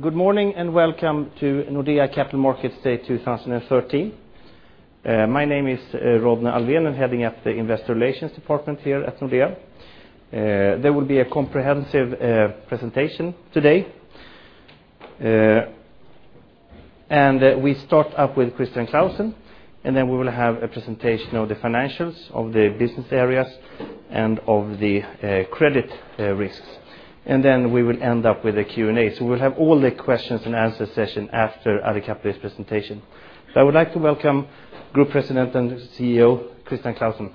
Good morning, and welcome to Nordea Capital Markets Day 2013. My name is Rodney Alfvén, I'm heading up the investor relations department here at Nordea. There will be a comprehensive presentation today. We start up with Christian Clausen, then we will have a presentation of the financials of the business areas and of the credit risks. Then we will end up with a Q&A. We'll have all the questions and answer session after the capital markets presentation. I would like to welcome Group President and CEO, Christian Clausen.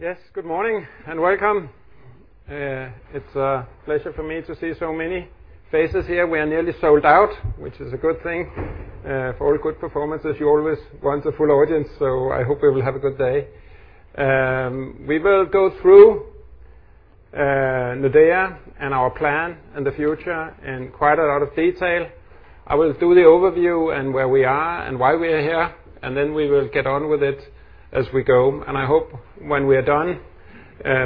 Yes. Good morning and welcome. It's a pleasure for me to see so many faces here. We are nearly sold out, which is a good thing. For all good performances, you always want a full audience, I hope we will have a good day. We will go through Nordea and our plan and the future in quite a lot of detail. I will do the overview and where we are and why we are here, then we will get on with it as we go. I hope when we are done,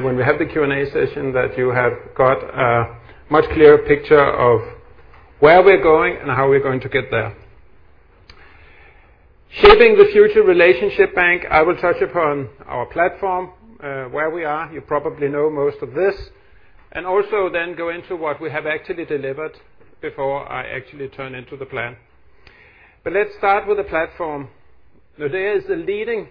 when we have the Q&A session, that you have got a much clearer picture of where we're going and how we're going to get there. Shaping the future relationship bank. I will touch upon our platform, where we are. You probably know most of this, also then go into what we have actually delivered before I actually turn into the plan. Let's start with the platform. Nordea is the leading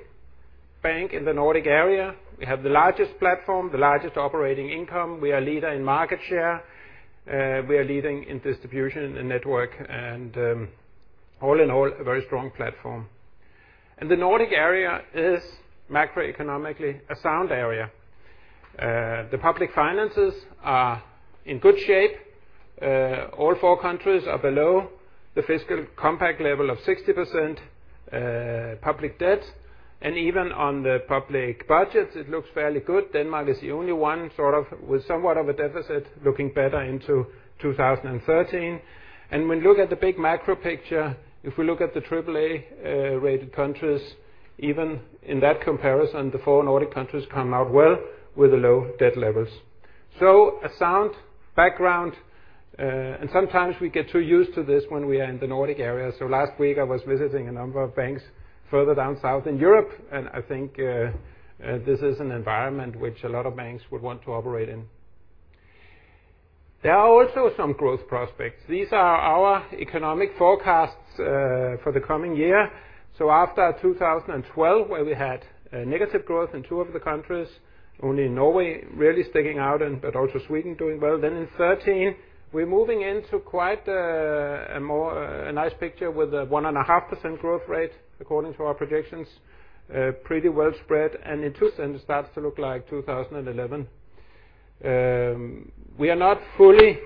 bank in the Nordic area. We have the largest platform, the largest operating income. We are leader in market share. We are leading in distribution and network and all in all, a very strong platform. The Nordic area is macroeconomically a sound area. The public finances are in good shape. All four countries are below the European Fiscal Compact level of 60% public debt. Even on the public budgets, it looks fairly good. Denmark is the only one with somewhat of a deficit, looking better into 2013. When you look at the big macro picture, if we look at the AAA-rated countries, even in that comparison, the four Nordic countries come out well with the low debt levels. A sound background. Sometimes we get too used to this when we are in the Nordic area. Last week I was visiting a number of banks further down south in Europe, I think this is an environment which a lot of banks would want to operate in. There are also some growth prospects. These are our economic forecasts for the coming year. After 2012, where we had negative growth in two of the countries, only Norway really sticking out, but also Sweden doing well. Then in 2013, we're moving into quite a nice picture with 1.5% growth rate, according to our projections. Pretty well spread. In two, then it starts to look like 2011. We are not fully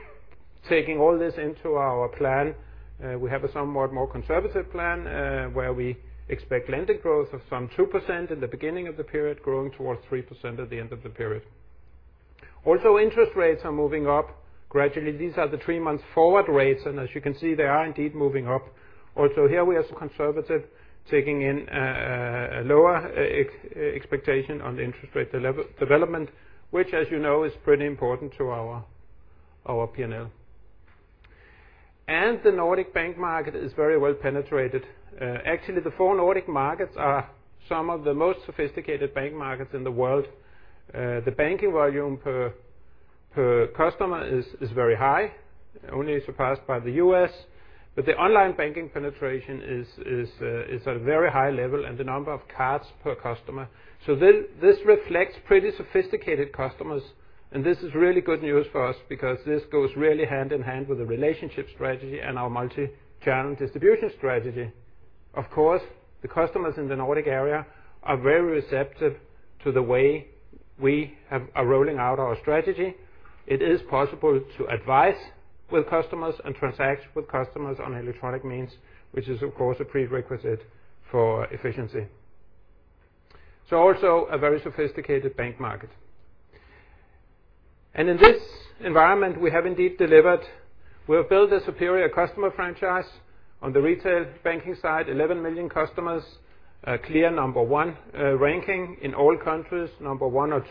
taking all this into our plan. We have a somewhat more conservative plan, where we expect lending growth of some 2% in the beginning of the period, growing towards 3% at the end of the period. Also, interest rates are moving up gradually. These are the three-month forward rates, and as you can see, they are indeed moving up. Also here we are conservative, taking in a lower expectation on the interest rate development, which, as you know, is pretty important to our P&L. The Nordic bank market is very well penetrated. Actually, the four Nordic markets are some of the most sophisticated bank markets in the world. The banking volume per customer is very high, only surpassed by the U.S. The online banking penetration is at a very high level and the number of cards per customer. This reflects pretty sophisticated customers. This is really good news for us because this goes really hand-in-hand with the relationship strategy and our multi-channel distribution strategy. Of course, the customers in the Nordic area are very receptive to the way we are rolling out our strategy. It is possible to advise with customers and transact with customers on electronic means, which is, of course, a prerequisite for efficiency. Also a very sophisticated bank market. In this environment, we have indeed delivered. We have built a superior customer franchise on the retail banking side, 11 million customers, a clear number 1 ranking in all countries, number 1 or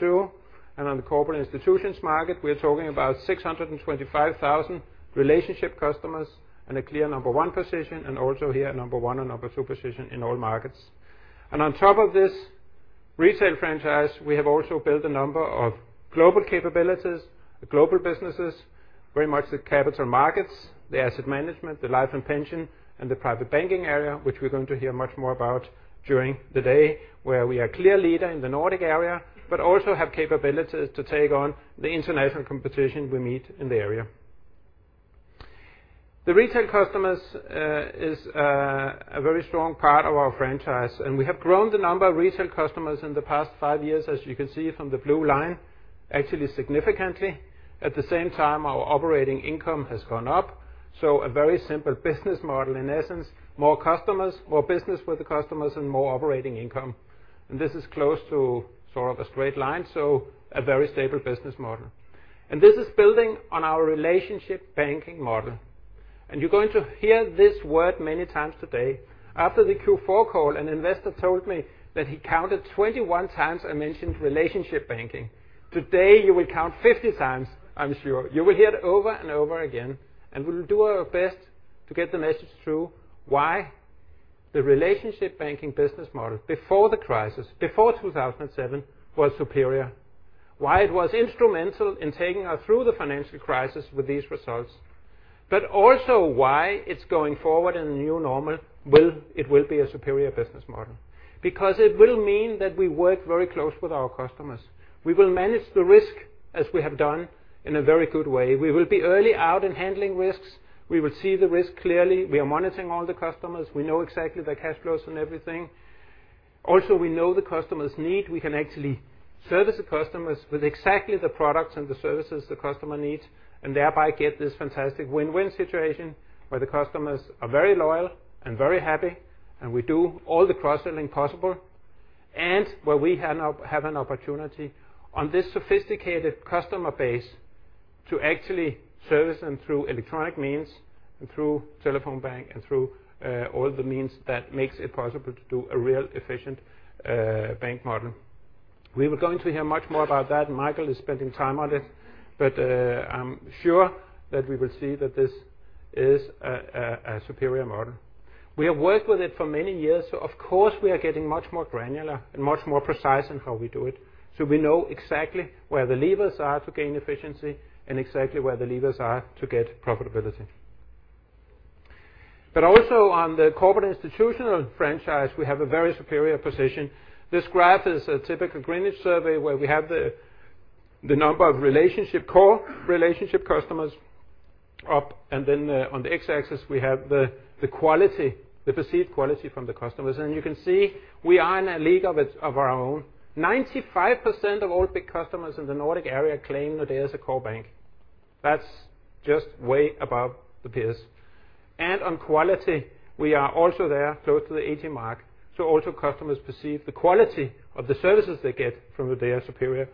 2. On the corporate institutions market, we are talking about 625,000 relationship customers and a clear number 1 position and also here, number 1 and number 2 position in all markets. On top of this retail franchise, we have also built a number of global capabilities, global businesses, very much the capital markets, the asset management, the life and pension, and the private banking area, which we're going to hear much more about during the day, where we are clear leader in the Nordic area, but also have capabilities to take on the international competition we meet in the area. The retail customers is a very strong part of our franchise, and we have grown the number of retail customers in the past five years, as you can see from the blue line, actually significantly. At the same time, our operating income has gone up. A very simple business model in essence, more customers, more business with the customers and more operating income. This is close to sort of a straight line, so a very stable business model. This is building on our relationship banking model. You're going to hear this word many times today. After the Q4 call, an investor told me that he counted 21 times I mentioned relationship banking. Today, you will count 50 times, I'm sure. You will hear it over and over again, and we will do our best to get the message through why the relationship banking business model before the crisis, before 2007, was superior. Why it was instrumental in taking us through the financial crisis with these results, but also why it's going forward in the new normal, it will be a superior business model. It will mean that we work very closely with our customers. We will manage the risk, as we have done, in a very good way. We will be early out in handling risks. We will see the risk clearly. We are monitoring all the customers. We know exactly their cash flows and everything. Also, we know the customer's need. We can actually service the customers with exactly the products and the services the customer needs, and thereby get this fantastic win-win situation where the customers are very loyal and very happy, and we do all the cross-selling possible. Where we have an opportunity on this sophisticated customer base to actually service them through electronic means and through telephone bank and through all the means that makes it possible to do a real efficient bank model. We are going to hear much more about that. Michael is spending time on it. I'm sure that we will see that this is a superior model. We have worked with it for many years, of course, we are getting much more granular and much more precise in how we do it. We know exactly where the levers are to gain efficiency and exactly where the levers are to get profitability. Also on the corporate institutional franchise, we have a very superior position. This graph is a typical Greenwich survey where we have the number of relationship, core relationship customers up, and then on the X-axis, we have the quality, the perceived quality from the customers. You can see we are in a league of our own. 95% of all big customers in the Nordic area claim Nordea as a core bank. That's just way above the peers. On quality, we are also there, close to the 80 mark. Also customers perceive the quality of the services they get from Nordea superior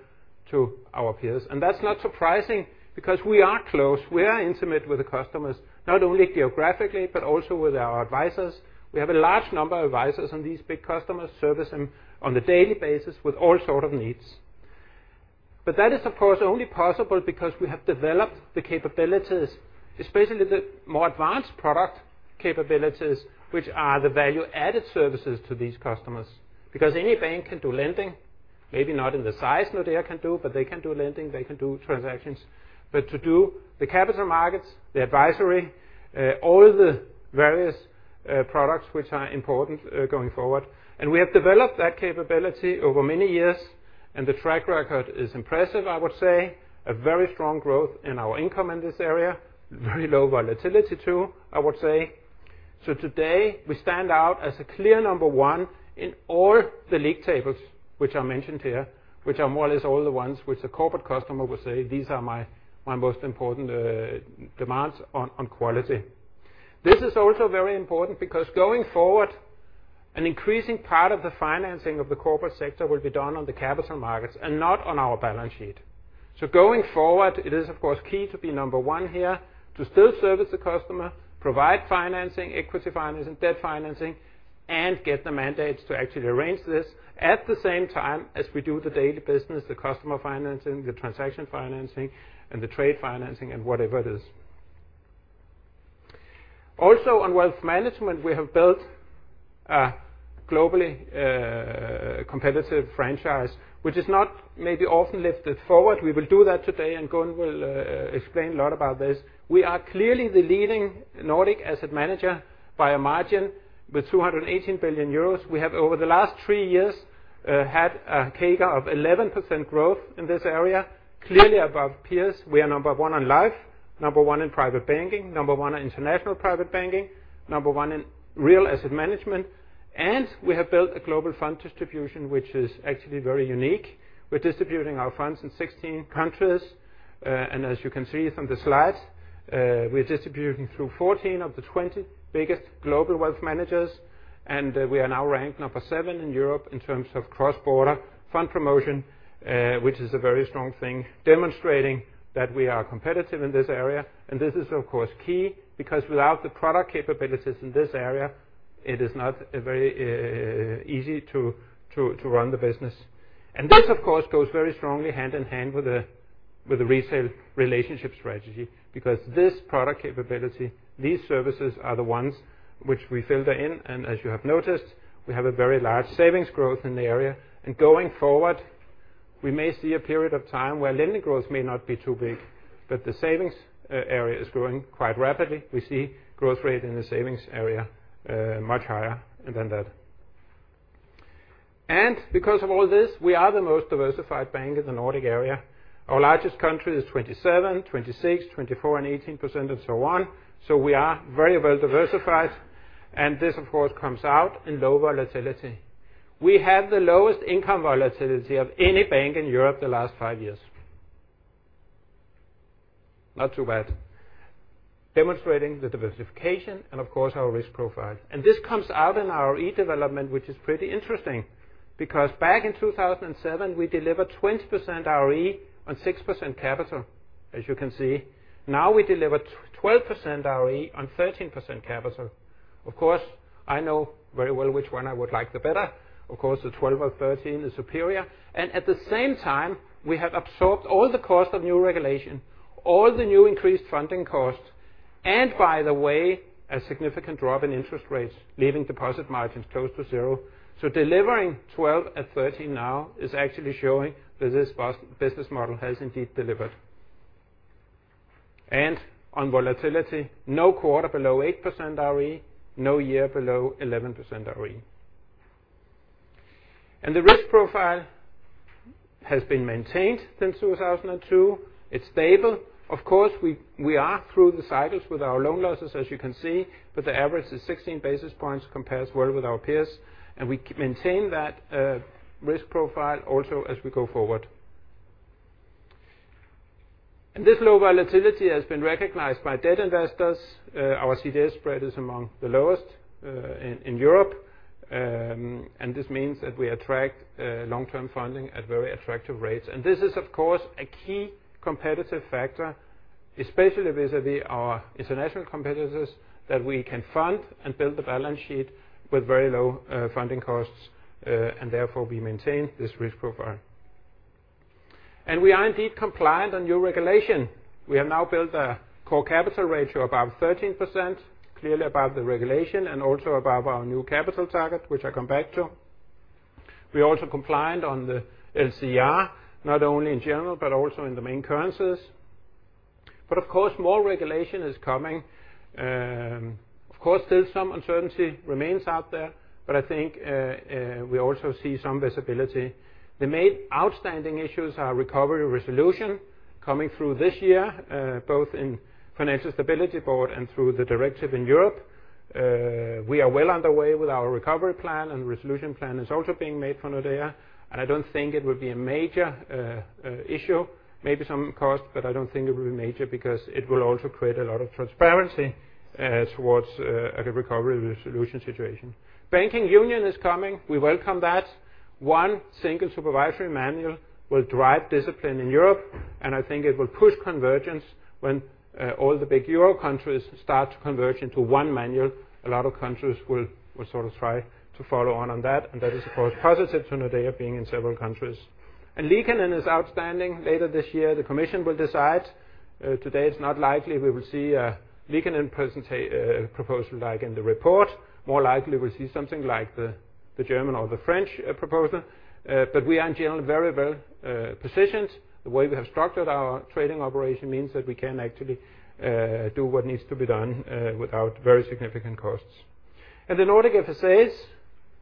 to our peers. That's not surprising because we are close. We are intimate with the customers, not only geographically, but also with our advisors. We have a large number of advisors on these big customers, service them on a daily basis with all sort of needs. That is, of course, only possible because we have developed the capabilities, especially the more advanced product capabilities, which are the value-added services to these customers. Any bank can do lending, maybe not in the size Nordea can do, but they can do lending, they can do transactions. To do the capital markets, the advisory, all the various products which are important going forward. We have developed that capability over many years, the track record is impressive, I would say. A very strong growth in our income in this area. Very low volatility too, I would say. Today, we stand out as a clear number one in all the league tables which are mentioned here, which are more or less all the ones which the corporate customer would say, "These are my most important demands on quality." This is also very important because going forward, an increasing part of the financing of the corporate sector will be done on the capital markets and not on our balance sheet. Going forward, it is, of course, key to be number one here, to still service the customer, provide financing, equity financing, debt financing, and get the mandates to actually arrange this, at the same time as we do the daily business, the customer financing, the transaction financing, and the trade financing, and whatever it is. Also on Wealth Management, we have built a globally competitive franchise, which is not maybe often lifted forward. We will do that today, and Gunn will explain a lot about this. We are clearly the leading Nordic asset manager by a margin with 218 billion euros. We have over the last three years had a CAGR of 11% growth in this area, clearly above peers. We are number one on life, number one in private banking, number one in international private banking, number one in real asset management, and we have built a global fund distribution which is actually very unique. We are distributing our funds in 16 countries. As you can see from the slides, we are distributing through 14 of the 20 biggest global wealth managers. We are now ranked number 7 in Europe in terms of cross-border fund promotion, which is a very strong thing, demonstrating that we are competitive in this area. This is of course key because without the product capabilities in this area, it is not very easy to run the business. This, of course, goes very strongly hand-in-hand with the retail relationship strategy because this product capability, these services are the ones which we filter in. As you have noticed, we have a very large savings growth in the area. Going forward, we may see a period of time where lending growth may not be too big. The savings area is growing quite rapidly. We see growth rate in the savings area much higher than that. Because of all this, we are the most diversified bank in the Nordic area. Our largest country is 27%, 26%, 24%, and 18%, and so on. We are very well diversified, and this, of course, comes out in low volatility. We have the lowest income volatility of any bank in Europe the last five years. Not too bad. Demonstrating the diversification and, of course, our risk profile. This comes out in our ROE development, which is pretty interesting because back in 2007, we delivered 20% ROE on 6% capital, as you can see. Now we deliver 12% ROE on 13% capital. Of course, I know very well which one I would like the better. Of course, the 12 or 13 is superior, and at the same time, we have absorbed all the cost of new regulation, all the new increased funding costs, and by the way, a significant drop in interest rates, leaving deposit margins close to zero. Delivering 12 and 13 now is actually showing that this business model has indeed delivered. On volatility, no quarter below 8% ROE, no year below 11% ROE. The risk profile has been maintained since 2002. It is stable. Of course, we are through the cycles with our loan losses, as you can see. The average is 16 basis points compares well with our peers, and we maintain that risk profile also as we go forward. This low volatility has been recognized by debt investors. Our CDS spread is among the lowest in Europe. This means that we attract long-term funding at very attractive rates. This is, of course, a key competitive factor, especially vis-à-vis our international competitors, that we can fund and build the balance sheet with very low funding costs, and therefore we maintain this risk profile. We are indeed compliant on new regulation. We have now built a core capital ratio above 13%, clearly above the regulation and also above our new capital target, which I come back to. We are also compliant on the LCR, not only in general but also in the main currencies. Of course, more regulation is coming. Of course, still some uncertainty remains out there, I think we also see some visibility. The main outstanding issues are recovery resolution coming through this year, both in Financial Stability Board and through the directive in Europe. We are well underway with our recovery plan, resolution plan is also being made for Nordea, I don't think it will be a major issue. Maybe some cost, I don't think it will be major because it will also create a lot of transparency towards a recovery resolution situation. Banking union is coming. We welcome that. One single supervisory manual will drive discipline in Europe, I think it will push convergence when all the big Euro countries start to converge into one manual. A lot of countries will sort of try to follow on on that is, of course, positive to Nordea being in several countries. Liikanen is outstanding. Later this year, the commission will decide. Today, it's not likely we will see a Liikanen proposal like in the report. More likely we'll see something like the German or the French proposal. We are in general very well positioned. The way we have structured our trading operation means that we can actually do what needs to be done without very significant costs. The Nordic FSAs,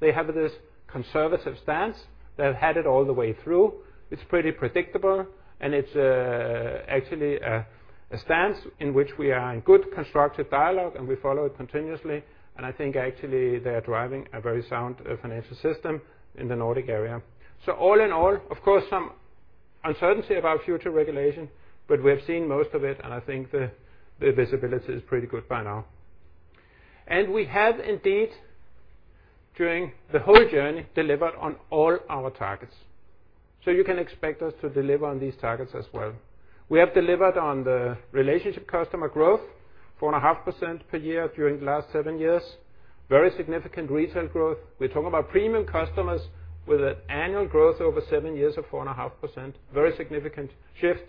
they have this conservative stance. They've had it all the way through. It's pretty predictable, it's actually a stance in which we are in good constructive dialogue, we follow it continuously. I think actually they're driving a very sound financial system in the Nordic area. All in all, of course, some uncertainty about future regulation, we have seen most of it, I think the visibility is pretty good by now. We have indeed, during the whole journey, delivered on all our targets. You can expect us to deliver on these targets as well. We have delivered on the relationship customer growth, 4.5% per year during the last seven years. Very significant retail growth. We're talking about premium customers with an annual growth over seven years of 4.5%. Very significant shift.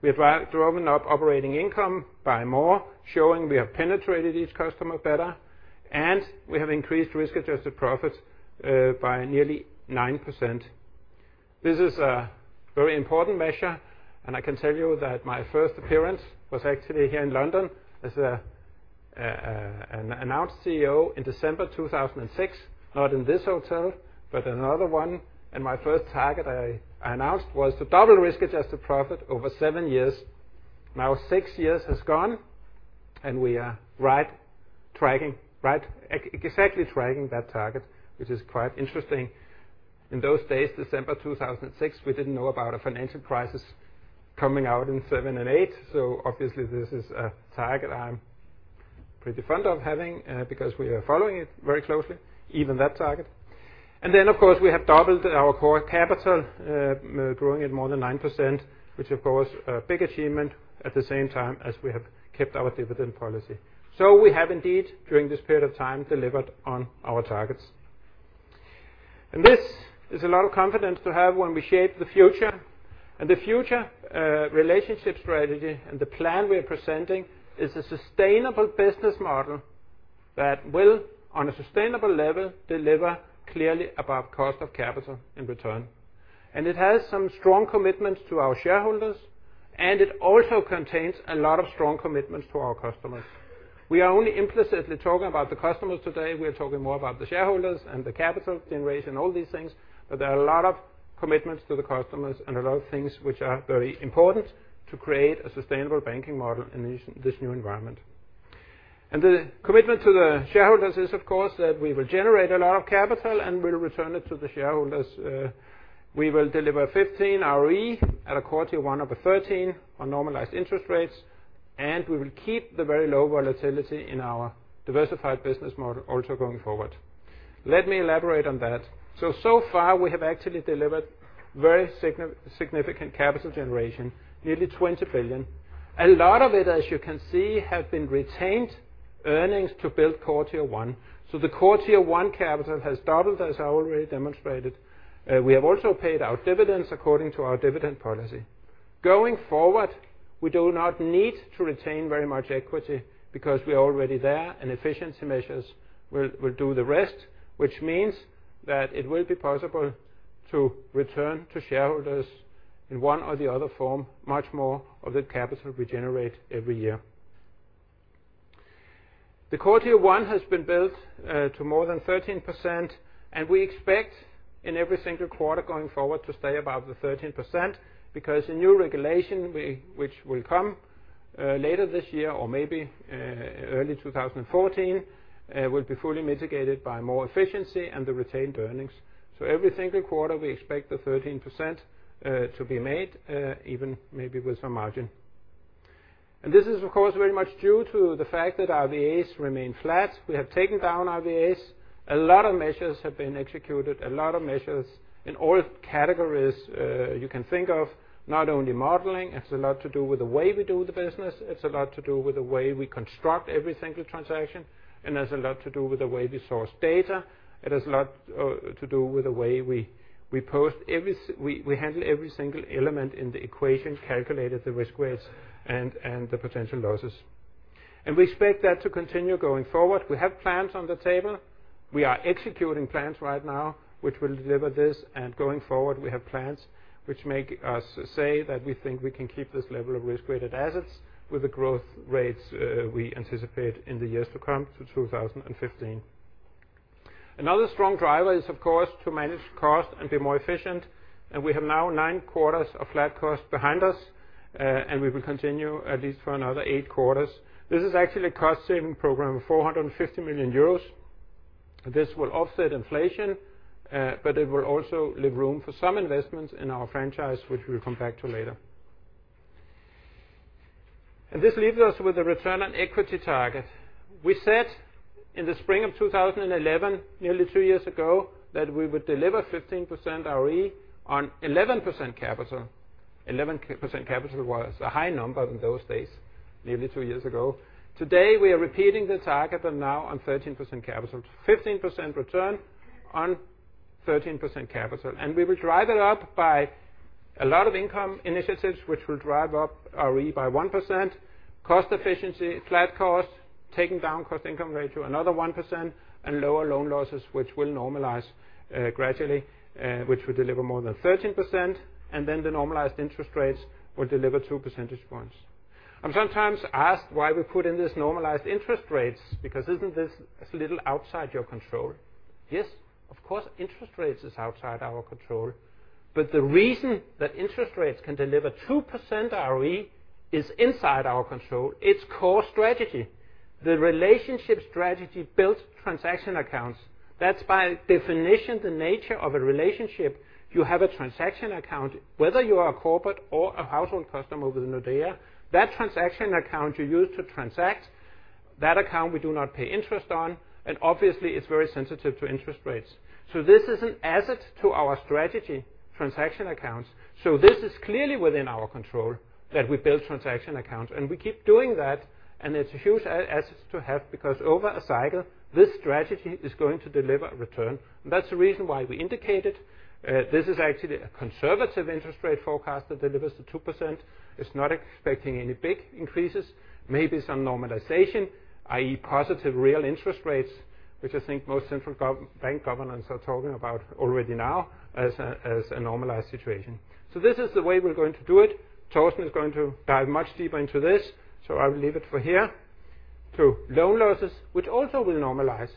We have driven up operating income by more, showing we have penetrated each customer better, we have increased risk-adjusted profits by nearly 9%. This is a very important measure, I can tell you that my first appearance was actually here in London as an announced CEO in December 2006. Not in this hotel, another one. My first target I announced was to double risk-adjusted profit over seven years. Now six years has gone, we are exactly tracking that target, which is quite interesting. In those days, December 2006, we didn't know about a financial crisis coming out in 2007 and 2008. Obviously, this is a target I'm pretty fond of having because we are following it very closely, even that target. Of course, we have doubled our core capital, growing at more than 9%, which of course a big achievement at the same time as we have kept our dividend policy. We have indeed, during this period of time, delivered on our targets. This is a lot of confidence to have when we shape the future. The future relationship strategy and the plan we're presenting is a sustainable business model that will, on a sustainable level, deliver clearly above cost of capital in return. It has some strong commitments to our shareholders, and it also contains a lot of strong commitments to our customers. We are only implicitly talking about the customers today. We are talking more about the shareholders and the capital generation, all these things. There are a lot of commitments to the customers and a lot of things which are very important to create a sustainable banking model in this new environment. The commitment to the shareholders is, of course, that we will generate a lot of capital, and we'll return it to the shareholders. We will deliver 15% ROE at a Core Tier 1 of 13% on normalized interest rates, and we will keep the very low volatility in our diversified business model also going forward. Let me elaborate on that. Far, we have actually delivered very significant capital generation, nearly 20 billion. A lot of it, as you can see, have been retained earnings to build Core Tier 1. The Core Tier 1 capital has doubled, as I already demonstrated. We have also paid out dividends according to our dividend policy. Going forward, we do not need to retain very much equity because we are already there, and efficiency measures will do the rest, which means that it will be possible to return to shareholders, in one or the other form, much more of the capital we generate every year. The Core Tier 1 has been built to more than 13%, and we expect in every single quarter going forward to stay above the 13%, because the new regulation which will come later this year or maybe early 2014, will be fully mitigated by more efficiency and the retained earnings. Every single quarter, we expect the 13% to be made, even maybe with some margin. This is, of course, very much due to the fact that RWAs remain flat. We have taken down RWAs. A lot of measures have been executed, a lot of measures in all categories you can think of, not only modeling. It's a lot to do with the way we do the business. It's a lot to do with the way we construct every single transaction, and it's a lot to do with the way we source data. It is a lot to do with the way we handle every single element in the equation, calculate the risk weights and the potential losses. We expect that to continue going forward. We have plans on the table. We are executing plans right now which will deliver this, and going forward, we have plans which make us say that we think we can keep this level of risk-weighted assets with the growth rates we anticipate in the years to come to 2015. Another strong driver is, of course, to manage cost and be more efficient. We have now nine quarters of flat cost behind us, and we will continue at least for another eight quarters. This is actually a cost-saving program of 450 million euros. This will offset inflation, but it will also leave room for some investments in our franchise, which we'll come back to later. This leaves us with a return on equity target. We said in the spring of 2011, nearly two years ago, that we would deliver 15% ROE on 11% capital. 11% capital was a high number in those days, nearly two years ago. Today, we are repeating the target, but now on 13% capital, 15% return on 13% capital, and we will drive it up by a lot of income initiatives, which will drive up ROE by 1%, cost efficiency, flat cost, taking down cost income ratio another 1%, and lower loan losses, which will normalize gradually, which will deliver more than 13%. Then the normalized interest rates will deliver two percentage points. I'm sometimes asked why we put in this normalized interest rates, because isn't this a little outside your control? Yes, of course, interest rates is outside our control. The reason that interest rates can deliver 2% ROE is inside our control. It's core strategy. The relationship strategy builds transaction accounts. That's by definition the nature of a relationship. You have a transaction account, whether you are a corporate or a household customer with Nordea. That transaction account you use to transact, that account we do not pay interest on, and obviously it's very sensitive to interest rates. This is an asset to our strategy, transaction accounts. This is clearly within our control that we build transaction accounts, and we keep doing that, and it's a huge asset to have because over a cycle, this strategy is going to deliver a return. That's the reason why we indicate it. This is actually a conservative interest rate forecast that delivers the 2%. It's not expecting any big increases, maybe some normalization, i.e. positive real interest rates, which I think most central bank governments are talking about already now as a normalized situation. This is the way we're going to do it. Torsten is going to dive much deeper into this. I will leave it for here to loan losses, which also will normalize.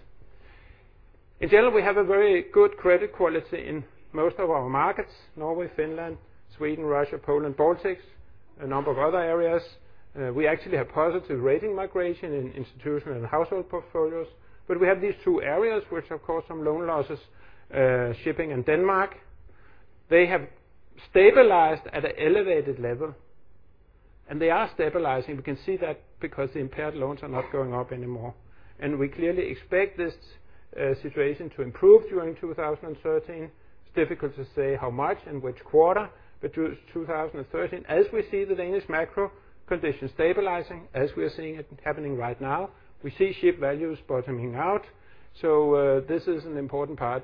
In general, we have a very good credit quality in most of our markets, Norway, Finland, Sweden, Russia, Poland, Baltics, a number of other areas. We actually have positive rating migration in institutional and household portfolios. We have these two areas which have caused some loan losses, shipping and Denmark. They have stabilized at an elevated level, and they are stabilizing. We can see that because the impaired loans are not going up anymore. We clearly expect this situation to improve during 2013. It's difficult to say how much in which quarter, but 2013, as we see the Danish macro conditions stabilizing, as we are seeing it happening right now. We see ship values bottoming out. This is an important part.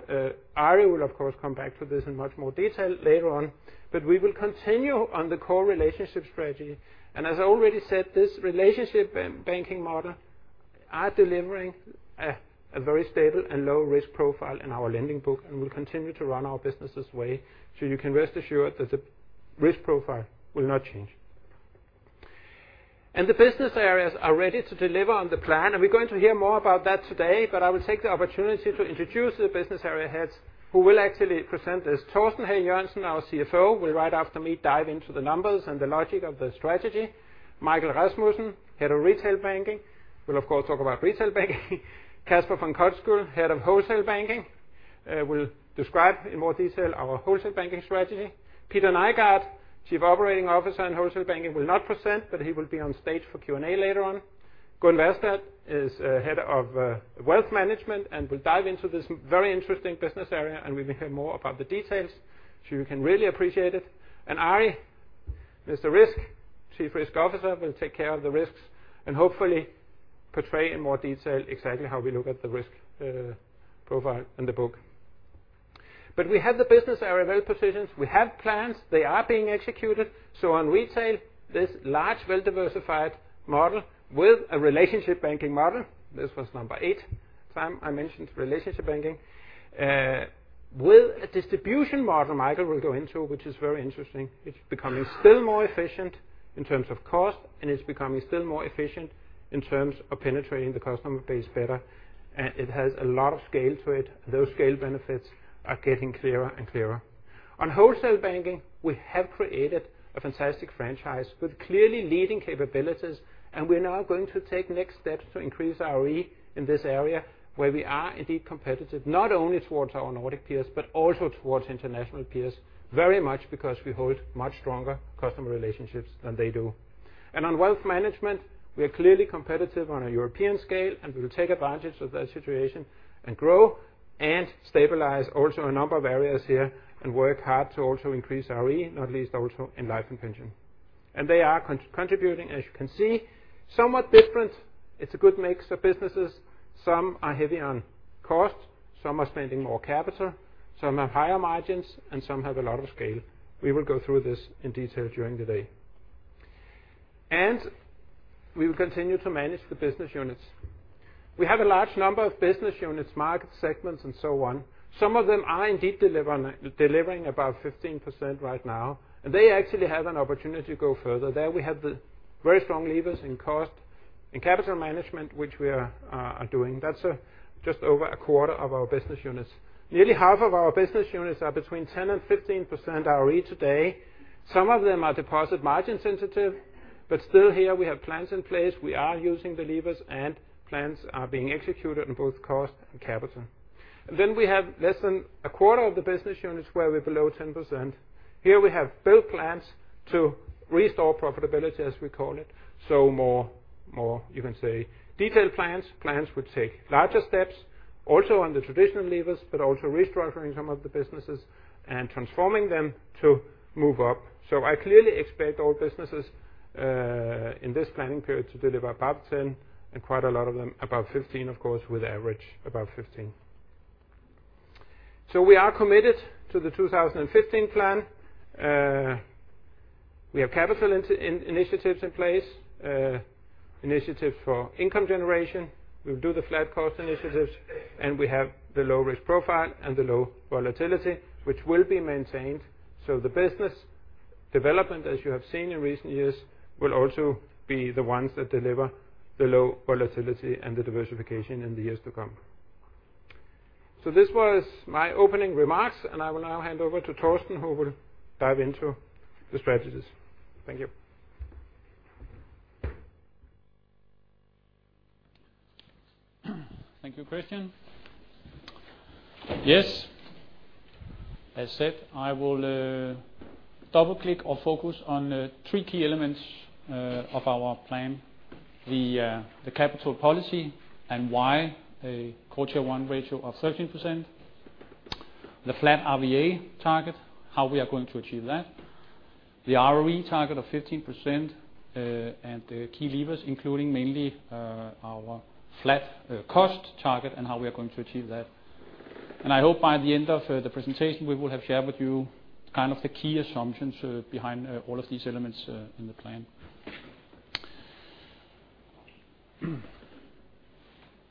Ari will, of course, come back to this in much more detail later on. We will continue on the core relationship strategy. As I already said, this relationship banking model are delivering a very stable and low-risk profile in our lending book and will continue to run our business this way. You can rest assured that the risk profile will not change. The business areas are ready to deliver on the plan, and we're going to hear more about that today. I will take the opportunity to introduce the business area heads who will actually present this. Torsten Hagen Jørgensen, our Group CFO, will right after me dive into the numbers and the logic of the strategy. Michael Rasmussen, Head of Retail Banking, will of course talk about retail banking. Casper von Koskull, Head of Wholesale Banking, will describe in more detail our Wholesale Banking strategy. Peter Nyegaard, Chief Operating Officer in Wholesale Banking, will not present, but he will be on stage for Q&A later on. Gunn Wærsted is Head of Wealth Management and will dive into this very interesting business area, and we will hear more about the details, so you can really appreciate it. Ari, Mr. Risk, Chief Risk Officer, will take care of the risks and hopefully portray in more detail exactly how we look at the risk profile and the book. We have the business area well-positioned. We have plans. They are being executed. On retail, this large, well-diversified model with a relationship banking model, with a distribution model Michael will go into, which is very interesting. This was number eight time I mentioned relationship banking. It's becoming still more efficient in terms of cost, and it's becoming still more efficient in terms of penetrating the customer base better. It has a lot of scale to it. Those scale benefits are getting clearer and clearer. On wholesale banking, we have created a fantastic franchise with clearly leading capabilities, and we are now going to take next steps to increase ROE in this area, where we are indeed competitive, not only towards our Nordic peers, but also towards international peers, very much because we hold much stronger customer relationships than they do. On wealth management, we are clearly competitive on a European scale, and we will take advantage of that situation and grow and stabilize also a number of areas here and work hard to also increase ROE, not least also in Life and Pension. They are contributing, as you can see, somewhat different. It's a good mix of businesses. Some are heavy on cost, some are spending more capital, some have higher margins, and some have a lot of scale. We will go through this in detail during the day. We will continue to manage the business units. We have a large number of business units, market segments, and so on. Some of them are indeed delivering above 15% right now, and they actually have an opportunity to go further. There we have the very strong levers in cost, in capital management, which we are doing. That's just over a quarter of our business units. Nearly half of our business units are between 10% and 15% ROE today. Still here we have plans in place. We are using the levers, and plans are being executed on both cost and capital. We have less than a quarter of the business units where we're below 10%. Here we have build plans to restore profitability, as we call it. More, you can say, detailed plans. Plans which take larger steps also on the traditional levers, but also restructuring some of the businesses and transforming them to move up. I clearly expect all businesses in this planning period to deliver above 10%, and quite a lot of them above 15%, of course, with average above 15%. We are committed to the 2015 plan. We have capital initiatives in place. Initiatives for income generation. We will do the flat cost initiatives, and we have the low-risk profile and the low volatility, which will be maintained. The business development, as you have seen in recent years, will also be the ones that deliver the low volatility and the diversification in the years to come. This was my opening remarks, and I will now hand over to Torsten, who will dive into the strategies. Thank you. Thank you, Christian. Yes. As said, I will double-click or focus on three key elements of our plan. The capital policy and why a CET1 ratio of 13%. The flat RWA target, how we are going to achieve that. The ROE target of 15% and the key levers, including mainly our flat cost target and how we are going to achieve that. I hope by the end of the presentation, we will have shared with you the key assumptions behind all of these elements in the plan.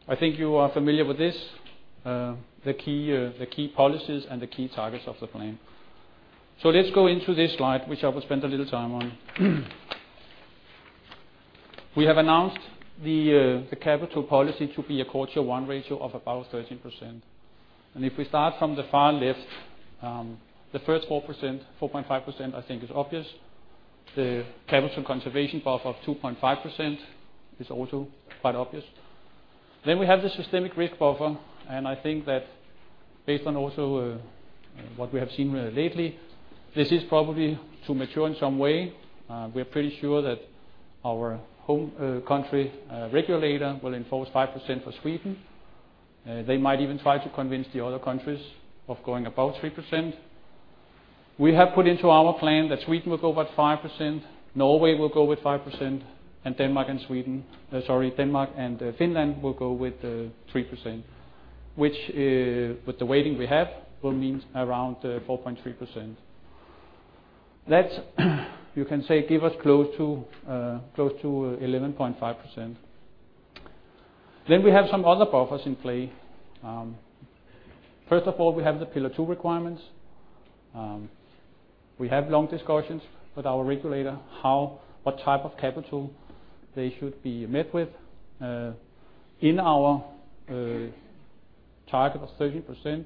I think you are familiar with this, the key policies and the key targets of the plan. Let's go into this slide, which I will spend a little time on. We have announced the capital policy to be a CET1 ratio of about 13%. If we start from the far left, the first 4.5%, I think is obvious. The capital conservation buffer of 2.5% is also quite obvious. We have the systemic risk buffer, and I think that based on also what we have seen lately, this is probably to mature in some way. We're pretty sure that our home country regulator will enforce 5% for Sweden. They might even try to convince the other countries of going above 3%. We have put into our plan that Sweden will go about 5%, Norway will go with 5%, and Denmark and Sweden, sorry, Denmark and Finland will go with 3%, which with the weighting we have, will mean around 4.3%. You can say give us close to 11.5%. We have some other buffers in play. First of all, we have the Pillar 2 requirements. We have long discussions with our regulator what type of capital they should be met with. In our target of 13%,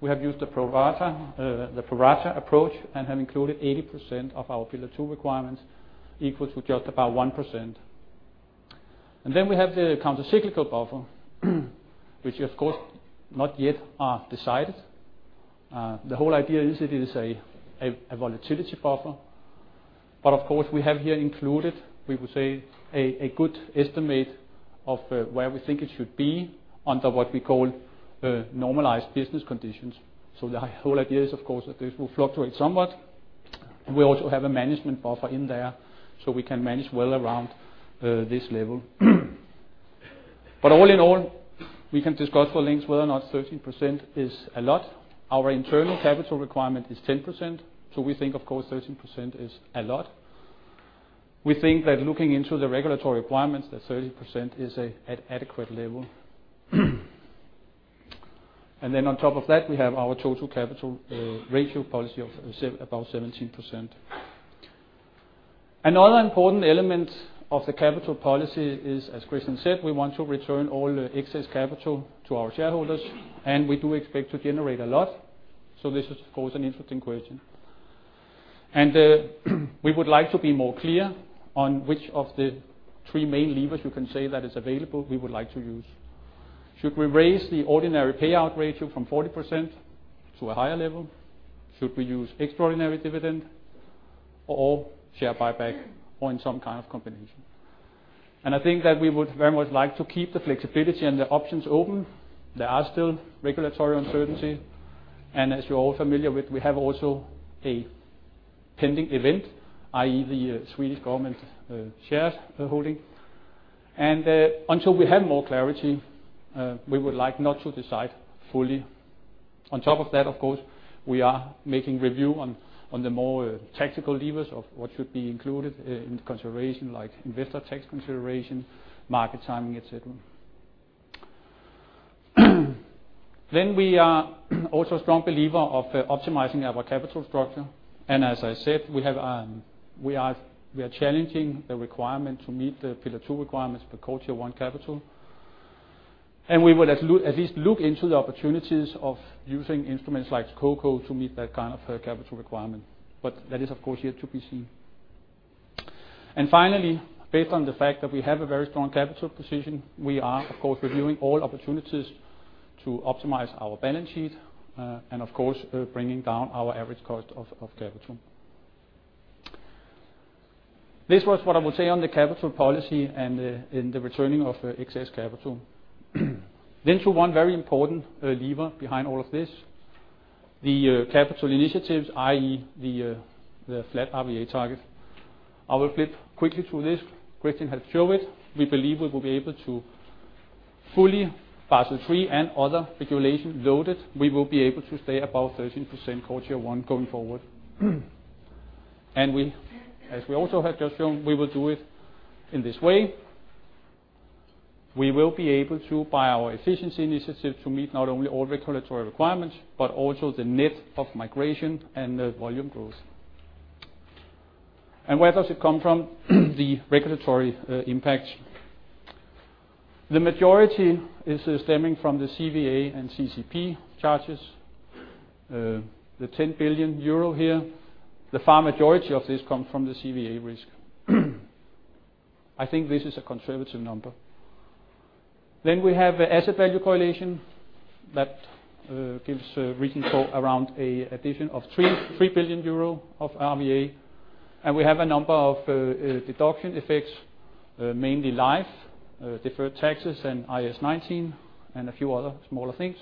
we have used the pro rata approach and have included 80% of our Pillar 2 requirements, equal to just about 1%. We have the countercyclical buffer, which of course, not yet are decided. The whole idea is, it is a volatility buffer. Of course, we have here included, we would say a good estimate of where we think it should be under what we call normalized business conditions. The whole idea is, of course, that this will fluctuate somewhat. We also have a management buffer in there so we can manage well around this level. All in all, we can discuss for lengths whether or not 13% is a lot. Our internal capital requirement is 10%, we think, of course, 13% is a lot. We think that looking into the regulatory requirements, that 13% is an adequate level. On top of that, we have our total capital ratio policy of about 17%. Another important element of the capital policy is, as Christian said, we want to return all the excess capital to our shareholders, and we do expect to generate a lot. This is, of course, an interesting question. We would like to be more clear on which of the three main levers you can say that is available, we would like to use. Should we raise the ordinary payout ratio from 40% to a higher level? Should we use extraordinary dividend or share buyback or in some kind of combination? I think that we would very much like to keep the flexibility and the options open. There are still regulatory uncertainty, and as you're all familiar with, we have also a pending event, i.e., the Swedish government shares holding. Until we have more clarity, we would like not to decide fully. On top of that, of course, we are making review on the more tactical levers of what should be included in consideration like investor tax consideration, market timing, et cetera. We are also a strong believer of optimizing our capital structure. As I said, we are challenging the requirement to meet the Pillar 2 requirements for Core Tier 1 capital. We would at least look into the opportunities of using instruments like CoCo to meet that kind of capital requirement. That is, of course, yet to be seen. Finally, based on the fact that we have a very strong capital position, we are, of course, reviewing all opportunities to optimize our balance sheet, and of course, bringing down our average cost of capital. This was what I will say on the capital policy and in the returning of excess capital. To one very important lever behind all of this, the capital initiatives, i.e., the flat RWA target. I will flip quickly through this. Christian has shown it. We believe we will be able to fully Basel III and other regulations loaded. We will be able to stay above 13% Core Tier 1 going forward. As we also have just shown, we will do it in this way. We will be able to, by our efficiency initiative, to meet not only all regulatory requirements, but also the net of migration and the volume growth. Where does it come from, the regulatory impact? The majority is stemming from the CVA and CCP charges. The 10 billion euro here. The far majority of this comes from the CVA risk. This is a conservative number. We have the asset value correlation that gives a reasonable around addition of 3 billion euro of RWA. We have a number of deduction effects, mainly life, deferred taxes and IAS 19, and a few other smaller things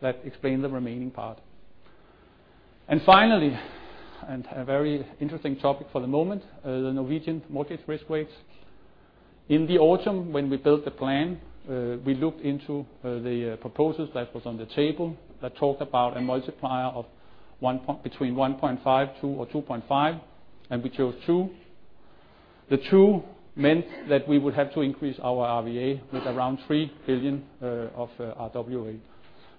that explain the remaining part. A very interesting topic for the moment, the Norwegian mortgage risk weights. In the autumn when we built the plan, we looked into the proposals that was on the table that talked about a multiplier of between 1.5, 2 or 2.5, and we chose 2. The 2 meant that we would have to increase our RWA with around 3 billion of RWA.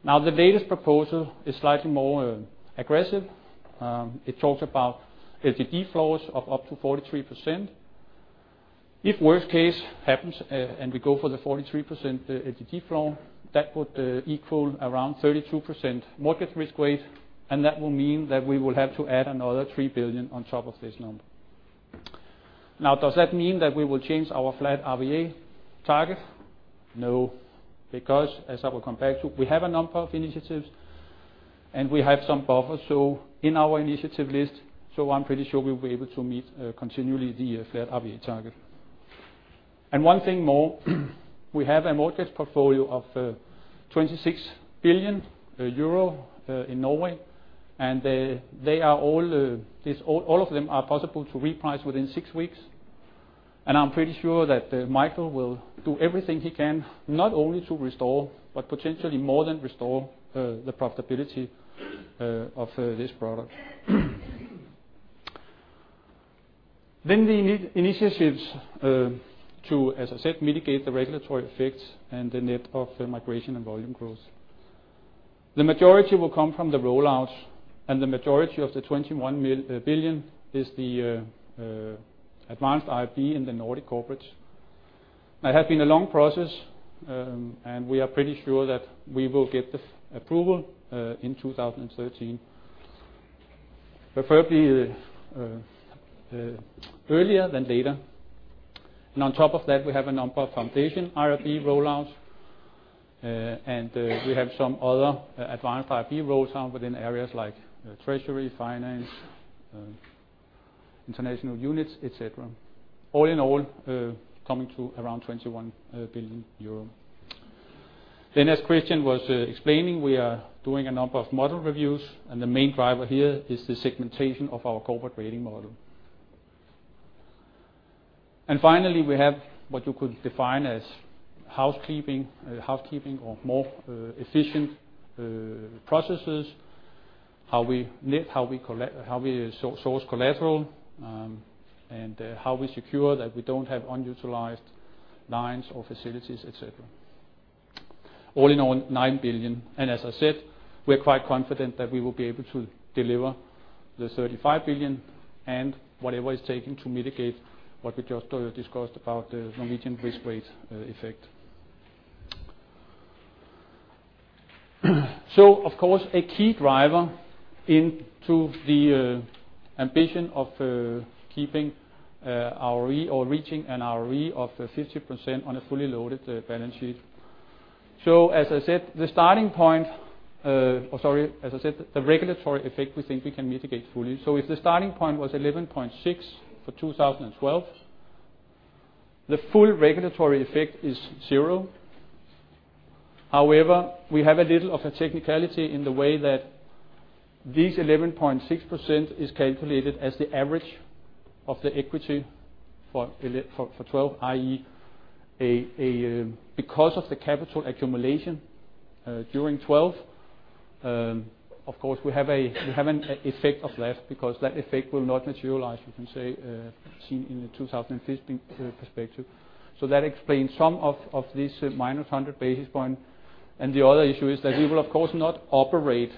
The latest proposal is slightly more aggressive. It talks about LGD floors of up to 43%. If worst case happens, we go for the 43% LGD flow, that would equal around 32% mortgage risk weight, and that will mean that we will have to add another 3 billion on top of this number. Does that mean that we will change our flat RWA target? No, because as I will come back to, we have a number of initiatives and we have some buffers. In our initiative list, I'm pretty sure we will be able to meet continually the flat RWA target. One thing more, we have a mortgage portfolio of 26 billion euro in Norway, and all of them are possible to reprice within six weeks. I'm pretty sure that Michael will do everything he can, not only to restore, but potentially more than restore the profitability of this product. The initiatives to, as I said, mitigate the regulatory effects and the net of migration and volume growth. The majority will come from the rollouts, the majority of the 21 billion is the Advanced IRB in the Nordic corporate. It has been a long process, and we are pretty sure that we will get the approval in 2013. Preferably earlier than later. On top of that, we have a number of Foundation IRB rollouts, and we have some other Advanced IRB rollouts within areas like treasury, finance, international units, et cetera. All in all, coming to around 21 billion euro. As Christian was explaining, we are doing a number of model reviews, the main driver here is the segmentation of our corporate rating model. Finally, we have what you could define as housekeeping, or more efficient processes. How we net, how we source collateral, we secure that we don't have unutilized lines or facilities, et cetera. All in all 9 billion, as I said, we're quite confident that we will be able to deliver the 35 billion and whatever it's taking to mitigate what we just discussed about the Norwegian risk weight effect. Of course, a key driver into the ambition of keeping our ROE or reaching an ROE of 15% on a fully loaded balance sheet. As I said, the regulatory effect we think we can mitigate fully. If the starting point was 11.6% for 2012, the full regulatory effect is 0. However, we have a little of a technicality in the way that this 11.6% is calculated as the average of the equity for 2012, i.e. because of the capital accumulation, during 2012, of course, we have an effect of less because that effect will not materialize, you can say, seen in the 2015 perspective. That explains some of this minus 100 basis points. The other issue is that we will, of course, not operate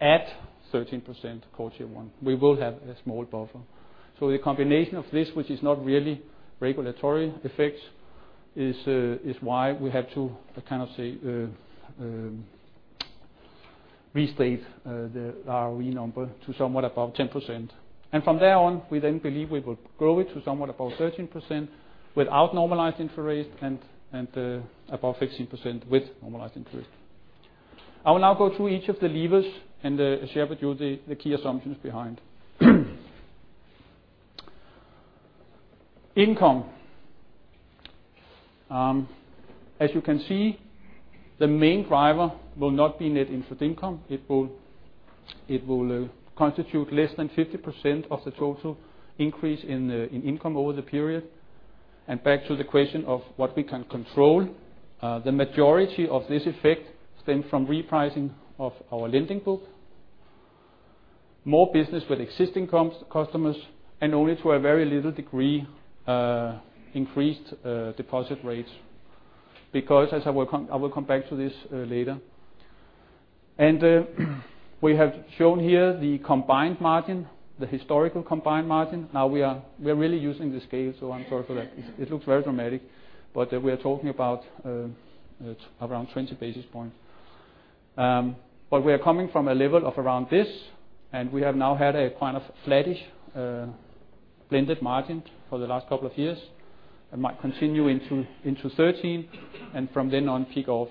at 13% Core Tier 1. We will have a small buffer. The combination of this, which is not really regulatory effects, is why we have to kind of, say, restate the ROE number to somewhat above 10%. From there on, we then believe we will grow it to somewhat above 13% without normalized interest rates and above 16% with normalized interest. I will now go through each of the levers and share with you the key assumptions behind. Income. As you can see, the main driver will not be net interest income. It will constitute less than 50% of the total increase in income over the period. Back to the question of what we can control, the majority of this effect stems from repricing of our lending book, more business with existing customers, and only to a very little degree, increased deposit rates. Because as I will come back to this later. We have shown here the combined margin, the historical combined margin. Now we are really using the scale, so I'm sorry for that. It looks very dramatic, but we are talking about around 20 basis points. But we are coming from a level of around this, and we have now had a kind of flattish blended margin for the last couple of years and might continue into 2013, and from then on pick off.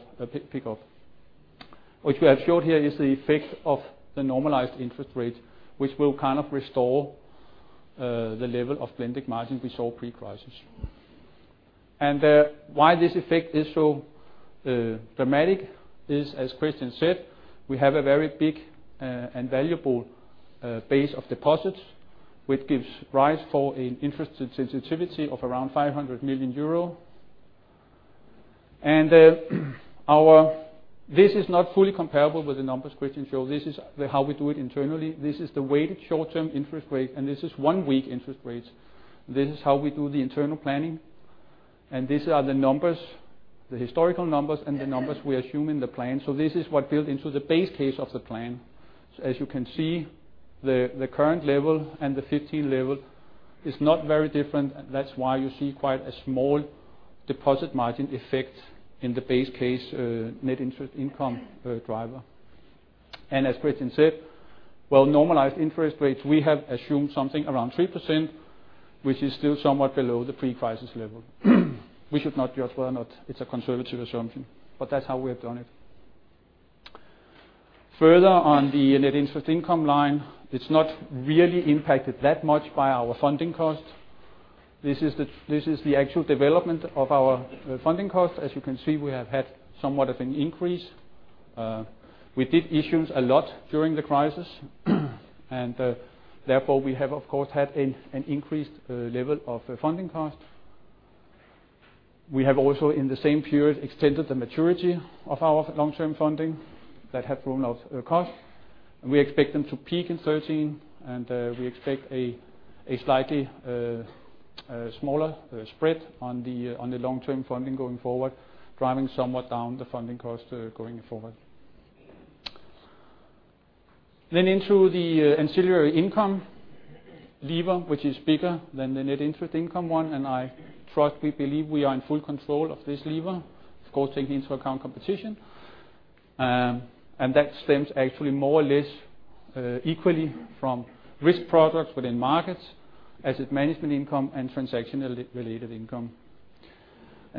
What we have showed here is the effect of the normalized interest rate, which will kind of restore the level of blended margin we saw pre-crisis. And why this effect is so dramatic is, as Christian said, we have a very big and valuable base of deposits, which gives rise for an interest sensitivity of around 500 million euro. This is not fully comparable with the numbers Christian showed. This is how we do it internally. This is the weighted short-term interest rate, and this is one-week interest rates. This is how we do the internal planning, and these are the numbers, the historical numbers, and the numbers we assume in the plan. So this is what built into the base case of the plan. As you can see, the current level and the 2015 level is not very different, and that's why you see quite a small deposit margin effect in the base case net interest income driver. As Christian said, while normalized interest rates, we have assumed something around 3%, which is still somewhat below the pre-crisis level. We should not just why not, it's a conservative assumption, but that's how we have done it. Further on the net interest income line, it's not really impacted that much by our funding cost. This is the actual development of our funding cost. As you can see, we have had somewhat of an increase. We did issues a lot during the crisis, and therefore we have of course had an increased level of funding cost. We have also in the same period extended the maturity of our long-term funding that have grown of cost. We expect them to peak in 2013, and we expect a slightly smaller spread on the long-term funding going forward, driving somewhat down the funding cost going forward. Into the ancillary income lever, which is bigger than the net interest income one, and I trust we believe we are in full control of this lever, of course, taking into account competition. That stems actually more or less equally from risk products within markets, asset management income, and transaction-related income.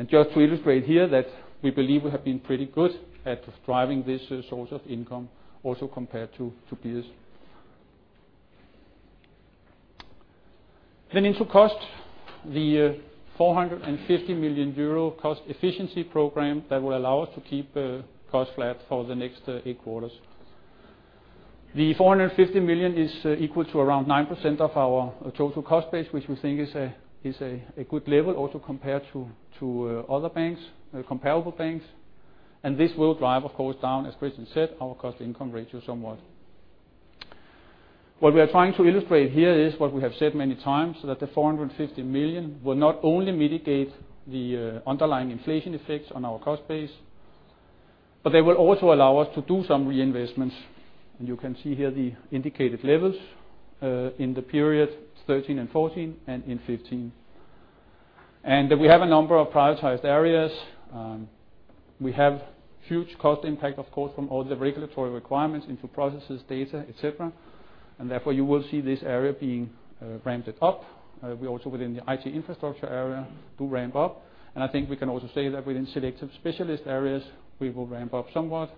Just to illustrate here that we believe we have been pretty good at driving this source of income, also compared to peers. Into cost, the 450 million euro cost efficiency program that will allow us to keep cost flat for the next eight quarters. The 450 million is equal to around 9% of our total cost base, which we think is a good level also compared to other banks, comparable banks. This will drive, of course, down, as Christian said, our cost income ratio somewhat. What we are trying to illustrate here is what we have said many times, that the 450 million will not only mitigate the underlying inflation effects on our cost base, but they will also allow us to do some reinvestments. You can see here the indicated levels in the period 2013 and 2014 and in 2015. We have a number of prioritized areas. We have huge cost impact, of course, from all the regulatory requirements into processes, data, et cetera, and therefore you will see this area being ramped up. We also within the IT infrastructure area do ramp up. I think we can also say that within selective specialist areas, we will ramp up somewhat.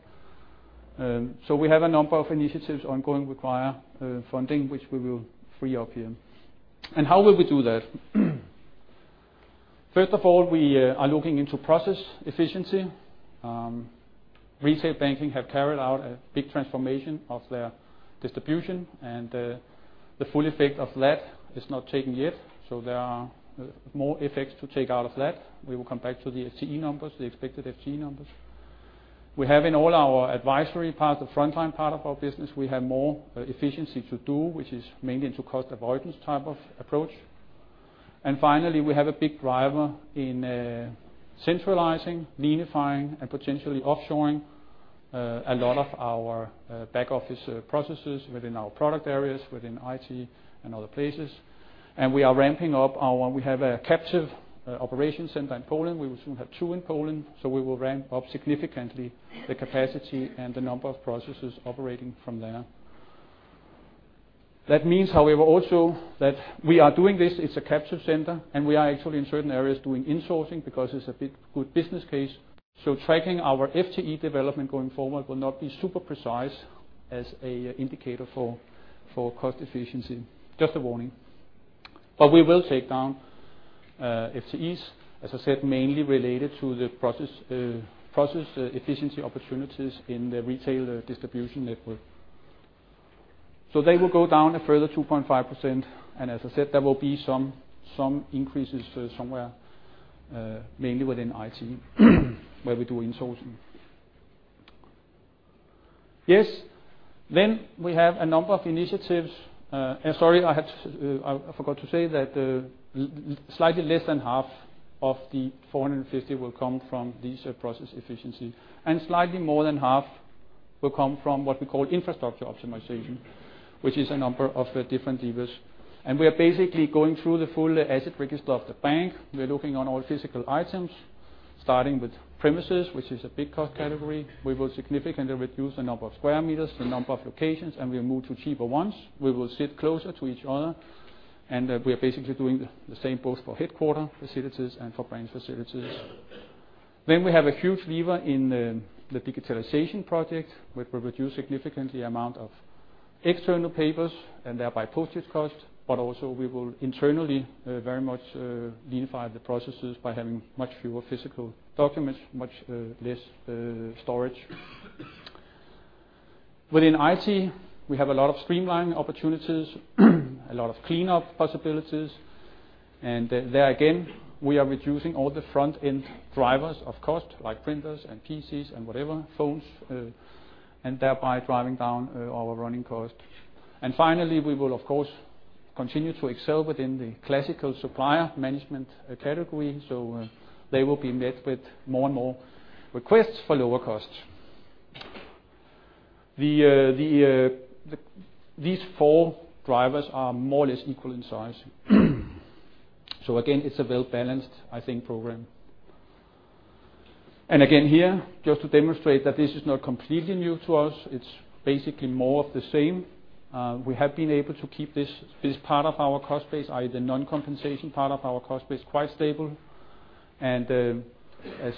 We have a number of initiatives ongoing require funding, which we will free up here. How will we do that? First of all, we are looking into process efficiency. Retail banking have carried out a big transformation of their distribution, and the full effect of that is not taken yet, so there are more effects to take out of that. We will come back to the FTE numbers, the expected FTE numbers. We have in all our advisory part, the frontline part of our business, we have more efficiency to do, which is mainly into cost avoidance type of approach. Finally, we have a big driver in centralizing, leanifying, and potentially offshoring a lot of our back office processes within our product areas, within IT and other places. We are ramping up our We have a captive operation center in Poland. We will soon have two in Poland. We will ramp up significantly the capacity and the number of processes operating from there. That means, however, also that we are doing this, it's a captive center, and we are actually in certain areas doing insourcing because it's a good business case. Tracking our FTE development going forward will not be super precise as an indicator for cost efficiency. Just a warning. We will take down FTEs, as I said, mainly related to the process efficiency opportunities in the retail distribution network. They will go down a further 2.5%, and as I said, there will be some increases somewhere, mainly within IT, where we do insourcing. Yes. We have a number of initiatives. Sorry, I forgot to say that slightly less than half of the 450 will come from these process efficiency, and slightly more than half will come from what we call infrastructure optimization, which is a number of different levers. We are basically going through the full asset register of the bank. We are looking on all physical items, starting with premises, which is a big cost category. We will significantly reduce the number of square meters, the number of locations, and we move to cheaper ones. We will sit closer to each other. We are basically doing the same both for headquarter facilities and for branch facilities. We have a huge lever in the digitalization project, which will reduce significantly amount of external papers and thereby postage cost, but also we will internally very much leanify the processes by having much fewer physical documents, much less storage. Within IT, we have a lot of streamlining opportunities, a lot of cleanup possibilities. There again, we are reducing all the front-end drivers of cost, like printers and PCs and whatever, phones, and thereby driving down our running cost. Finally, we will of course continue to excel within the classical supplier management category, so they will be met with more and more requests for lower costs. These four drivers are more or less equal in size. Again, it's a well-balanced, I think, program. Again here, just to demonstrate that this is not completely new to us. It's basically more of the same. We have been able to keep this part of our cost base, i.e. the non-compensation part of our cost base, quite stable. As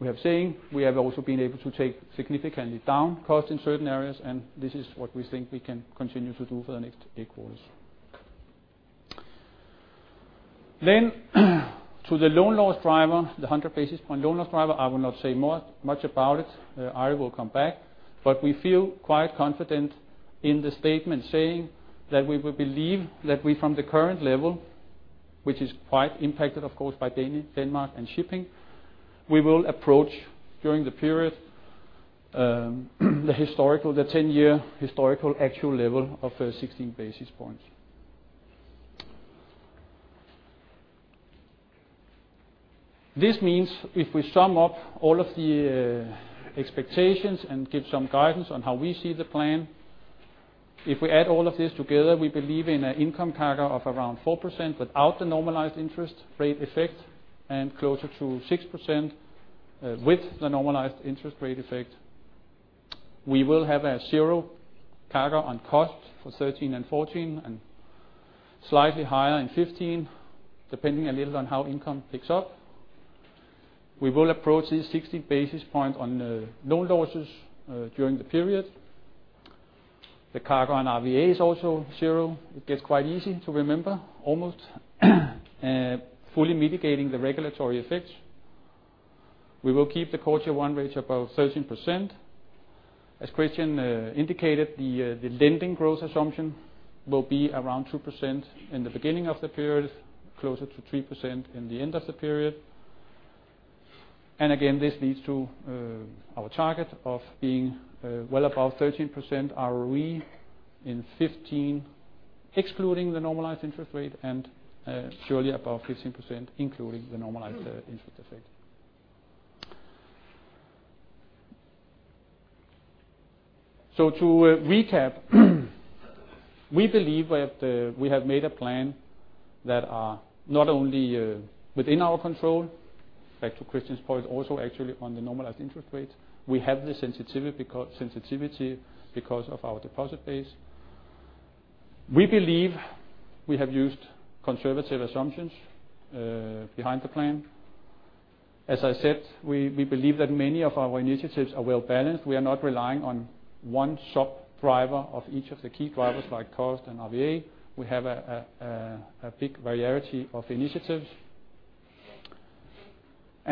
we have seen, we have also been able to take significantly down cost in certain areas, and this is what we think we can continue to do for the next eight quarters. To the loan loss driver, the 100 basis point loan loss driver. I will not say much about it. Ari will come back. We feel quite confident in the statement saying that we believe that we from the current level, which is quite impacted, of course, by Denmark and shipping, we will approach during the period the 10-year historical actual level of 16 basis points. This means if we sum up all of the expectations and give some guidance on how we see the plan, if we add all of this together, we believe in an income CAGR of around 4% without the normalized interest rate effect, and closer to 6% with the normalized interest rate effect. We will have a zero CAGR on cost for 2013 and 2014, and slightly higher in 2015, depending a little on how income picks up. We will approach this 60 basis point on loan losses during the period. The CAGR on RWA is also zero. It gets quite easy to remember, almost. Fully mitigating the regulatory effects. We will keep the Core Tier 1 ratio above 13%. As Christian indicated, the lending growth assumption will be around 2% in the beginning of the period, closer to 3% in the end of the period. Again, this leads to our target of being well above 13% ROE in 2015, excluding the normalized interest rate, and surely above 15%, including the normalized interest effect. To recap, we believe we have made a plan that are not only within our control, back to Christian's point, also actually on the normalized interest rate. We have the sensitivity because of our deposit base. We believe we have used conservative assumptions behind the plan. As I said, we believe that many of our initiatives are well-balanced. We are not relying on one sub-driver of each of the key drivers like cost and RWA. We have a big variety of initiatives.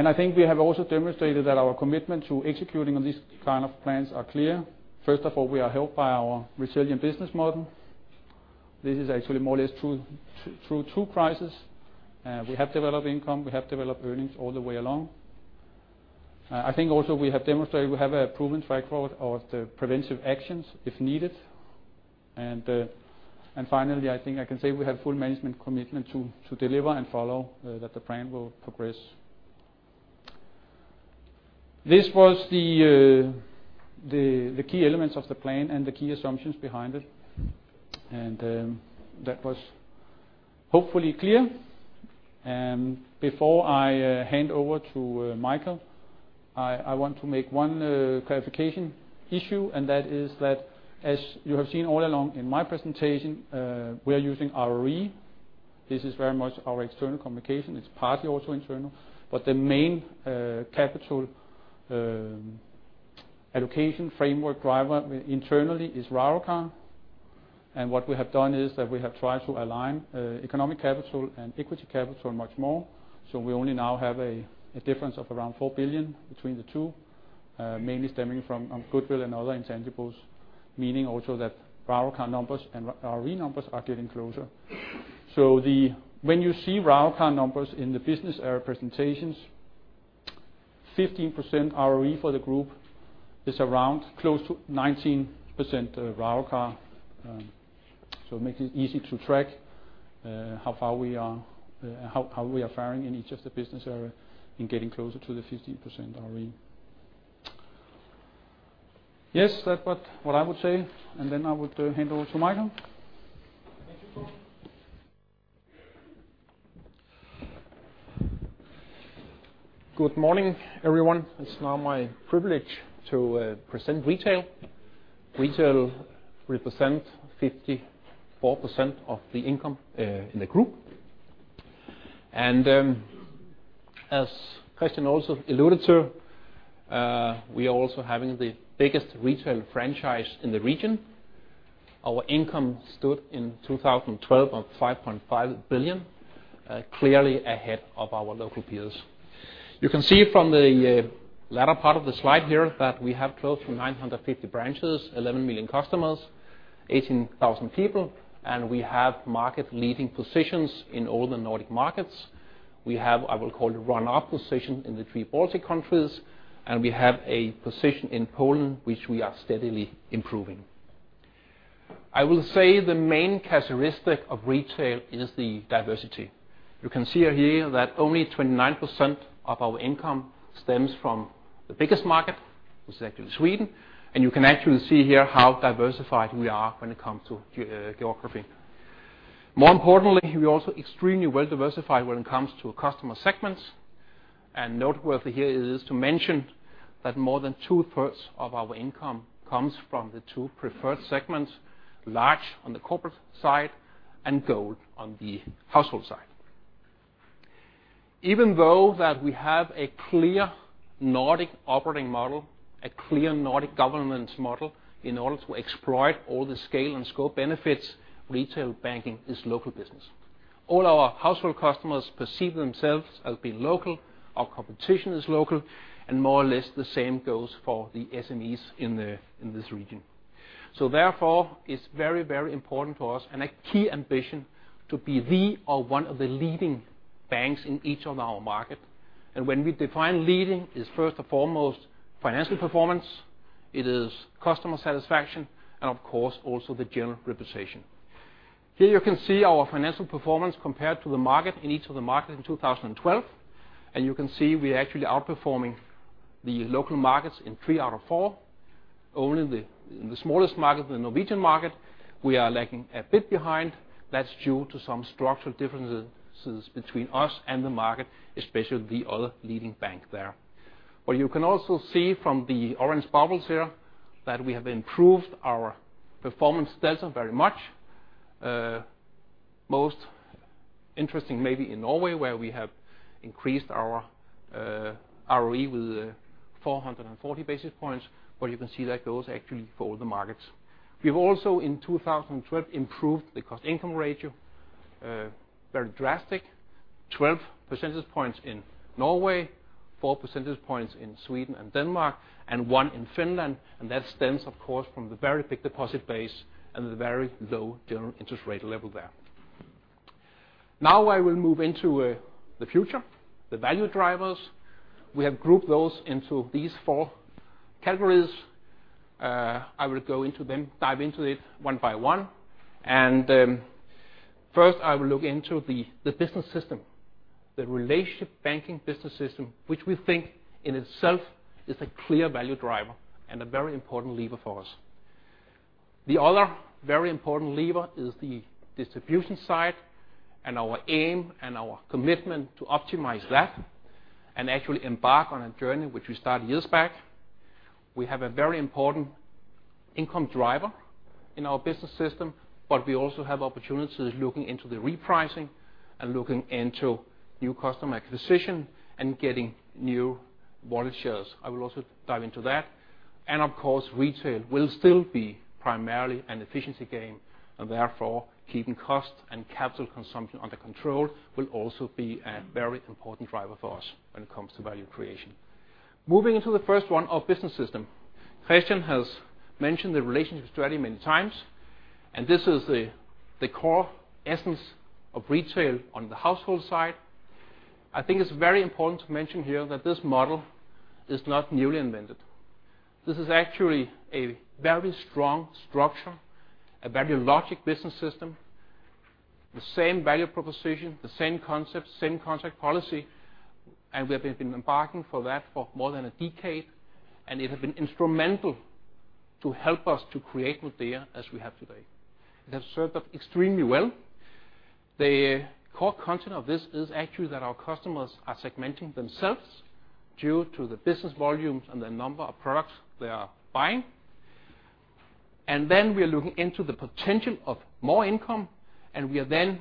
I think we have also demonstrated that our commitment to executing on these kind of plans are clear. First of all, we are helped by our resilient business model. This is actually more or less through two crisis. We have developed income, we have developed earnings all the way along. I think also we have demonstrated we have a proven track record of the preventive actions if needed. Finally, I think I can say we have full management commitment to deliver and follow that the plan will progress. This was the key elements of the plan and the key assumptions behind it. That was hopefully clear. Before I hand over to Michael, I want to make one clarification issue, that is that, as you have seen all along in my presentation, we are using ROE. This is very much our external communication. It's partly also internal. The main capital allocation framework driver internally is ROICR. What we have done is that we have tried to align economic capital and equity capital much more. We only now have a difference of around 4 billion between the two, mainly stemming from goodwill and other intangibles, meaning also that ROICR numbers and ROE numbers are getting closer. When you see ROICR numbers in the business area presentations, 15% ROE for the group is around close to 19% ROICR. It makes it easy to track how we are faring in each of the business area in getting closer to the 15% ROE. Yes, that's what I would say. Then I would hand over to Michael. Thank you, Thor. Good morning, everyone. It's now my privilege to present retail. Retail represents 54% of the income in the group. As Christian also alluded to, we are also having the biggest retail franchise in the region. Our income stood in 2012 of 5.5 billion, clearly ahead of our local peers. You can see from the latter part of the slide here that we have close to 950 branches, 11 million customers, 18,000 people, and we have market-leading positions in all the Nordic markets. We have, I will call it, a run-up position in the three Baltic countries, and we have a position in Poland which we are steadily improving. I will say the main characteristic of retail is the diversity. You can see here that only 29% of our income stems from the biggest market, which is actually Sweden, and you can actually see here how diversified we are when it comes to geography. More importantly, we're also extremely well-diversified when it comes to customer segments. Noteworthy here is to mention that more than two-thirds of our income comes from the two preferred segments, large on the corporate side and gold on the household side. Even though that we have a clear Nordic operating model, a clear Nordic governance model in order to exploit all the scale and scope benefits, retail banking is local business. All our household customers perceive themselves as being local, our competition is local, more or less the same goes for the SMEs in this region. Therefore, it's very important for us and a key ambition to be the or one of the leading banks in each of our market. When we define leading, it's first and foremost financial performance, it is customer satisfaction, and of course, also the general reputation. Here you can see our financial performance compared to the market in each of the market in 2012. You can see we are actually outperforming the local markets in three out of four. Only in the smallest market, the Norwegian market, we are lagging a bit behind. That's due to some structural differences between us and the market, especially the other leading bank there. You can also see from the orange bubbles here that we have improved our performance delta very much. Most interesting maybe in Norway, where we have increased our ROE with 440 basis points, you can see that goes actually for all the markets. We've also, in 2012, improved the cost-income ratio, very drastic. 12 percentage points in Norway, four percentage points in Sweden and Denmark, and one in Finland. That stems, of course, from the very big deposit base and the very low general interest rate level there. Now I will move into the future, the value drivers. We have grouped those into these four categories. I will go into them, dive into it one by one. First I will look into the business system, the relationship banking business system, which we think in itself is a clear value driver and a very important lever for us. The other very important lever is the distribution side and our aim and our commitment to optimize that and actually embark on a journey which we started years back. We have a very important income driver in our business system, we also have opportunities looking into the repricing and looking into new customer acquisition and getting new wallet shares. I will also dive into that. Of course, retail will still be primarily an efficiency gain, and therefore keeping cost and capital consumption under control will also be a very important driver for us when it comes to value creation. Moving into the first one, our business system. Christian has mentioned the relationship strategy many times, this is the core essence of retail on the household side. I think it's very important to mention here that this model is not newly invented. This is actually a very strong structure, a very logic business system, the same value proposition, the same concept, same contract policy. We have been embarking for that for more than a decade, and it has been instrumental to help us to create Nordea as we have today. It has served us extremely well. The core content of this is actually that our customers are segmenting themselves due to the business volumes and the number of products they are buying. We are looking into the potential of more income, and we are then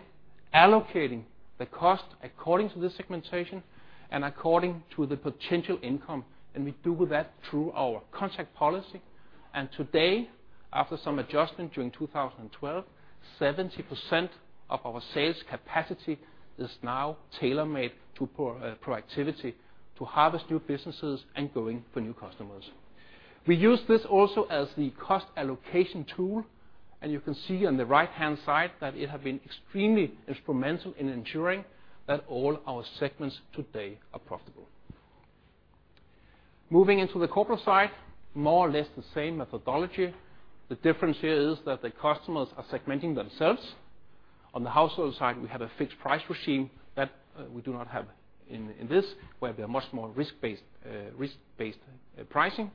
allocating the cost according to the segmentation and according to the potential income. We do that through our contract policy. Today, after some adjustment during 2012, 70% of our sales capacity is now tailor-made to productivity to harvest new businesses and going for new customers. We use this also as the cost allocation tool, and you can see on the right-hand side that it has been extremely instrumental in ensuring that all our segments today are profitable. Moving into the corporate side, more or less the same methodology. The difference here is that the customers are segmenting themselves. On the household side, we have a fixed price regime that we do not have in this, where we are much more risk-based pricing.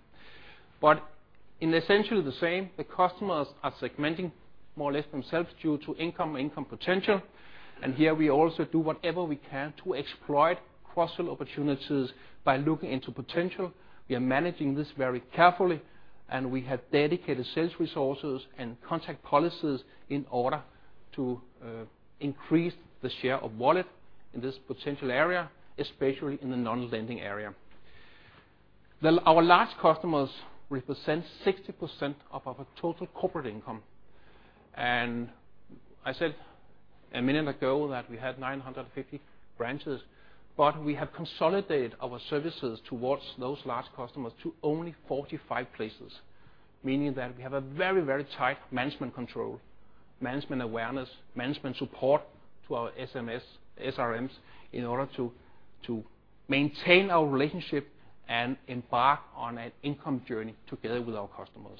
In essentially the same, the customers are segmenting more or less themselves due to income and income potential. Here we also do whatever we can to exploit cross-sell opportunities by looking into potential. We are managing this very carefully, and we have dedicated sales resources and contact policies in order to increase the share of wallet in this potential area, especially in the non-lending area. Our large customers represent 60% of our total corporate income. I said a minute ago that we had 950 branches, but we have consolidated our services towards those large customers to only 45 places, meaning that we have a very tight management control, management awareness, management support to our SRMs in order to maintain our relationship and embark on an income journey together with our customers.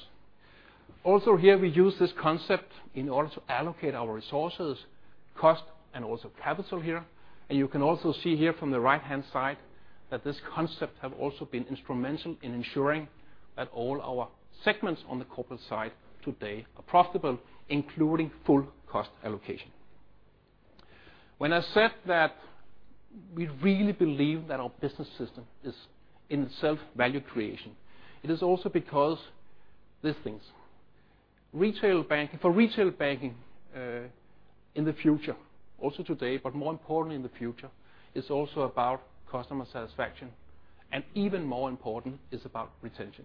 Also here, we use this concept in order to allocate our resources, cost, and also capital here. You can also see here from the right-hand side that this concept have also been instrumental in ensuring that all our segments on the corporate side today are profitable, including full cost allocation. When I said that we really believe that our business system is in itself value creation, it is also because these things. For retail banking in the future, also today, but more important in the future, it's also about customer satisfaction, and even more important, it's about retention.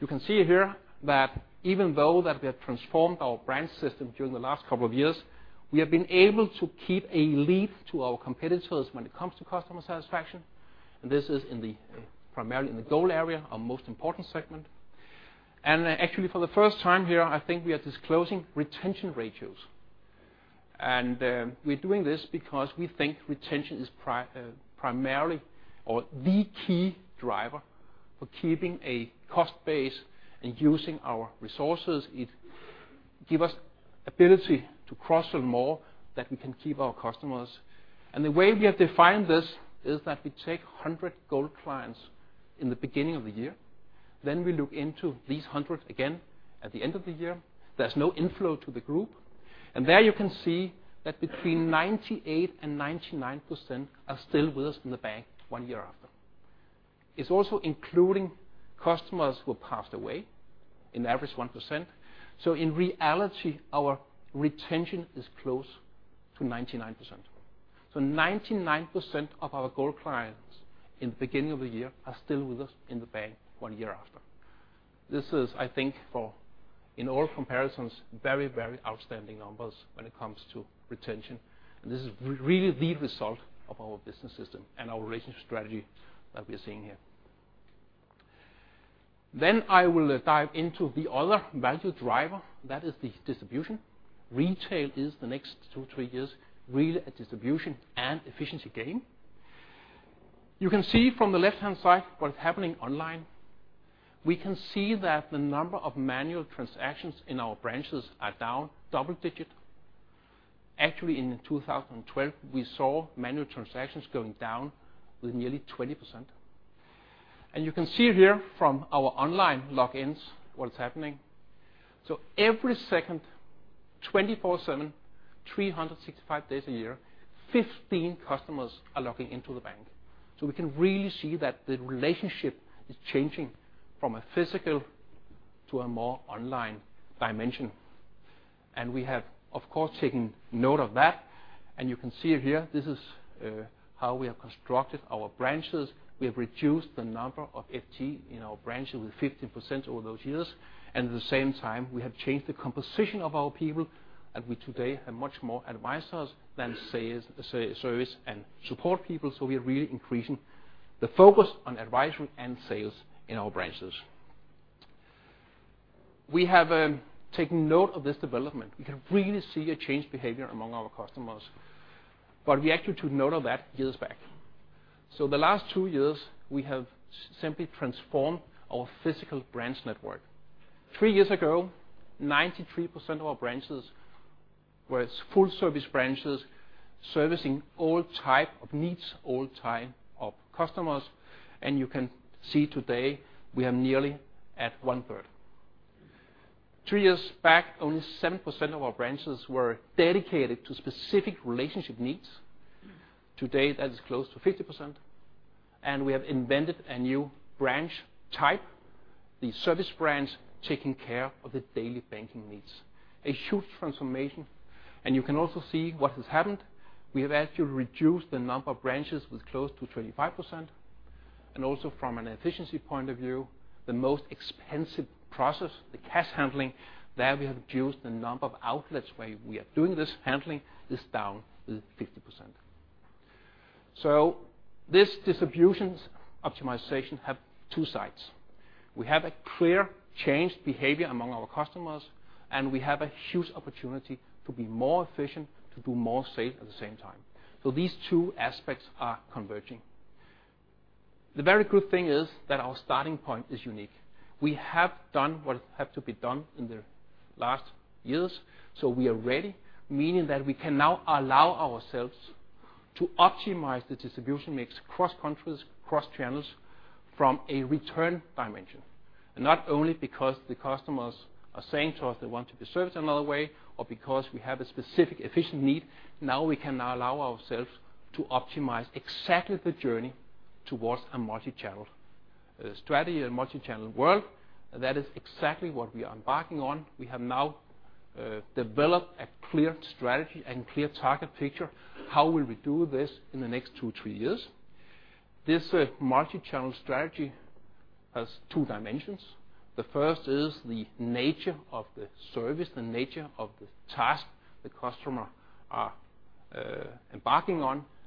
You can see here that even though that we have transformed our branch system during the last couple of years, we have been able to keep a lead to our competitors when it comes to customer satisfaction. This is primarily in the gold area, our most important segment. Actually, for the first time here, I think we are disclosing retention ratios. We're doing this because we think retention is primarily or the key driver for keeping a cost base and using our resources. It give us ability to cross-sell more, that we can keep our customers. The way we have defined this is that we take 100 gold clients in the beginning of the year, we look into these 100 again at the end of the year. There's no inflow to the group. There you can see that between 98% and 99% are still with us in the bank one year after. It's also including customers who passed away, an average 1%. In reality, our retention is close to 99%. 99% of our gold clients in the beginning of the year are still with us in the bank one year after. This is, I think for, in all comparisons, very, very outstanding numbers when it comes to retention. This is really the result of our business system and our relationship strategy that we're seeing here. I will dive into the other value driver, that is the distribution. Retail is the next two, three years, really a distribution and efficiency game. You can see from the left-hand side what is happening online. We can see that the number of manual transactions in our branches are down double digit. Actually, in 2012, we saw manual transactions going down with nearly 20%. You can see here from our online log-ins what is happening. Every second, 24/7, 365 days a year, 15 customers are logging into the bank. We can really see that the relationship is changing from a physical to a more online dimension. We have, of course, taken note of that. You can see it here, this is how we have constructed our branches. We have reduced the number of FT in our branches with 15% over those years. At the same time, we have changed the composition of our people, and we today have much more advisors than service and support people. We are really increasing the focus on advisory and sales in our branches. We have taken note of this development. We can really see a change behavior among our customers. We actually took note of that years back. The last two years, we have simply transformed our physical branch network. Three years ago, 93% of our branches were full service branches, servicing all type of needs, all type of customers. You can see today, we are nearly at one-third. Three years back, only 7% of our branches were dedicated to specific relationship needs. Today, that is close to 50%. We have invented a new branch type, the service branch, taking care of the daily banking needs. A huge transformation. You can also see what has happened. We have actually reduced the number of branches with close to 25%. Also from an efficiency point of view, the most expensive process, the cash handling, there we have reduced the number of outlets where we are doing this handling, is down with 50%. This distributions optimization have two sides. We have a clear change behavior among our customers, and we have a huge opportunity to be more efficient, to do more safe at the same time. These two aspects are converging. The very good thing is that our starting point is unique. We have done what have to be done in the last years. We are ready, meaning that we can now allow ourselves to optimize the distribution mix cross-countries, cross-channels from a return dimension. Not only because the customers are saying to us they want to be serviced another way or because we have a specific efficient need. We can now allow ourselves to optimize exactly the journey towards a multichannel strategy and multichannel world. That is exactly what we are embarking on. We have now developed a clear strategy and clear target picture how will we do this in the next two, three years. This multichannel strategy has two dimensions. The first is the nature of the service, the nature of the task the customer are embarking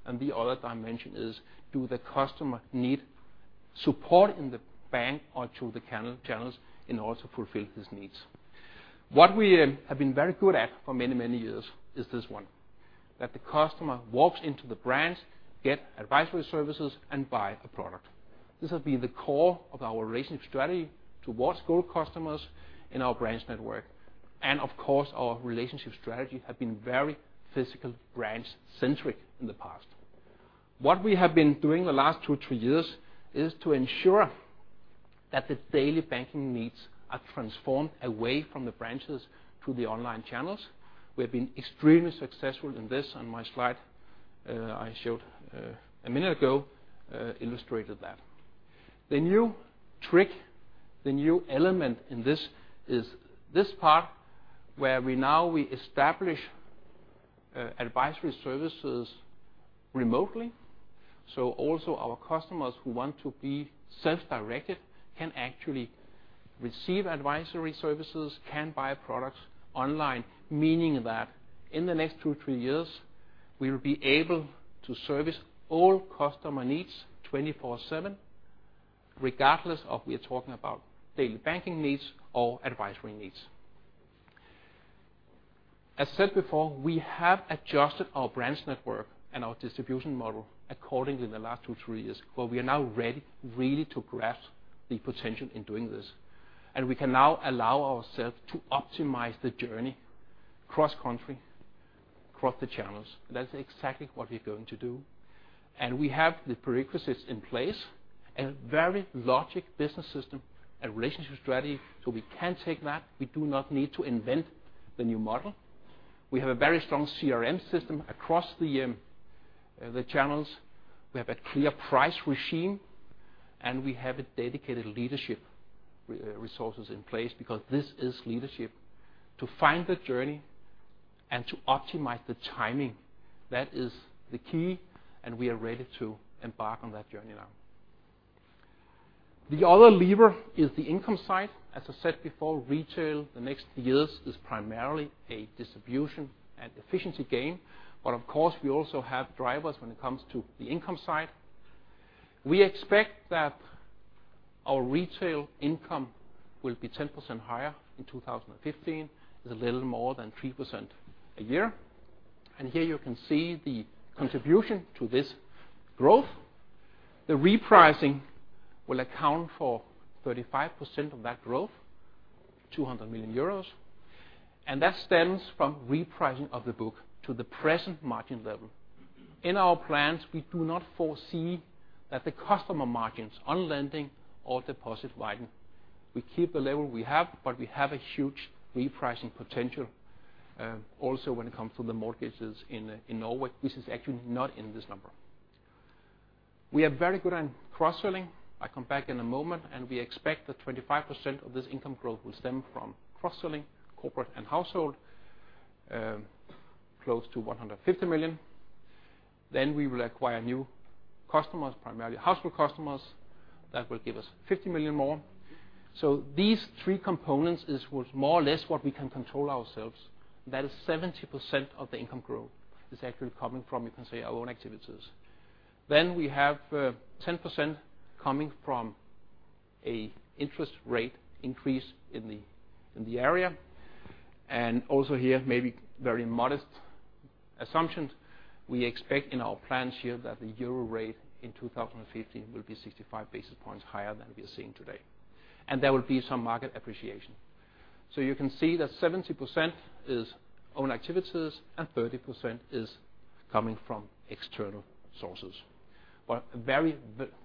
on. The other dimension is, do the customer need support in the bank or through the channels in order to fulfill his needs? What we have been very good at for many, many years is this one, that the customer walks into the branch, get advisory services and buy a product. This has been the core of our relationship strategy towards gold customers in our branch network. Of course, our relationship strategy have been very physical branch centric in the past. What we have been doing the last two, three years is to ensure that the daily banking needs are transformed away from the branches to the online channels. We have been extremely successful in this, on my slide I showed a minute ago illustrated that. The new trick, the new element in this is this part where we now establish advisory services remotely. Also our customers who want to be self-directed can actually receive advisory services, can buy products online. Meaning that in the next two, three years, we will be able to service all customer needs 24/7. Regardless if we are talking about daily banking needs or advisory needs. As said before, we have adjusted our branch network and our distribution model accordingly in the last two, three years, where we are now ready really to grasp the potential in doing this. We can now allow ourselves to optimize the journey cross-country, across the channels. That's exactly what we're going to do. We have the prerequisites in place, a very logic business system and relationship strategy, so we can take that. We do not need to invent the new model. We have a very strong CRM system across the channels. We have a clear price regime, and we have a dedicated leadership resources in place because this is leadership to find the journey and to optimize the timing. That is the key, and we are ready to embark on that journey now. The other lever is the income side. As I said before, retail, the next years is primarily a distribution and efficiency gain. Of course, we also have drivers when it comes to the income side. We expect that our retail income will be 10% higher in 2015. It's a little more than 3% a year. Here you can see the contribution to this growth. The repricing will account for 35% of that growth, 200 million euros, that stems from repricing of the book to the present margin level. In our plans, we do not foresee that the customer margins on lending or deposit widen. We keep the level we have, but we have a huge repricing potential. Also when it comes to the mortgages in Norway. This is actually not in this number. We are very good on cross-selling. I come back in a moment, we expect that 25% of this income growth will stem from cross-selling corporate and household, close to 150 million. We will acquire new customers, primarily household customers. That will give us 50 million more. These three components is what more or less what we can control ourselves. That is 70% of the income growth is actually coming from, you can say, our own activities. We have 10% coming from an interest rate increase in the area. Also here, maybe very modest assumptions. We expect in our plans here that the EUR rate in 2015 will be 65 basis points higher than we are seeing today. There will be some market appreciation. You can see that 70% is own activities and 30% is coming from external sources. A very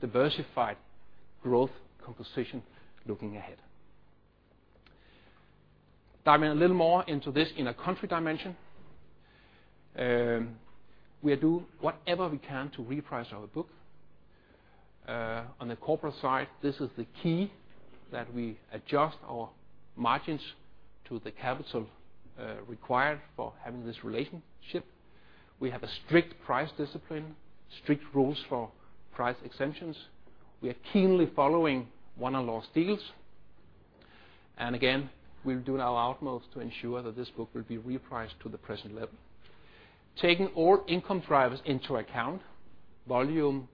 diversified growth composition looking ahead. Dive in a little more into this in a country dimension. We will do whatever we can to reprice our book. On the corporate side, this is the key that we adjust our margins to the capital required for having this relationship. We have a strict price discipline, strict rules for price exemptions. We are keenly following won or lost deals. Again, we are doing our utmost to ensure that this book will be repriced to the present level. Taking all income drivers into account, volume,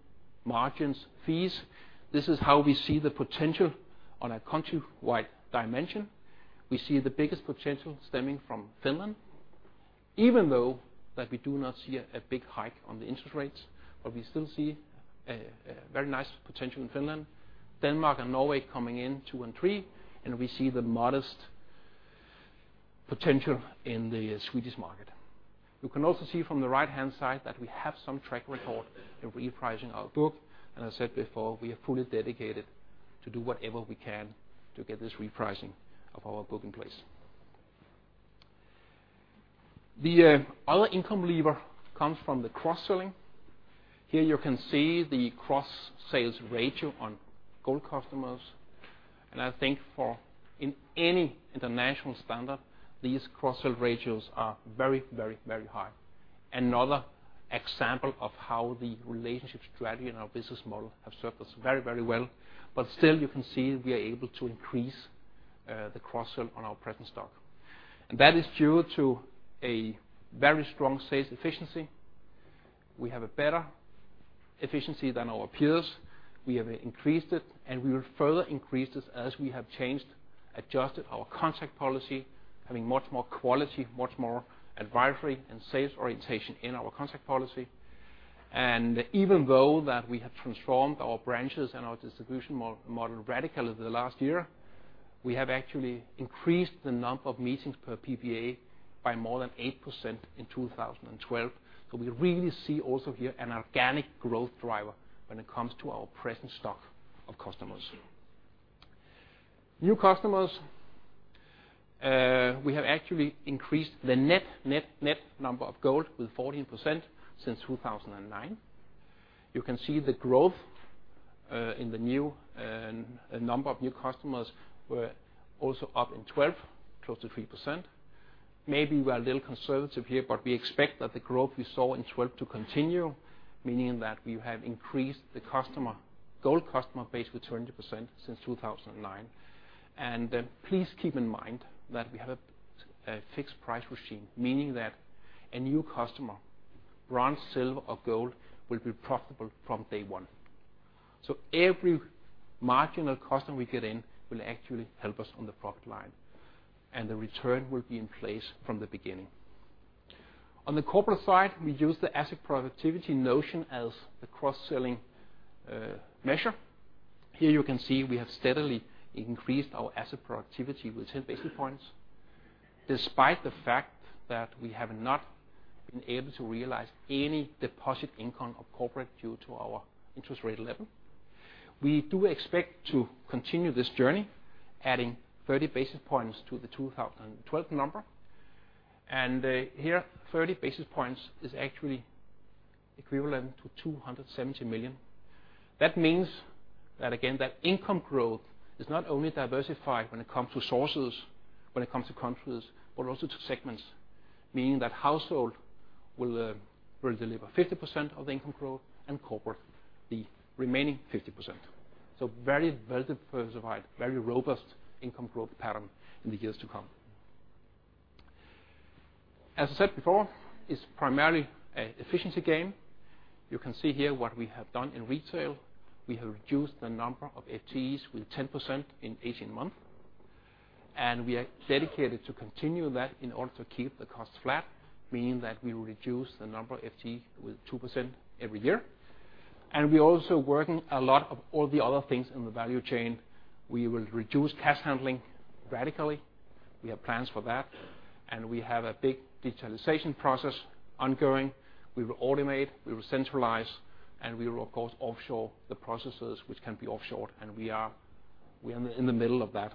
margins, fees, this is how we see the potential on a countrywide dimension. We see the biggest potential stemming from Finland, even though we do not see a big hike on the interest rates, but we still see a very nice potential in Finland. Denmark and Norway coming in two and three, we see the modest potential in the Swedish market. You can also see from the right-hand side that we have some track record in repricing our book. I said before, we are fully dedicated to do whatever we can to get this repricing of our book in place. The other income lever comes from the cross-selling. Here you can see the cross-sales ratio on gold customers. I think in any international standard, these cross-sell ratios are very, very, very high. Another example of how the relationship strategy and our business model have served us very, very well. Still you can see we are able to increase the cross-sell on our present stock. That is due to a very strong sales efficiency. We have a better efficiency than our peers. We have increased it, we will further increase this as we have changed, adjusted our contact policy, having much more quality, much more advisory and sales orientation in our contact policy. Even though we have transformed our branches and our distribution model radically the last year, we have actually increased the number of meetings per PBA by more than 8% in 2012. We really see also here an organic growth driver when it comes to our present stock of customers. New customers. We have actually increased the net, net number of gold with 14% since 2009. You can see the growth in the new and number of new customers were also up in 2012, close to 3%. Maybe we are a little conservative here, but we expect that the growth we saw in 2012 to continue, meaning that we have increased the gold customer base with 20% since 2009. Please keep in mind that we have a fixed price regime, meaning that a new customer Bronze, silver or gold will be profitable from day one. Every marginal customer we get in will actually help us on the profit line, and the return will be in place from the beginning. On the corporate side, we use the asset productivity notion as the cross-selling measure. Here you can see we have steadily increased our asset productivity with 10 basis points, despite the fact that we have not been able to realize any deposit income of corporate due to our interest rate level. We do expect to continue this journey, adding 30 basis points to the 2012 number, and here 30 basis points is actually equivalent to 270 million. That means that, again, that income growth is not only diversified when it comes to sources, when it comes to countries, but also to segments. Meaning that household will deliver 50% of the income growth and corporate the remaining 50%. Very diversified, very robust income growth pattern in the years to come. As I said before, it's primarily a efficiency gain. You can see here what we have done in retail. We have reduced the number of FTEs with 10% in 18 months, and we are dedicated to continue that in order to keep the costs flat, meaning that we will reduce the number of FTE with 2% every year. We're also working a lot of all the other things in the value chain. We will reduce cash handling radically. We have plans for that, and we have a big digitalization process ongoing. We will automate, we will centralize, and we will, of course, offshore the processes which can be offshored. We are in the middle of that.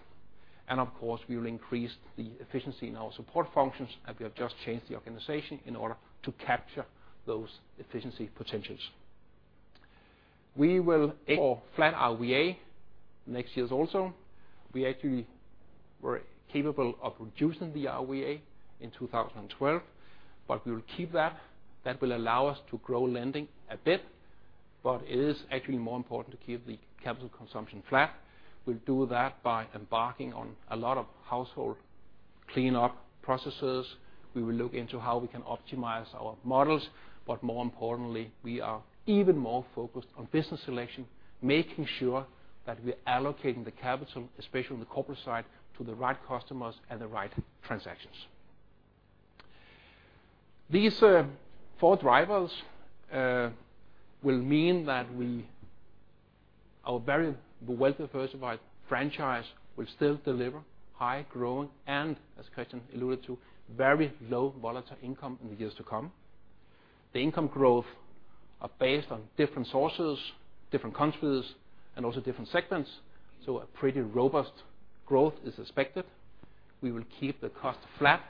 Of course, we will increase the efficiency in our support functions. We have just changed the organization in order to capture those efficiency potentials. We will aim for flat RWA next years also. We actually were capable of reducing the RWA in 2012, but we will keep that. That will allow us to grow lending a bit, but it is actually more important to keep the capital consumption flat. We'll do that by embarking on a lot of household cleanup processes. We will look into how we can optimize our models, but more importantly, we are even more focused on business selection, making sure that we are allocating the capital, especially on the corporate side, to the right customers and the right transactions. These four drivers will mean that our very well-diversified franchise will still deliver high growth and, as Christian alluded to, very low volatile income in the years to come. The income growth are based on different sources, different countries, and also different segments. A pretty robust growth is expected. We will keep the cost flat.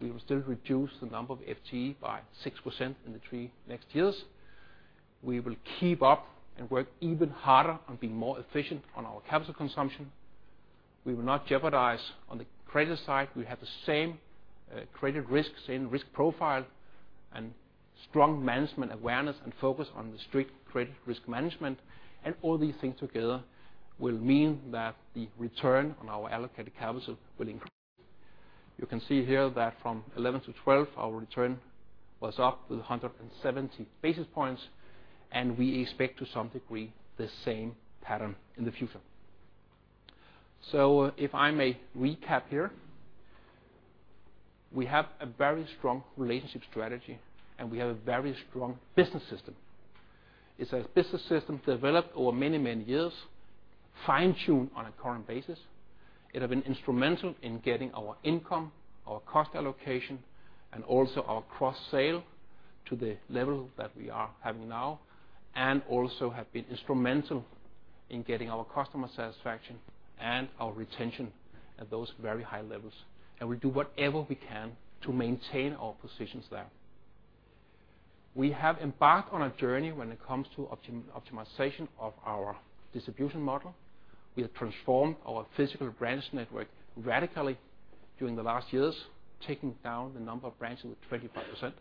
We will still reduce the number of FTE by 6% in the three next years. We will keep up and work even harder on being more efficient on our capital consumption. We will not jeopardize on the credit side. We have the same credit risks in risk profile and strong management awareness and focus on the strict credit risk management. All these things together will mean that the return on our allocated capital will increase. You can see here that from 2011 to 2012, our return was up to 170 basis points, we expect to some degree the same pattern in the future. If I may recap here. We have a very strong relationship strategy, we have a very strong business system. It's a business system developed over many, many years, fine-tuned on a current basis. It has been instrumental in getting our income, our cost allocation, and also our cross-sale to the level that we are having now, and also have been instrumental in getting our customer satisfaction and our retention at those very high levels. We do whatever we can to maintain our positions there. We have embarked on a journey when it comes to optimization of our distribution model. We have transformed our physical branch network radically during the last years, taking down the number of branches with 25%.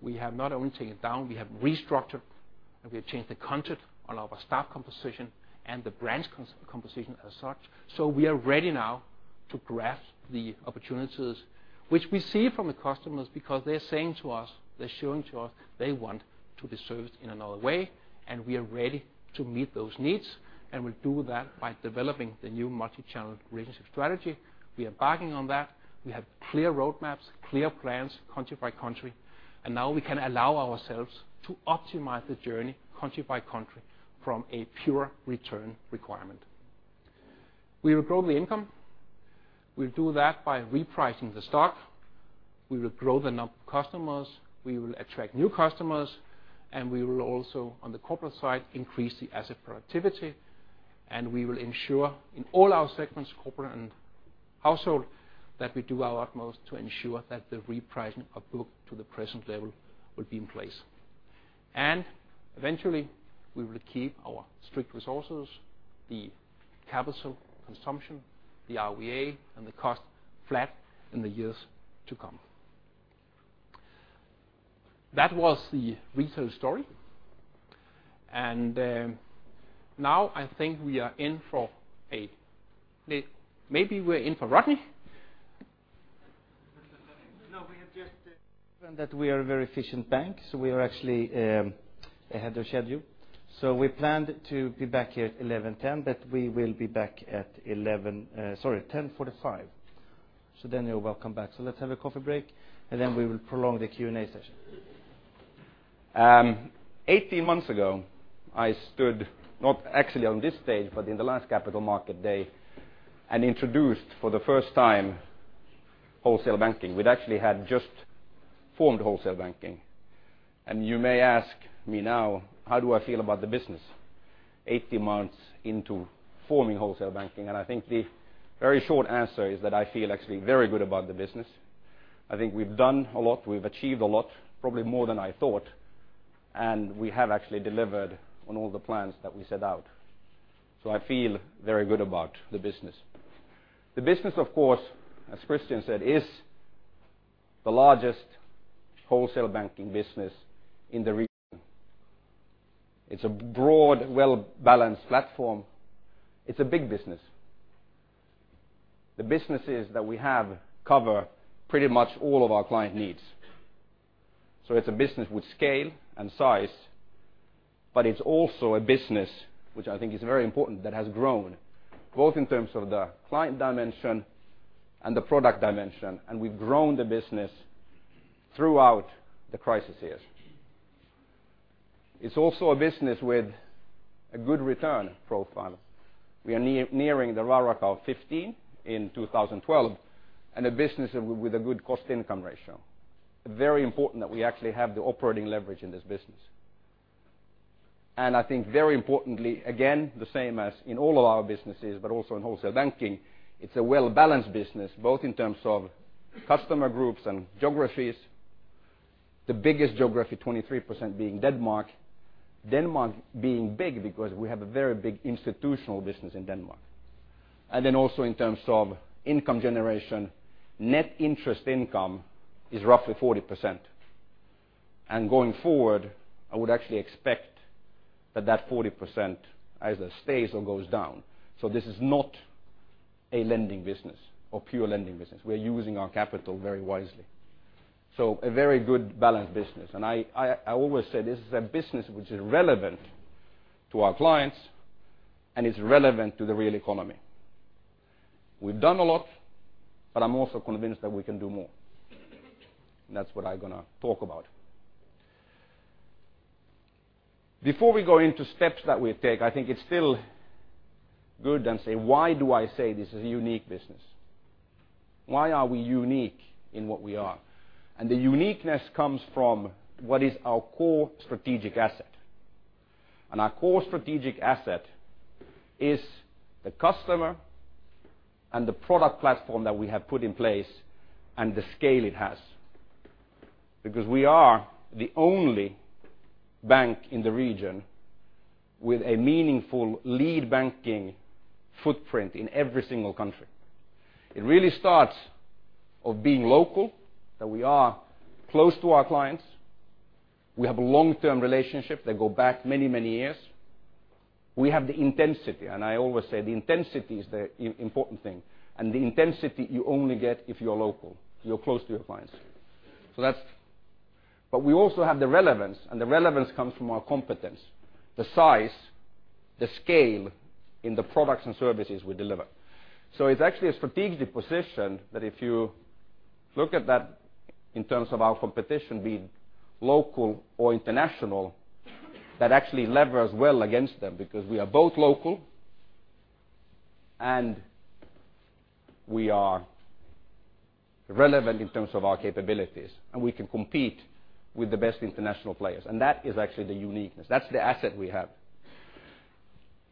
We have not only taken it down, we have restructured, we have changed the content on our staff composition and the branch composition as such. We are ready now to grasp the opportunities which we see from the customers because they're saying to us, they're showing to us they want to be served in another way, we are ready to meet those needs. We do that by developing the new multi-channel relationship strategy. We are backing on that. We have clear roadmaps, clear plans country by country, now we can allow ourselves to optimize the journey country by country from a pure return requirement. We will grow the income. We'll do that by repricing the stock. We will grow the number of customers. We will attract new customers. We will also, on the corporate side, increase the asset productivity. We will ensure in all our segments, corporate and household, that we do our utmost to ensure that the repricing of book to the present level will be in place. Eventually, we will keep our strict resources, the capital consumption, the ROA, and the cost flat in the years to come. That was the retail story Now I think we are in for a Maybe we're in for Rodney? No, we have just learned that we are a very efficient bank, so we are actually ahead of schedule. We planned to be back here 11:10, but we will be back at 11, sorry, 10:45. You're welcome back. Let's have a coffee break, and then we will prolong the Q&A session. 18 months ago, I stood, not actually on this stage, but in the last Capital Markets Day, introduced, for the first time, Wholesale Banking. We'd actually had just formed Wholesale Banking. You may ask me now, how do I feel about the business 18 months into forming Wholesale Banking? I think the very short answer is that I feel actually very good about the business. I think we've done a lot, we've achieved a lot, probably more than I thought. We have actually delivered on all the plans that we set out. I feel very good about the business. The business, of course, as Christian Clausen said, is the largest wholesale banking business in the region. It's a broad, well-balanced platform. It's a big business. The businesses that we have cover pretty much all of our client needs. It's a business with scale and size, but it's also a business which I think is very important, that has grown both in terms of the client dimension and the product dimension, and we've grown the business throughout the crisis years. It's also a business with a good return profile. We are nearing the ROCAR 15 in 2012, and a business with a good cost-income ratio. Very important that we actually have the operating leverage in this business. I think very importantly, again, the same as in all of our businesses, but also in Wholesale Banking, it's a well-balanced business, both in terms of customer groups and geographies. The biggest geography, 23% being Denmark. Denmark being big because we have a very big institutional business in Denmark. Also in terms of income generation, net interest income is roughly 40%. Going forward, I would actually expect that that 40% either stays or goes down. This is not a lending business or pure lending business. We're using our capital very wisely. A very good balanced business. I always say this is a business which is relevant to our clients and is relevant to the real economy. We've done a lot, but I'm also convinced that we can do more. That's what I'm going to talk about. Before we go into steps that we take, I think it's still good and say, why do I say this is a unique business? Why are we unique in what we are? The uniqueness comes from what is our core strategic asset. Our core strategic asset is the customer and the product platform that we have put in place and the scale it has. We are the only bank in the region with a meaningful lead banking footprint in every single country. It really starts of being local, that we are close to our clients. We have long-term relationships that go back many, many years. We have the intensity, and I always say the intensity is the important thing, and the intensity you only get if you're local, if you're close to your clients. We also have the relevance, and the relevance comes from our competence, the size, the scale in the products and services we deliver. It's actually a strategic position that if you look at that in terms of our competition, be it local or international, that actually levers well against them because we are both local and we are relevant in terms of our capabilities, and we can compete with the best international players. That is actually the uniqueness. That's the asset we have.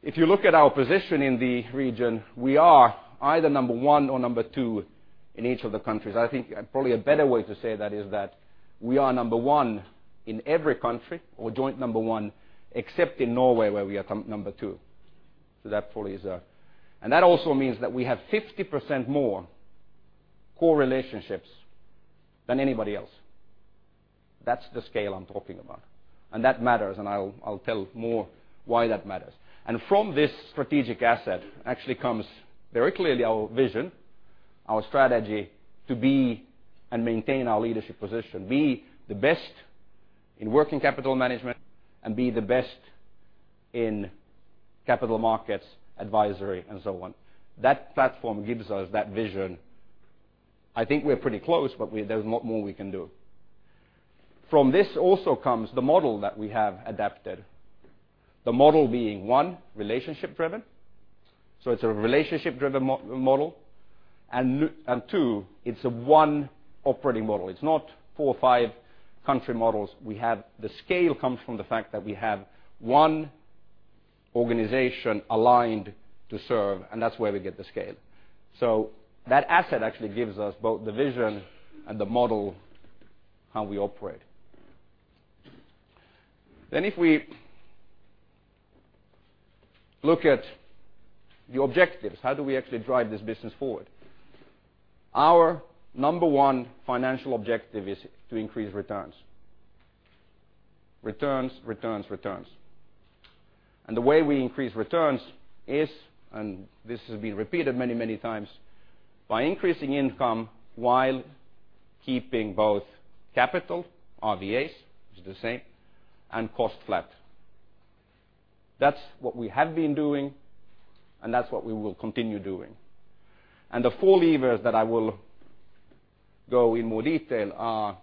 If you look at our position in the region, we are either number one or number two in each of the countries. I think probably a better way to say that is that we are number one in every country or joint number one, except in Norway where we are number two. That also means that we have 50% more core relationships than anybody else. That's the scale I'm talking about. That matters, and I'll tell more why that matters. From this strategic asset actually comes very clearly our vision, our strategy to be and maintain our leadership position, be the best in working capital management and be the best in capital markets advisory and so on. That platform gives us that vision. I think we're pretty close, but there's a lot more we can do. From this also comes the model that we have adapted. The model being one, relationship driven. It's a relationship driven model. Two, it's a one operating model. It's not four or five country models. The scale comes from the fact that we have one organization aligned to serve, and that's where we get the scale. That asset actually gives us both the vision and the model how we operate. Look at the objectives. How do we actually drive this business forward? Our number one financial objective is to increase returns. Returns, returns. The way we increase returns is, and this has been repeated many, many times, by increasing income while keeping both capital, RWAs, which is the same, and cost flat. That's what we have been doing, and that's what we will continue doing. The four levers that I will go in more detail are,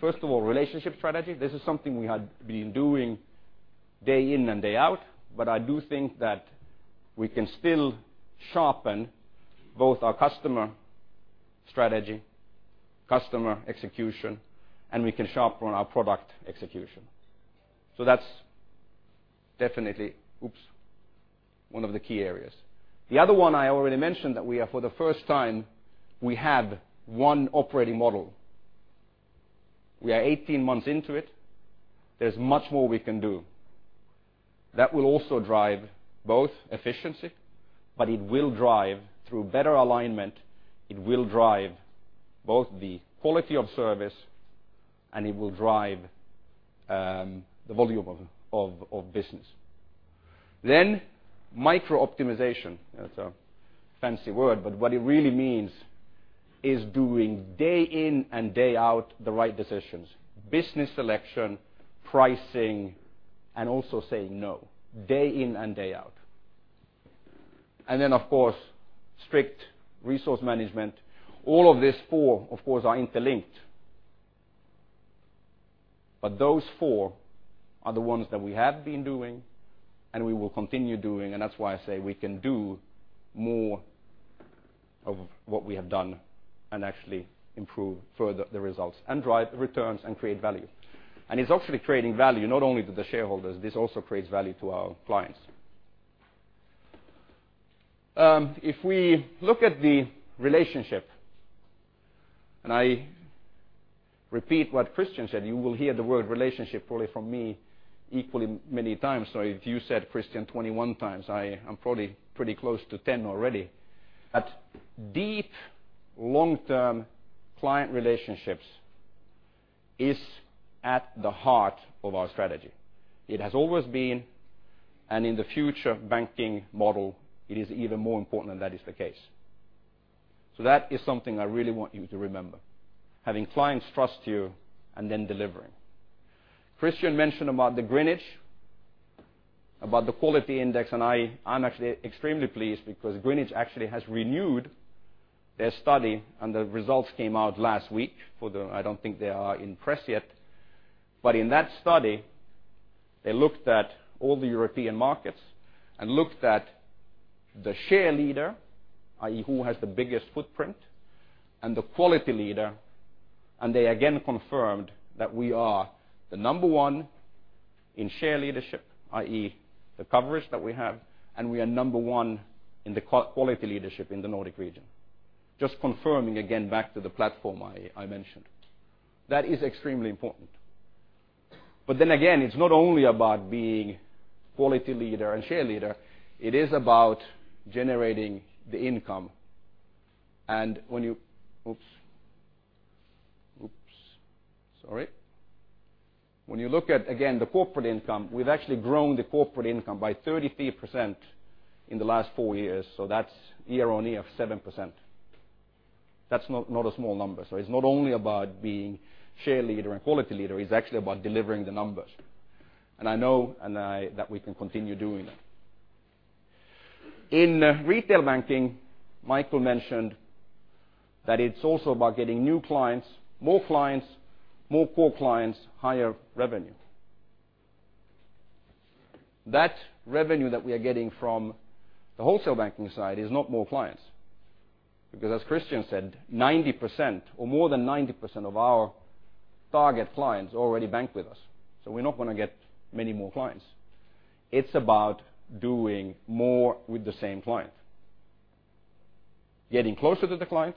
first of all, relationship strategy. This is something we had been doing day in and day out, but I do think that we can still sharpen both our customer strategy, customer execution, and we can sharpen our product execution. That's definitely one of the key areas. The other one I already mentioned that we are for the first time, we have one operating model. We are 18 months into it. There's much more we can do. That will also drive both efficiency, but it will drive through better alignment. It will drive both the quality of service and it will drive the volume of business. Micro-optimization, that's a fancy word, but what it really means is doing day in and day out the right decisions, business selection, pricing, and also saying no, day in and day out. Of course, strict resource management. All of these four, of course, are interlinked. Those four are the ones that we have been doing and we will continue doing, and that's why I say we can do more of what we have done and actually improve further the results and drive returns and create value. It's actually creating value, not only to the shareholders, this also creates value to our clients. If we look at the relationship, I repeat what Christian said, you will hear the word relationship probably from me equally many times. If you said Christian 21 times, I am probably pretty close to 10 already. Deep long-term client relationships is at the heart of our strategy. It has always been, in the future banking model, it is even more important, that is the case. That is something I really want you to remember. Having clients trust you and then delivering. Christian mentioned about the Greenwich, about the quality index, I'm actually extremely pleased because Greenwich actually has renewed their study and the results came out last week for the I don't think they are in press yet. In that study, they looked at all the European markets and looked at the share leader, i.e., who has the biggest footprint, the quality leader, they again confirmed that we are the number one in share leadership, i.e., the coverage that we have, and we are number one in the quality leadership in the Nordic region. Just confirming again back to the platform I mentioned. That is extremely important. It's not only about being quality leader and share leader, it is about generating the income. When you Oops, sorry. When you look at, again, the corporate income, we've actually grown the corporate income by 33% in the last four years. That's year-on-year of 7%. That's not a small number. It's not only about being share leader and quality leader, it's actually about delivering the numbers. I know that we can continue doing that. In retail banking, Michael mentioned that it's also about getting new clients, more clients, more core clients, higher revenue. That revenue that we are getting from the wholesale banking side is not more clients. Because as Christian said, 90% or more than 90% of our target clients already bank with us. We're not going to get many more clients. It's about doing more with the same client. Getting closer to the client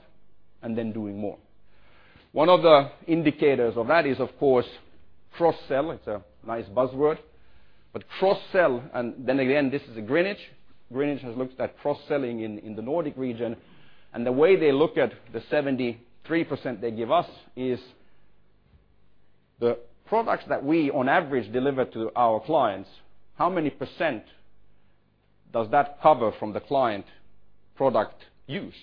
and then doing more. One of the indicators of that is, of course, cross-sell. It's a nice buzzword, cross-sell, then again, this is a Greenwich. Greenwich has looked at cross-selling in the Nordic region. The way they look at the 73% they give us is the products that we, on average, deliver to our clients, how many percent does that cover from the client product use?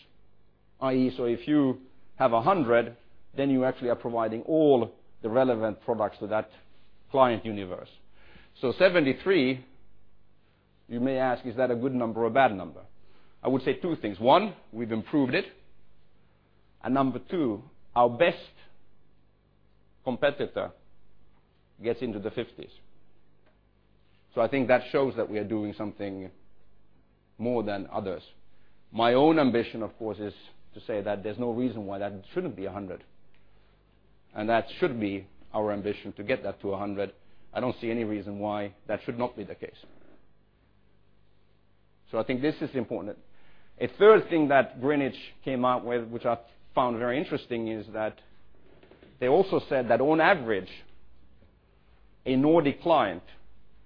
i.e., if you have 100, you actually are providing all the relevant products to that client universe. 73, you may ask, is that a good number or a bad number? I would say two things. One, we've improved it. Number two, our best competitor gets into the 50s. I think that shows that we are doing something more than others. My own ambition, of course, is to say that there's no reason why that should not be 100. That should be our ambition to get that to 100. I do not see any reason why that should not be the case. I think this is important. A third thing that Greenwich came out with, which I found very interesting, is that they also said that on average, a Nordic client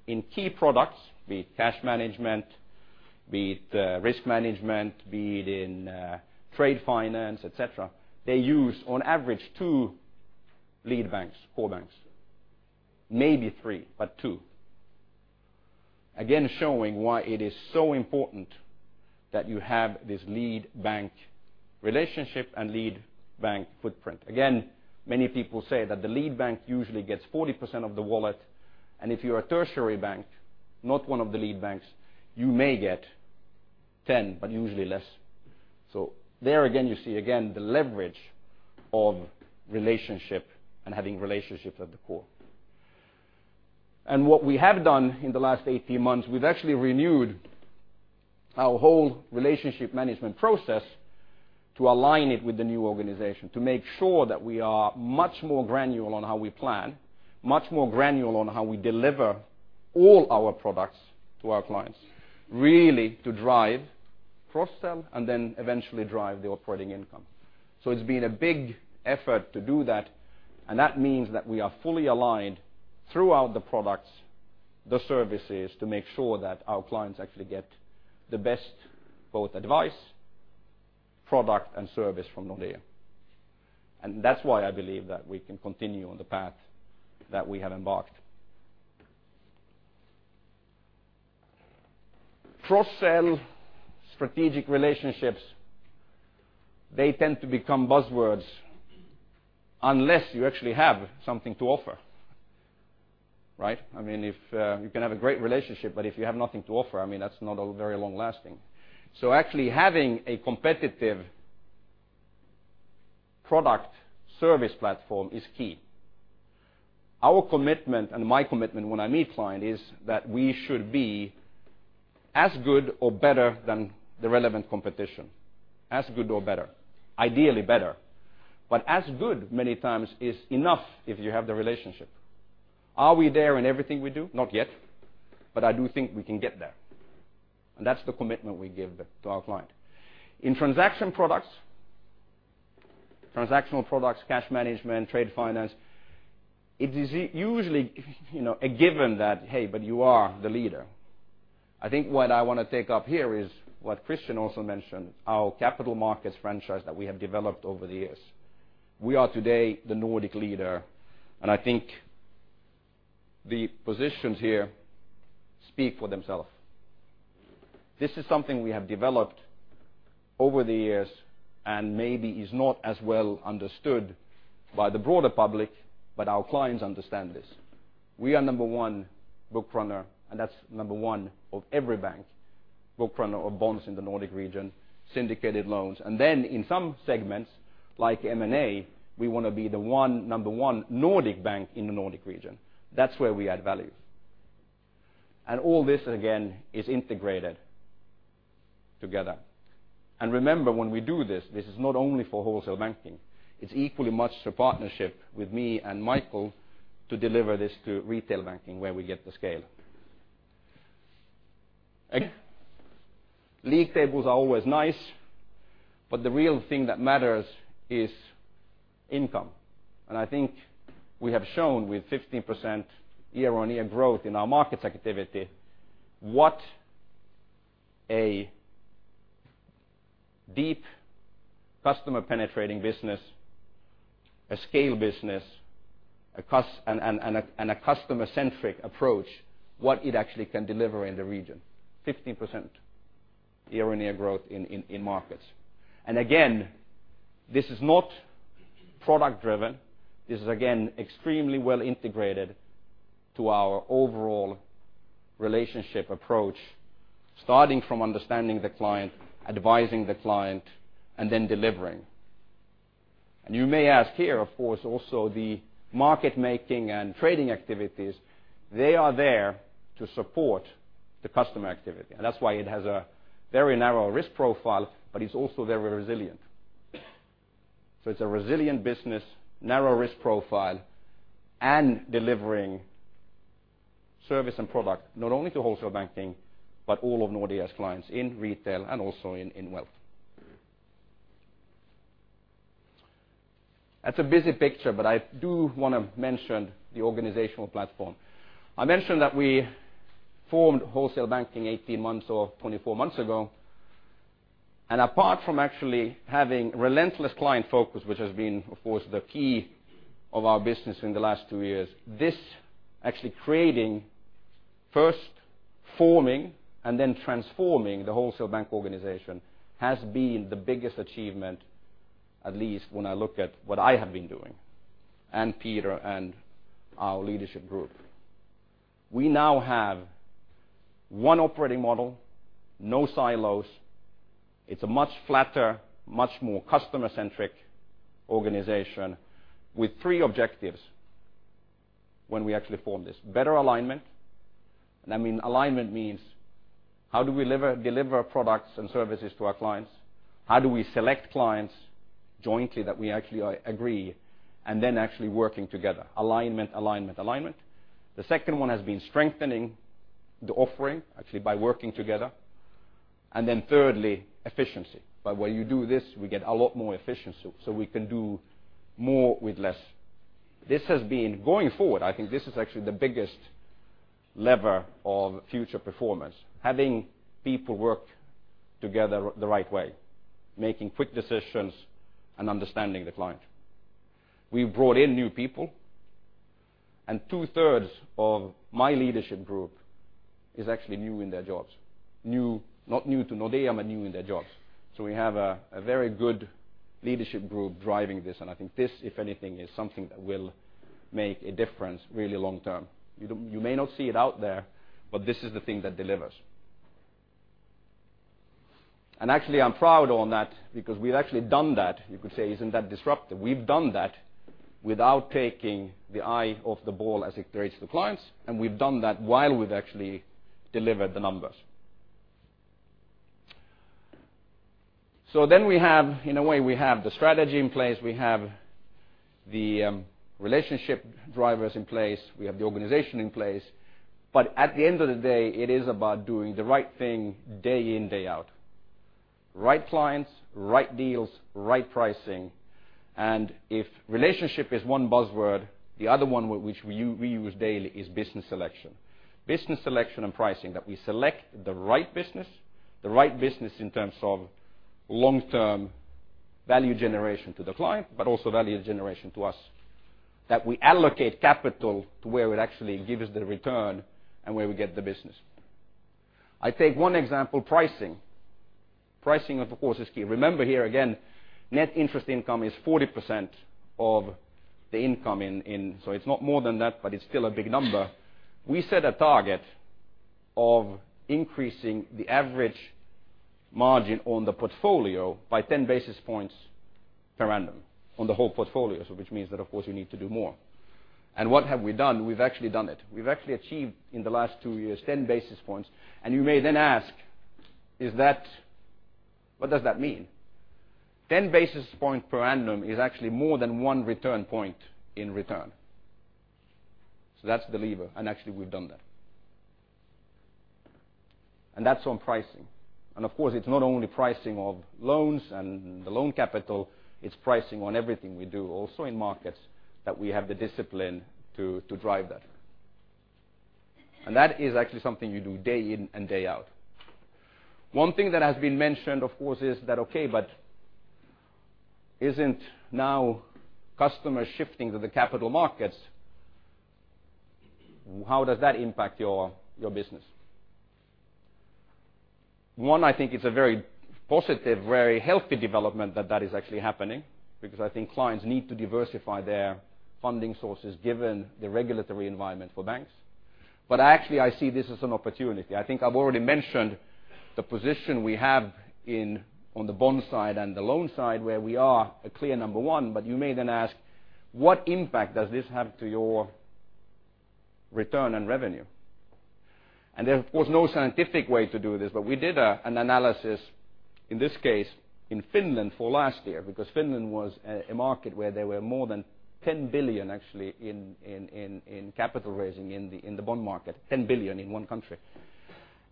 in key products, be it cash management, be it risk management, be it in trade finance, et cetera, they use on average two lead banks, core banks, maybe three, but two. Again, showing why it is so important that you have this lead bank relationship and lead bank footprint. Many people say that the lead bank usually gets 40% of the wallet, and if you are a tertiary bank, not one of the lead banks, you may get 10, but usually less. There again, you see the leverage of relationship and having relationships at the core. What we have done in the last 18 months, we've actually renewed our whole relationship management process to align it with the new organization, to make sure that we are much more granular on how we plan, much more granular on how we deliver all our products to our clients, really to drive cross-sell and then eventually drive the operating income. It's been a big effort to do that, and that means that we are fully aligned throughout the products, the services, to make sure that our clients actually get the best both advice, product, and service from Nordea. That's why I believe that we can continue on the path that we have embarked. Cross-sell strategic relationships, they tend to become buzzwords unless you actually have something to offer, right? You can have a great relationship, but if you have nothing to offer, that's not very long-lasting. Actually having a competitive product service platform is key. Our commitment and my commitment when I meet client is that we should be as good or better than the relevant competition. As good or better, ideally better. As good, many times, is enough if you have the relationship. Are we there in everything we do? Not yet, but I do think we can get there. That's the commitment we give to our client. In transactional products, cash management, trade finance, it is usually a given that, hey, you are the leader. I think what I want to take up here is what Christian also mentioned, our capital markets franchise that we have developed over the years. We are today the Nordic leader, I think the positions here speak for themself. This is something we have developed over the years and maybe is not as well understood by the broader public, but our clients understand this. We are number one book runner, that's number one of every bank, book runner of bonds in the Nordic region, syndicated loans. Then in some segments, like M&A, we want to be the number one Nordic bank in the Nordic region. That's where we add value. All this again is integrated together. Remember, when we do this is not only for Wholesale Banking. It's equally much a partnership with me and Michael to deliver this to Retail Banking where we get the scale. Again, league tables are always nice, but the real thing that matters is income. I think we have shown with 15% year-over-year growth in our markets activity what a deep customer penetrating business, a scale business, and a customer-centric approach, what it actually can deliver in the region. 15% year-over-year growth in markets. This is again not product driven. This is again extremely well integrated to our overall relationship approach, starting from understanding the client, advising the client, and then delivering. You may ask here, of course, also the market making and trading activities, they are there to support the customer activity. That's why it has a very narrow risk profile, but it's also very resilient. It's a resilient business, narrow risk profile, and delivering service and product not only to Wholesale Banking, but all of Nordea's clients in Retail Banking and also in Wealth Management. That's a busy picture, but I do want to mention the organizational platform. I mentioned that we formed Wholesale Banking 18 months or 24 months ago. Apart from actually having relentless client focus, which has been, of course, the key of our business in the last two years, this actually creating, first forming and then transforming the Wholesale Banking organization has been the biggest achievement, at least when I look at what I have been doing and Peter and our leadership group. We now have one operating model, no silos. It's a much flatter, much more customer-centric organization with three objectives when we actually form this. Better alignment. Alignment means how do we deliver products and services to our clients? How do we select clients? Jointly that we actually agree and then actually working together. Alignment, alignment. The second one has been strengthening the offering, actually by working together. Thirdly, efficiency. By when you do this, we get a lot more efficiency, so we can do more with less. Going forward, I think this is actually the biggest lever of future performance. Having people work together the right way, making quick decisions and understanding the client. We've brought in new people, and two-thirds of my leadership group is actually new in their jobs. Not new to Nordea, but new in their jobs. We have a very good leadership group driving this, and I think this, if anything, is something that will make a difference really long term. You may not see it out there, but this is the thing that delivers. Actually, I'm proud on that because we've actually done that. You could say, isn't that disruptive? We've done that without taking the eye off the ball as it creates the clients. We've done that while we've actually delivered the numbers. In a way, we have the strategy in place, we have the relationship drivers in place, we have the organization in place. At the end of the day, it is about doing the right thing day in, day out. Right clients, right deals, right pricing. If relationship is one buzzword, the other one which we use daily is business selection. Business selection and pricing, that we select the right business, the right business in terms of long-term value generation to the client, but also value generation to us. That we allocate capital to where it actually gives the return and where we get the business. I take 1 example, pricing. Pricing, of course, is key. Remember here again, net interest income is 40% of the income. It's not more than that, but it's still a big number. We set a target of increasing the average margin on the portfolio by 10 basis points per annum on the whole portfolio. Which means that, of course, we need to do more. What have we done? We've actually done it. We've actually achieved, in the last 2 years, 10 basis points. You may then ask, what does that mean? 10 basis points per annum is actually more than 1 return point in return. That's the lever, and actually, we've done that. That's on pricing. Of course, it's not only pricing of loans and the loan capital, it's pricing on everything we do also in markets that we have the discipline to drive that. That is actually something you do day in and day out. One thing that has been mentioned, of course, is that, okay, isn't now customers shifting to the capital markets? How does that impact your business? One, I think it's a very positive, very healthy development that that is actually happening, because I think clients need to diversify their funding sources given the regulatory environment for banks. Actually, I see this as an opportunity. I think I've already mentioned the position we have on the bond side and the loan side, where we are a clear number 1, you may then ask, what impact does this have to your return on revenue? There was no scientific way to do this, but we did an analysis, in this case, in Finland for last year, because Finland was a market where there were more than 10 billion actually in capital raising in the bond market, 10 billion in 1 country.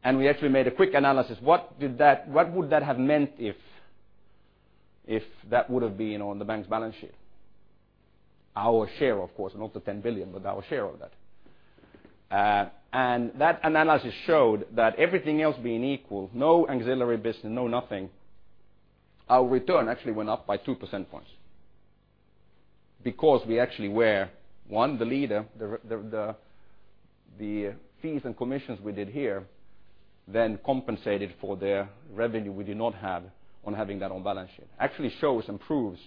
We actually made a quick analysis. What would that have meant if that would've been on the bank's balance sheet? Our share, of course, not the 10 billion, but our share of that. That analysis showed that everything else being equal, no auxiliary business, no nothing, our return actually went up by 2 percent points because we actually were, 1, the leader. The fees and commissions we did here then compensated for the revenue we did not have on having that on balance sheet. Actually shows and proves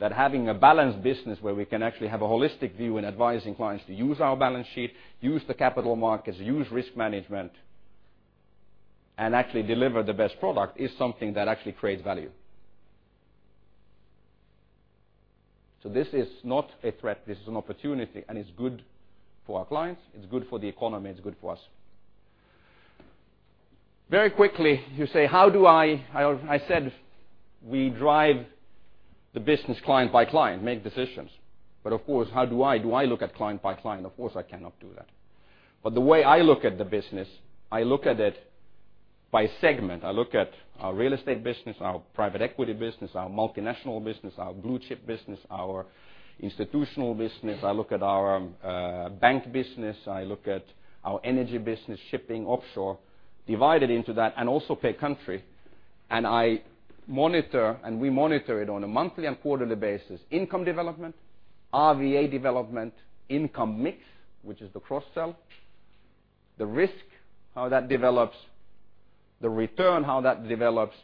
that having a balanced business where we can actually have a holistic view in advising clients to use our balance sheet, use the capital markets, use risk management, and actually deliver the best product, is something that actually creates value. This is not a threat, this is an opportunity, and it's good for our clients, it's good for the economy, it's good for us. Very quickly, you say, how do I? I said we drive the business client by client, make decisions. Of course, how do I look at client by client? Of course, I cannot do that. The way I look at the business, I look at it by segment. I look at our real estate business, our private equity business, our multinational business, our blue-chip business, our institutional business. I look at our bank business. I look at our energy business, shipping offshore, divided into that, and also per country. We monitor it on a monthly and quarterly basis, income development, RWA development, income mix, which is the cross-sell, the risk, how that develops, the return, how that develops,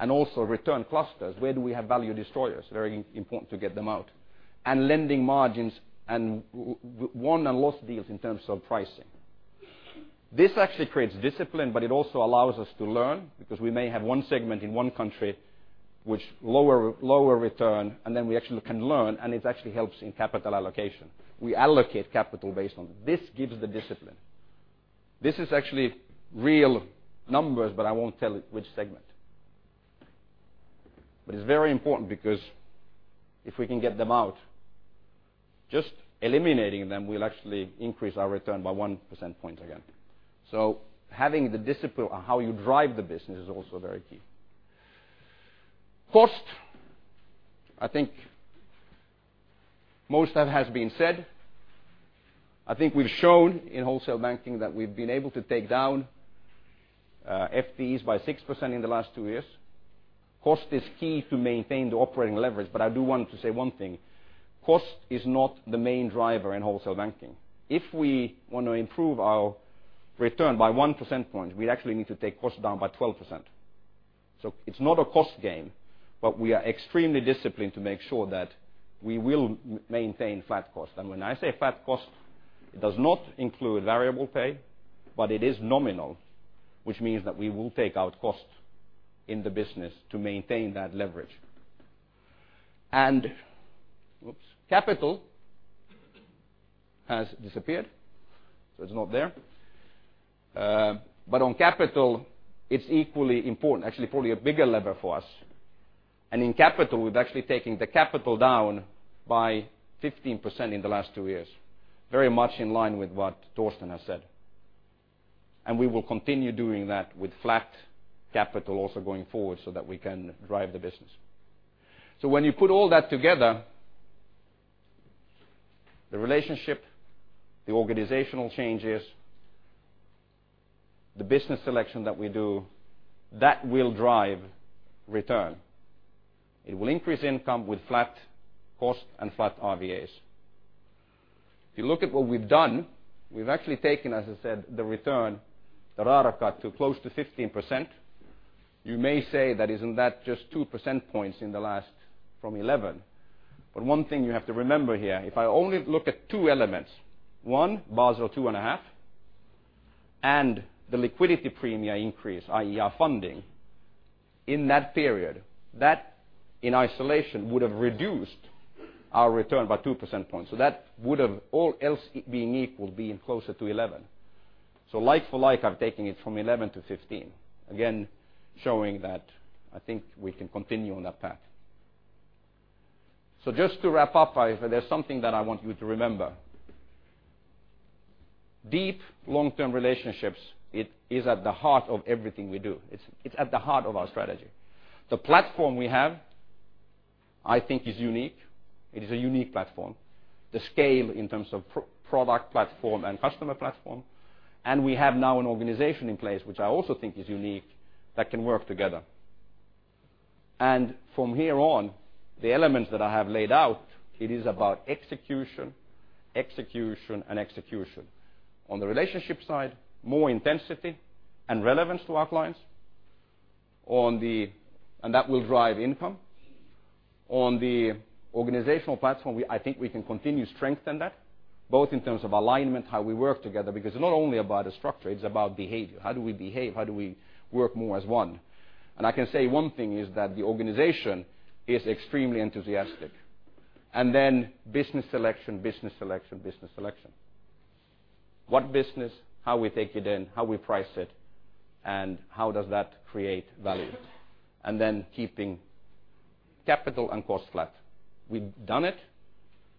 and also return clusters. Where do we have value destroyers? Very important to get them out. Lending margins and won and lost deals in terms of pricing. This actually creates discipline, but it also allows us to learn, because we may have one segment in one country, which lower return, and then we actually can learn, and it actually helps in capital allocation. We allocate capital based on that. This gives the discipline. This is actually real numbers, but I won't tell which segment. It's very important because if we can get them out, just eliminating them will actually increase our return by one percent point again. Having the discipline on how you drive the business is also very key. Cost, I think most of that has been said. I think we've shown in Wholesale Banking that we've been able to take down FTEs by 6% in the last two years. Cost is key to maintain the operating leverage, but I do want to say one thing. Cost is not the main driver in Wholesale Banking. If we want to improve our return by one percent point, we actually need to take costs down by 12%. It's not a cost game, but we are extremely disciplined to make sure that we will maintain flat cost. When I say flat cost, it does not include variable pay, but it is nominal, which means that we will take out cost in the business to maintain that leverage. Capital has disappeared, so it's not there. On capital, it's equally important, actually probably a bigger lever for us. In capital, we're actually taking the capital down by 15% in the last two years. Very much in line with what Torsten has said. We will continue doing that with flat capital also going forward so that we can drive the business. When you put all that together, the relationship, the organizational changes, the business selection that we do, that will drive return. It will increase income with flat cost and flat RWAs. If you look at what we've done, we've actually taken, as I said, the return, the [ROAA] cut to close to 15%. You may say, "Isn't that just two percent points in the last from 11?" One thing you have to remember here, if I only look at two elements, one, Basel 2.5, and the liquidity premia increase, i.e. our funding, in that period, that in isolation would have reduced our return by two percent points. That would have all else being equal, being closer to 11. Like for like, I've taken it from 11 to 15, again, showing that I think we can continue on that path. Just to wrap up, there's something that I want you to remember. Deep long-term relationships is at the heart of everything we do. It's at the heart of our strategy. The platform we have, I think is unique. It is a unique platform. The scale in terms of product platform and customer platform. We have now an organization in place, which I also think is unique, that can work together. From here on, the elements that I have laid out, it is about execution, and execution. On the relationship side, more intensity and relevance to our clients. That will drive income. On the organizational platform, I think we can continue to strengthen that, both in terms of alignment, how we work together, because it is not only about a structure, it is about behavior. How do we behave? How do we work more as one? I can say one thing is that the organization is extremely enthusiastic. Business selection, business selection, business selection. What business, how we take it in, how we price it, and how does that create value? Keeping capital and cost flat. We have done it,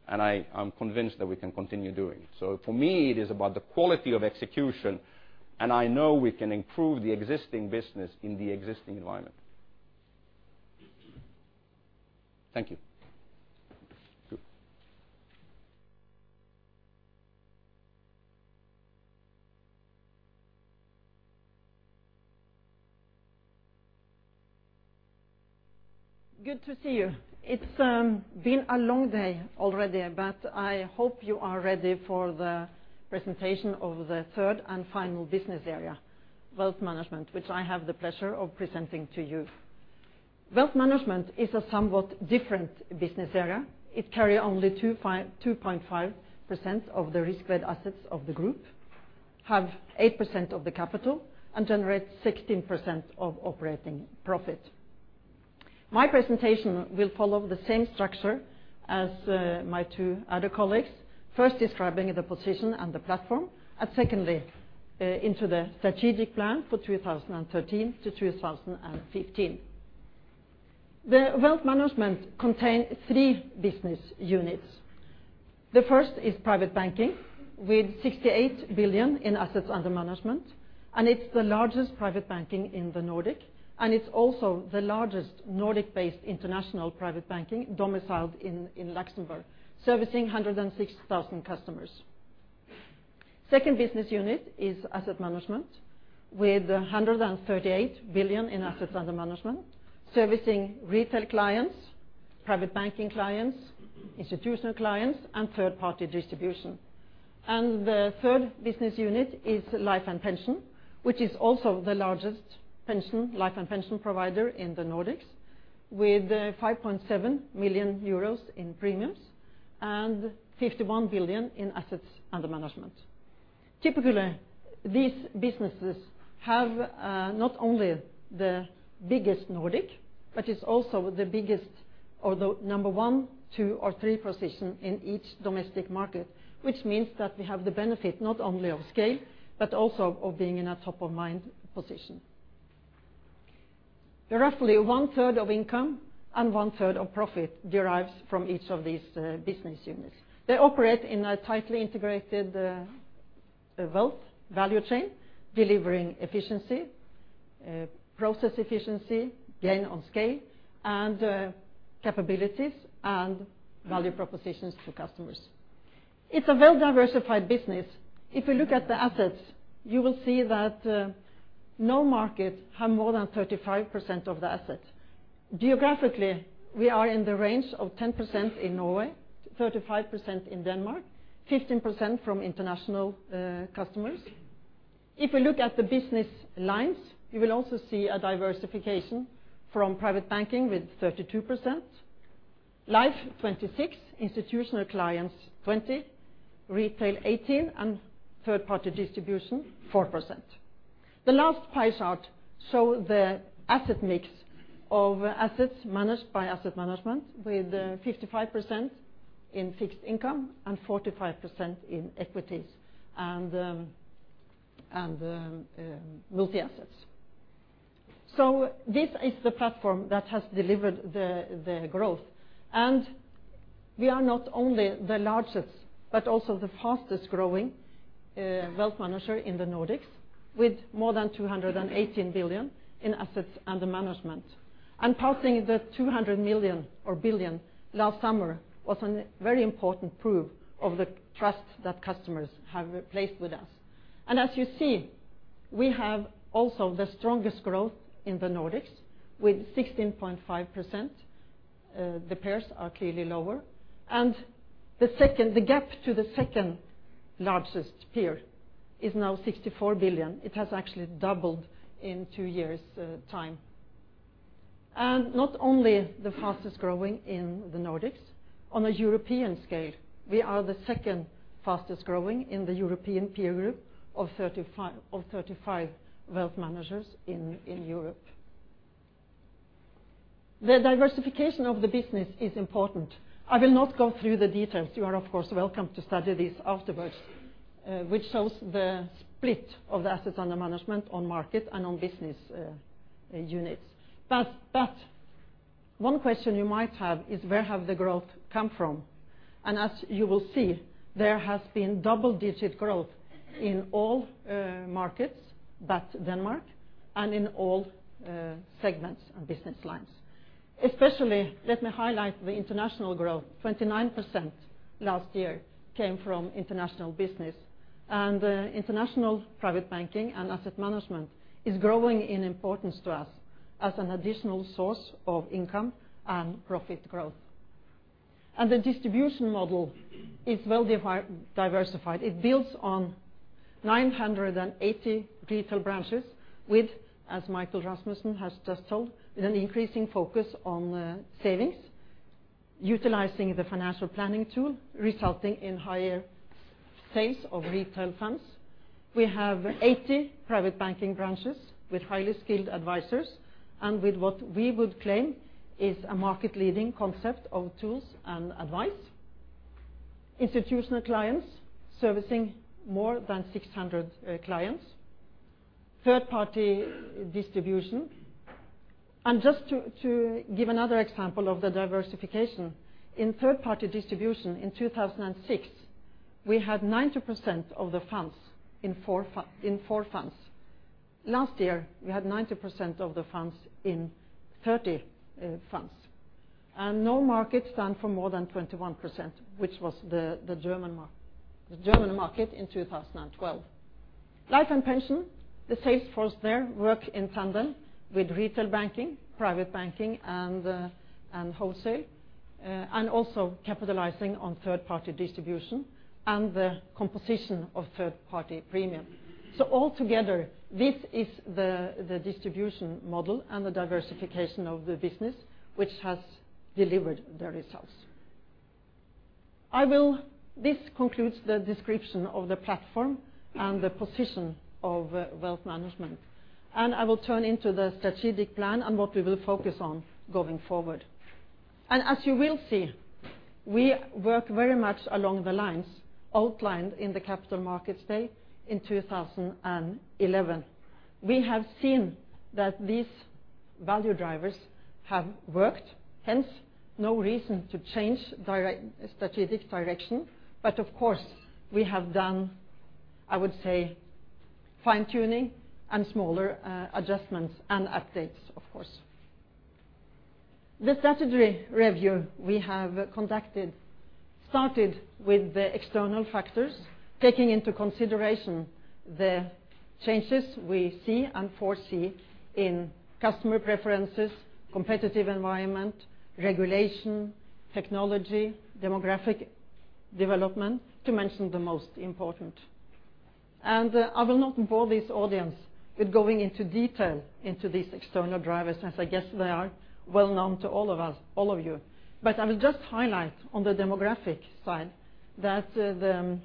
and I am convinced that we can continue doing it. For me, it is about the quality of execution, and I know we can improve the existing business in the existing environment. Thank you. Good to see you. It has been a long day already, but I hope you are ready for the presentation of the third and final business area, Wealth Management, which I have the pleasure of presenting to you. Wealth Management is a somewhat different business area. It carries only 2.5% of the RWA of the group, has 8% of the capital, and generates 16% of operating profit. My presentation will follow the same structure as my two other colleagues. First describing the position and the platform, and secondly, into the strategic plan for 2013-2015. The Wealth Management contains three business units. The first is Private Banking with 68 billion in assets under management, and it is the largest Private Banking in the Nordics, and it is also the largest Nordic-based international Private Banking domiciled in Luxembourg, servicing 106,000 customers. Second business unit is Asset Management with 138 billion in assets under management, servicing retail clients, Private Banking clients, institutional clients, and third-party distribution. The third business unit is Life and Pension, which is also the largest Life and Pension provider in the Nordics with 5.7 million euros in premiums and 51 billion in assets under management. Typically, these businesses have not only the biggest in the Nordics, but it is also the biggest or the number one, two, or three position in each domestic market, which means that we have the benefit not only of scale, but also of being in a top-of-mind position. Roughly one-third of income and one-third of profit derives from each of these business units. They operate in a tightly integrated wealth value chain, delivering efficiency, process efficiency, gain on scale, and capabilities and value propositions to customers. It is a well-diversified business. If you look at the assets, you will see that no market have more than 35% of the assets. Geographically, we are in the range of 10% in Norway, 35% in Denmark, 15% from international customers. If we look at the business lines, you will also see a diversification from Private Banking with 32%, life 26, institutional clients 20, retail 18, and third-party distribution 4%. The last pie chart show the asset mix of assets managed by asset management, with 55% in fixed income, and 45% in equities and multi-assets. This is the platform that has delivered the growth, and we are not only the largest, but also the fastest-growing wealth manager in the Nordics, with more than 218 billion in assets under management. Passing the 200 billion last summer was a very important proof of the trust that customers have placed with us. As you see, we have also the strongest growth in the Nordics with 16.5%. The peers are clearly lower. The gap to the second-largest peer is now 64 billion. It has actually doubled in two years' time. Not only the fastest-growing in the Nordics. On a European scale, we are the second fastest-growing in the European peer group of 35 wealth managers in Europe. The diversification of the business is important. I will not go through the details. You are, of course, welcome to study these afterwards, which shows the split of the assets under management on market and on business units. One question you might have is where has the growth come from? As you will see, there has been double-digit growth in all markets but Denmark and in all segments and business lines. Especially, let me highlight the international growth, 29% last year came from international business. International Private Banking and asset management is growing in importance to us as an additional source of income and profit growth. The distribution model is well-diversified. It builds on 980 retail branches with, as Michael Rasmussen has just told, with an increasing focus on savings, utilizing the financial planning tool, resulting in higher sales of retail funds. We have 80 Private Banking branches with highly skilled advisors and with what we would claim is a market-leading concept of tools and advice. Institutional clients, servicing more than 600 clients. Third-party distribution. Just to give another example of the diversification, in third-party distribution in 2006, we had 90% of the funds in four funds. Last year, we had 90% of the funds in 30 funds. No market stand for more than 21%, which was the German market in 2012. Life and Pension, the sales force there work in tandem with retail banking, Private Banking, and wholesale, and also capitalizing on third-party distribution and the composition of third-party premium. All together, this is the distribution model and the diversification of the business which has delivered the results. This concludes the description of the platform and the position of wealth management. I will turn into the strategic plan and what we will focus on going forward. As you will see, we work very much along the lines outlined in the Capital Markets Day in 2011. We have seen that these value drivers have worked, hence no reason to change strategic direction. Of course, we have done, I would say, fine-tuning and smaller adjustments and updates, of course. The strategy review we have conducted started with the external factors, taking into consideration the changes we see and foresee in customer preferences, competitive environment, regulation, technology, demographic development, to mention the most important. I will not bore this audience with going into detail into these external drivers, as I guess they are well-known to all of you. I will just highlight on the demographic side that the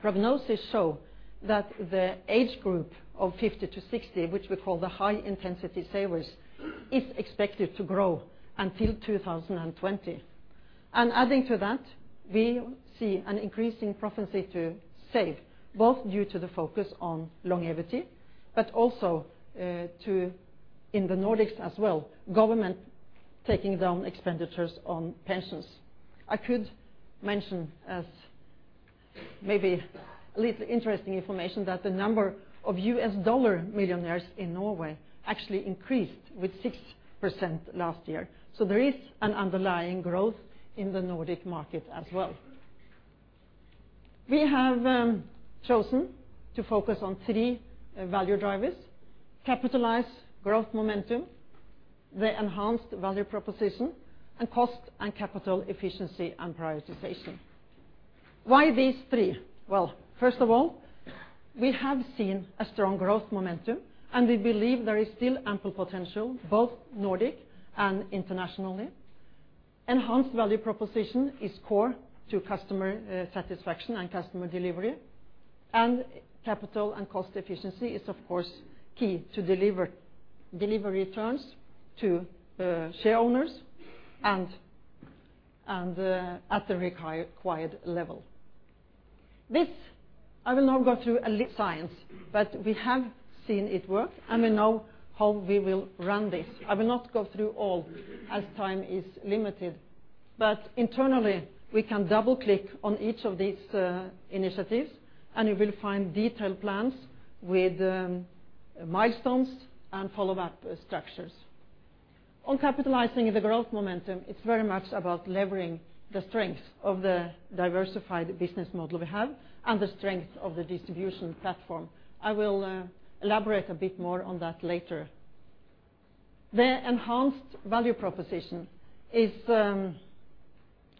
prognosis show that the age group of 50 to 60, which we call the high-intensity savers, is expected to grow until 2020. Adding to that, we see an increasing propensity to save, both due to the focus on longevity, but also to, in the Nordics as well, government taking down expenditures on pensions. I could mention, as maybe a little interesting information, that the number of U.S. dollar millionaires in Norway actually increased with 6% last year. There is an underlying growth in the Nordic market as well. We have chosen to focus on three value drivers, Capitalize growth momentum, the Enhanced value proposition, and Cost and capital efficiency and prioritization. Why these three? First of all, we have seen a strong growth momentum, and we believe there is still ample potential, both Nordic and internationally. Enhanced value proposition is core to customer satisfaction and customer delivery. Capital and cost efficiency is, of course, key to deliver returns to shareowners at the required level. This, I will not go through [elite science], but we have seen it work, and we know how we will run this. I will not go through all, as time is limited. Internally, we can double-click on each of these initiatives, and you will find detailed plans with milestones and follow-up structures. On capitalizing the growth momentum, it's very much about levering the strength of the diversified business model we have and the strength of the distribution platform. I will elaborate a bit more on that later. The enhanced value proposition is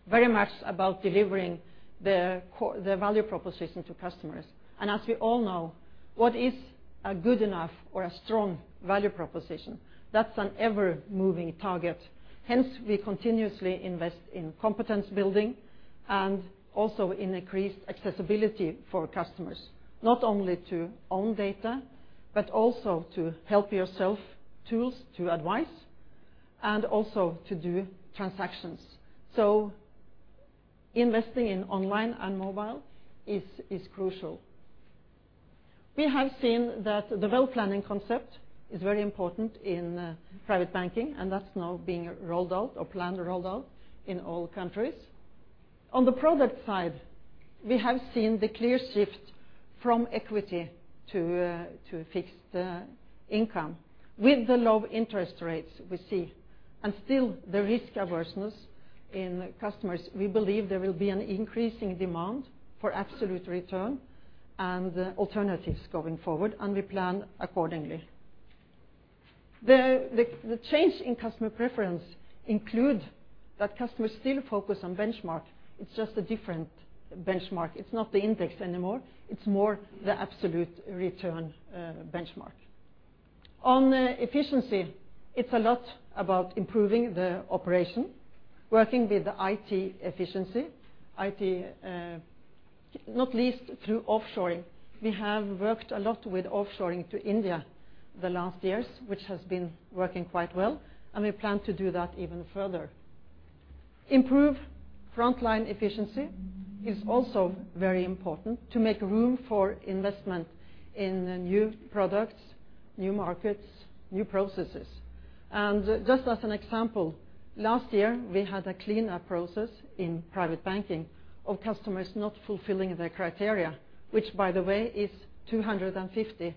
very much about delivering the value proposition to customers. As we all know, what is a good enough or a strong value proposition? That's an ever-moving target. Hence, we continuously invest in competence building and also in increased accessibility for customers, not only to own data, but also to help yourself, tools to advise, and also to do transactions. Investing in online and mobile is crucial. We have seen that the wealth planning concept is very important in Private Banking, and that's now being planned rolled out in all countries. On the product side, we have seen the clear shift from equity to fixed income. With the low interest rates we see, and still the risk averseness in customers, we believe there will be an increasing demand for absolute return and alternatives going forward, and we plan accordingly. The change in customer preference include that customers still focus on benchmark. It's just a different benchmark. It's not the index anymore. It's more the absolute return benchmark. On efficiency, it's a lot about improving the operation, working with the IT efficiency, not least through offshoring. We have worked a lot with offshoring to India the last years, which has been working quite well, and we plan to do that even further. Improve frontline efficiency is also very important to make room for investment in new products, new markets, new processes. Just as an example, last year, we had a cleanup process in Private Banking of customers not fulfilling their criteria, which, by the way, is 250,000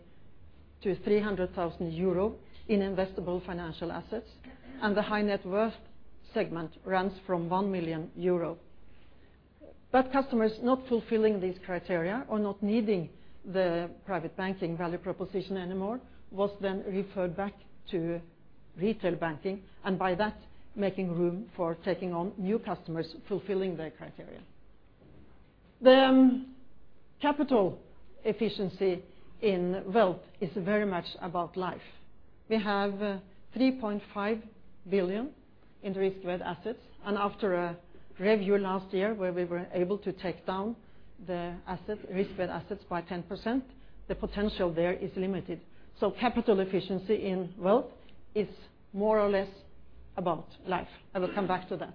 to 300,000 euro in investable financial assets, and the high net worth segment runs from 1 million euro. Customers not fulfilling these criteria or not needing the Private Banking value proposition anymore was then referred back to retail banking, and by that, making room for taking on new customers fulfilling their criteria. The capital efficiency in wealth is very much about life. We have 3.5 billion in RWA, and after a review last year where we were able to take down the RWA by 10%, the potential there is limited. So capital efficiency in wealth is more or less about life. I will come back to that.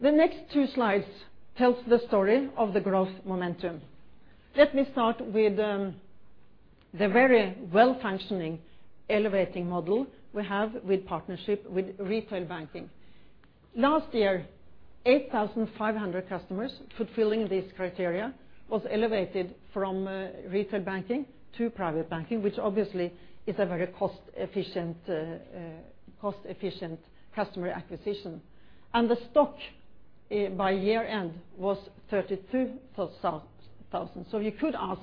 The next two slides tell the story of the growth momentum. Let me start with the very well-functioning elevating model we have with partnership with retail banking. Last year, 8,500 customers fulfilling these criteria was elevated from retail banking to Private Banking, which obviously is a very cost-efficient customer acquisition. The stock by year-end was 32,000. You could ask,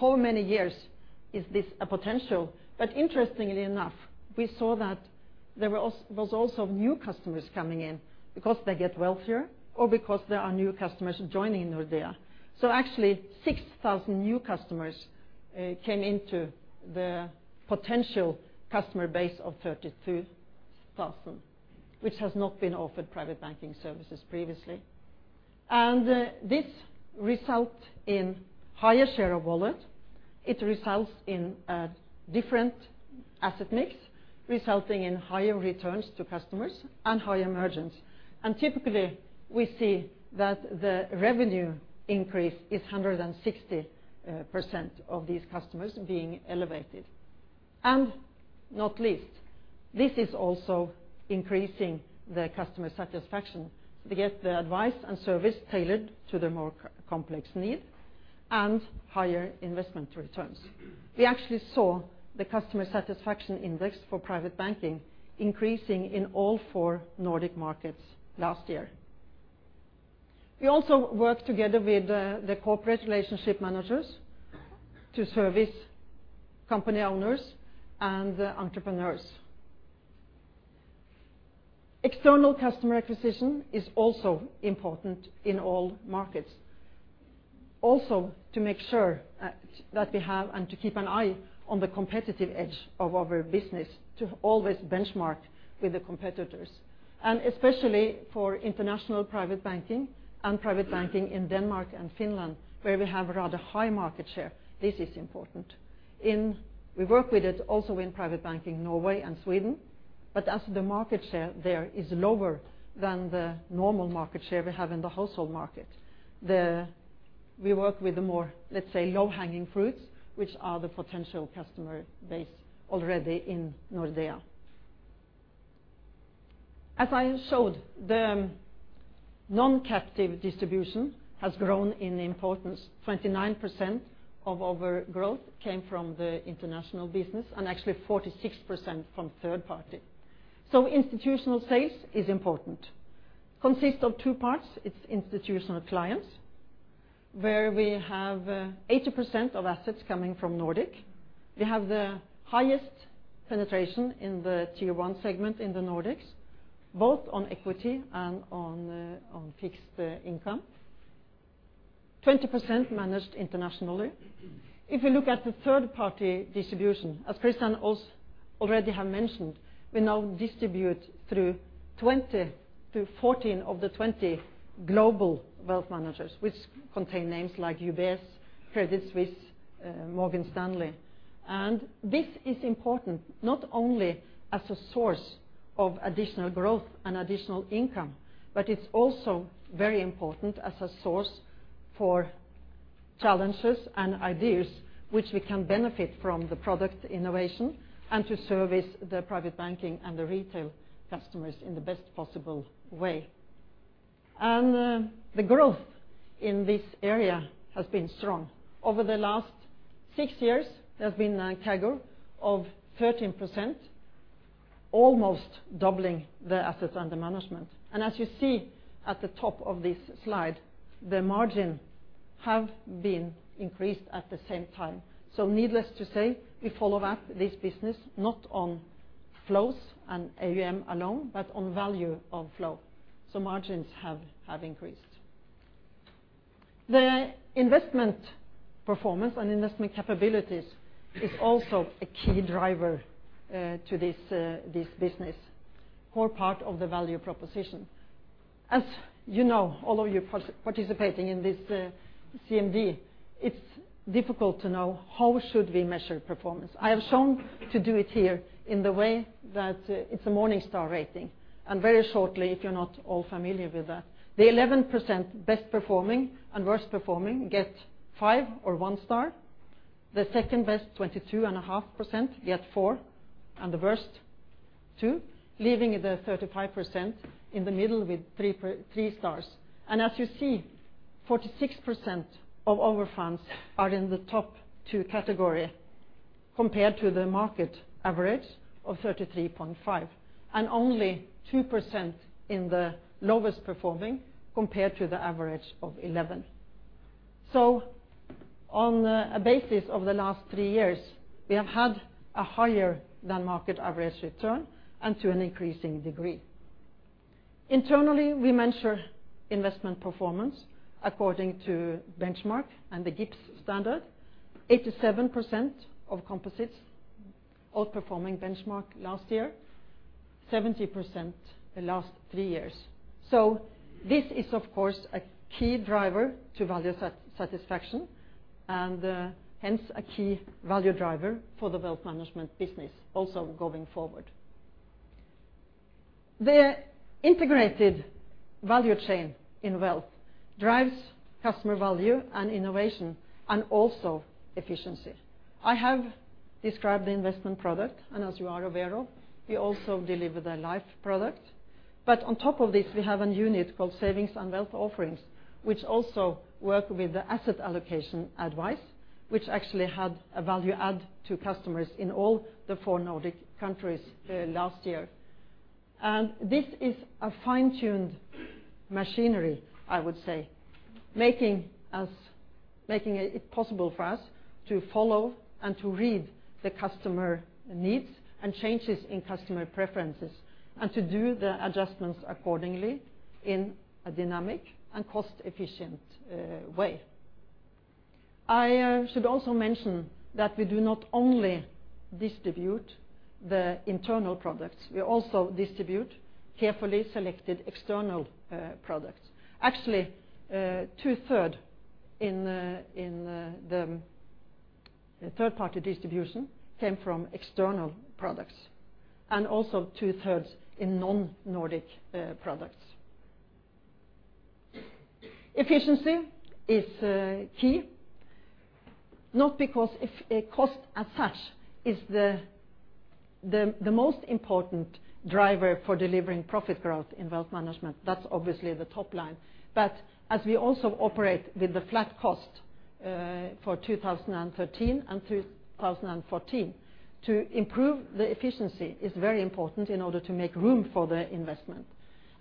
how many years is this a potential? Interestingly enough, we saw that there was also new customers coming in because they get wealthier or because there are new customers joining Nordea. Actually, 6,000 new customers came into the potential customer base of 32,000, which has not been offered Private Banking services previously. This result in higher share of wallet. It results in a different asset mix, resulting in higher returns to customers and higher margins. Typically, we see that the revenue increase is 160% of these customers being elevated. Not least, this is also increasing the customer satisfaction to get the advice and service tailored to their more complex need and higher investment returns. We actually saw the customer satisfaction index for Private Banking increasing in all four Nordic markets last year. We also work together with the corporate relationship managers to service company owners and entrepreneurs. External customer acquisition is also important in all markets. Also, to make sure that we have and to keep an eye on the competitive edge of our business, to always benchmark with the competitors. Especially for international Private Banking and Private Banking in Denmark and Finland, where we have a rather high market share, this is important. We work with it also in Private Banking, Norway and Sweden. As the market share there is lower than the normal market share we have in the household market, we work with the more, let's say, low-hanging fruits, which are the potential customer base already in Nordea. As I showed, the non-captive distribution has grown in importance, 29% of our growth came from the international business and actually 46% from third party. Institutional sales is important. Consists of two parts. It's institutional clients, where we have 80% of assets coming from Nordic. We have the highest penetration in the tier 1 segment in the Nordics, both on equity and on fixed income. 20% managed internationally. If you look at the third-party distribution, as Christian already has mentioned, we now distribute through 14 of the 20 global wealth managers, which contain names like UBS, Credit Suisse, Morgan Stanley. This is important not only as a source of additional growth and additional income, it's also very important as a source for challenges and ideas which we can benefit from the product innovation and to service the Private Banking and the retail customers in the best possible way. The growth in this area has been strong. Over the last six years, there has been a CAGR of 13%, almost doubling the assets under management. As you see at the top of this slide, the margin have been increased at the same time. Needless to say, we follow up this business not on flows and AUM alone, but on value of flow. Margins have increased. The investment performance and investment capabilities is also a key driver to this business, core part of the value proposition. As you know, all of you participating in this CMD, it's difficult to know how should we measure performance. I have shown to do it here in the way that it's a Morningstar rating, and very shortly, if you're not all familiar with that. The 11% best performing and worst performing get 5 or 1 star, the second-best, 22.5%, get 4 and the worst, 2, leaving the 35% in the middle with 3 stars. As you see, 46% of our funds are in the top 2 category compared to the market average of 33.5%, and only 2% in the lowest performing compared to the average of 11%. On a basis of the last three years, we have had a higher than market average return and to an increasing degree. Internally, we measure investment performance according to benchmark and the GIPS standards. 87% of composites outperforming benchmark last year, 70% the last three years. This is, of course, a key driver to value satisfaction and hence a key value driver for the wealth management business also going forward. The integrated value chain in wealth drives customer value and innovation and also efficiency. I have described the investment product, and as you are aware of, we also deliver the life product. But on top of this, we have a unit called Savings and Wealth Offerings, which also work with the asset allocation advice, which actually had a value add to customers in all the four Nordic countries last year. This is a fine-tuned machinery, I would say, making it possible for us to follow and to read the customer needs and changes in customer preferences and to do the adjustments accordingly in a dynamic and cost-efficient way. I should also mention that we do not only distribute the internal products, we also distribute carefully selected external products. Actually, two-third in the third-party distribution came from external products, and also two-thirds in non-Nordic products. Efficiency is key, not because a cost as such is the most important driver for delivering profit growth in wealth management. That's obviously the top line. As we also operate with a flat cost for 2013 and 2014, to improve the efficiency is very important in order to make room for the investment.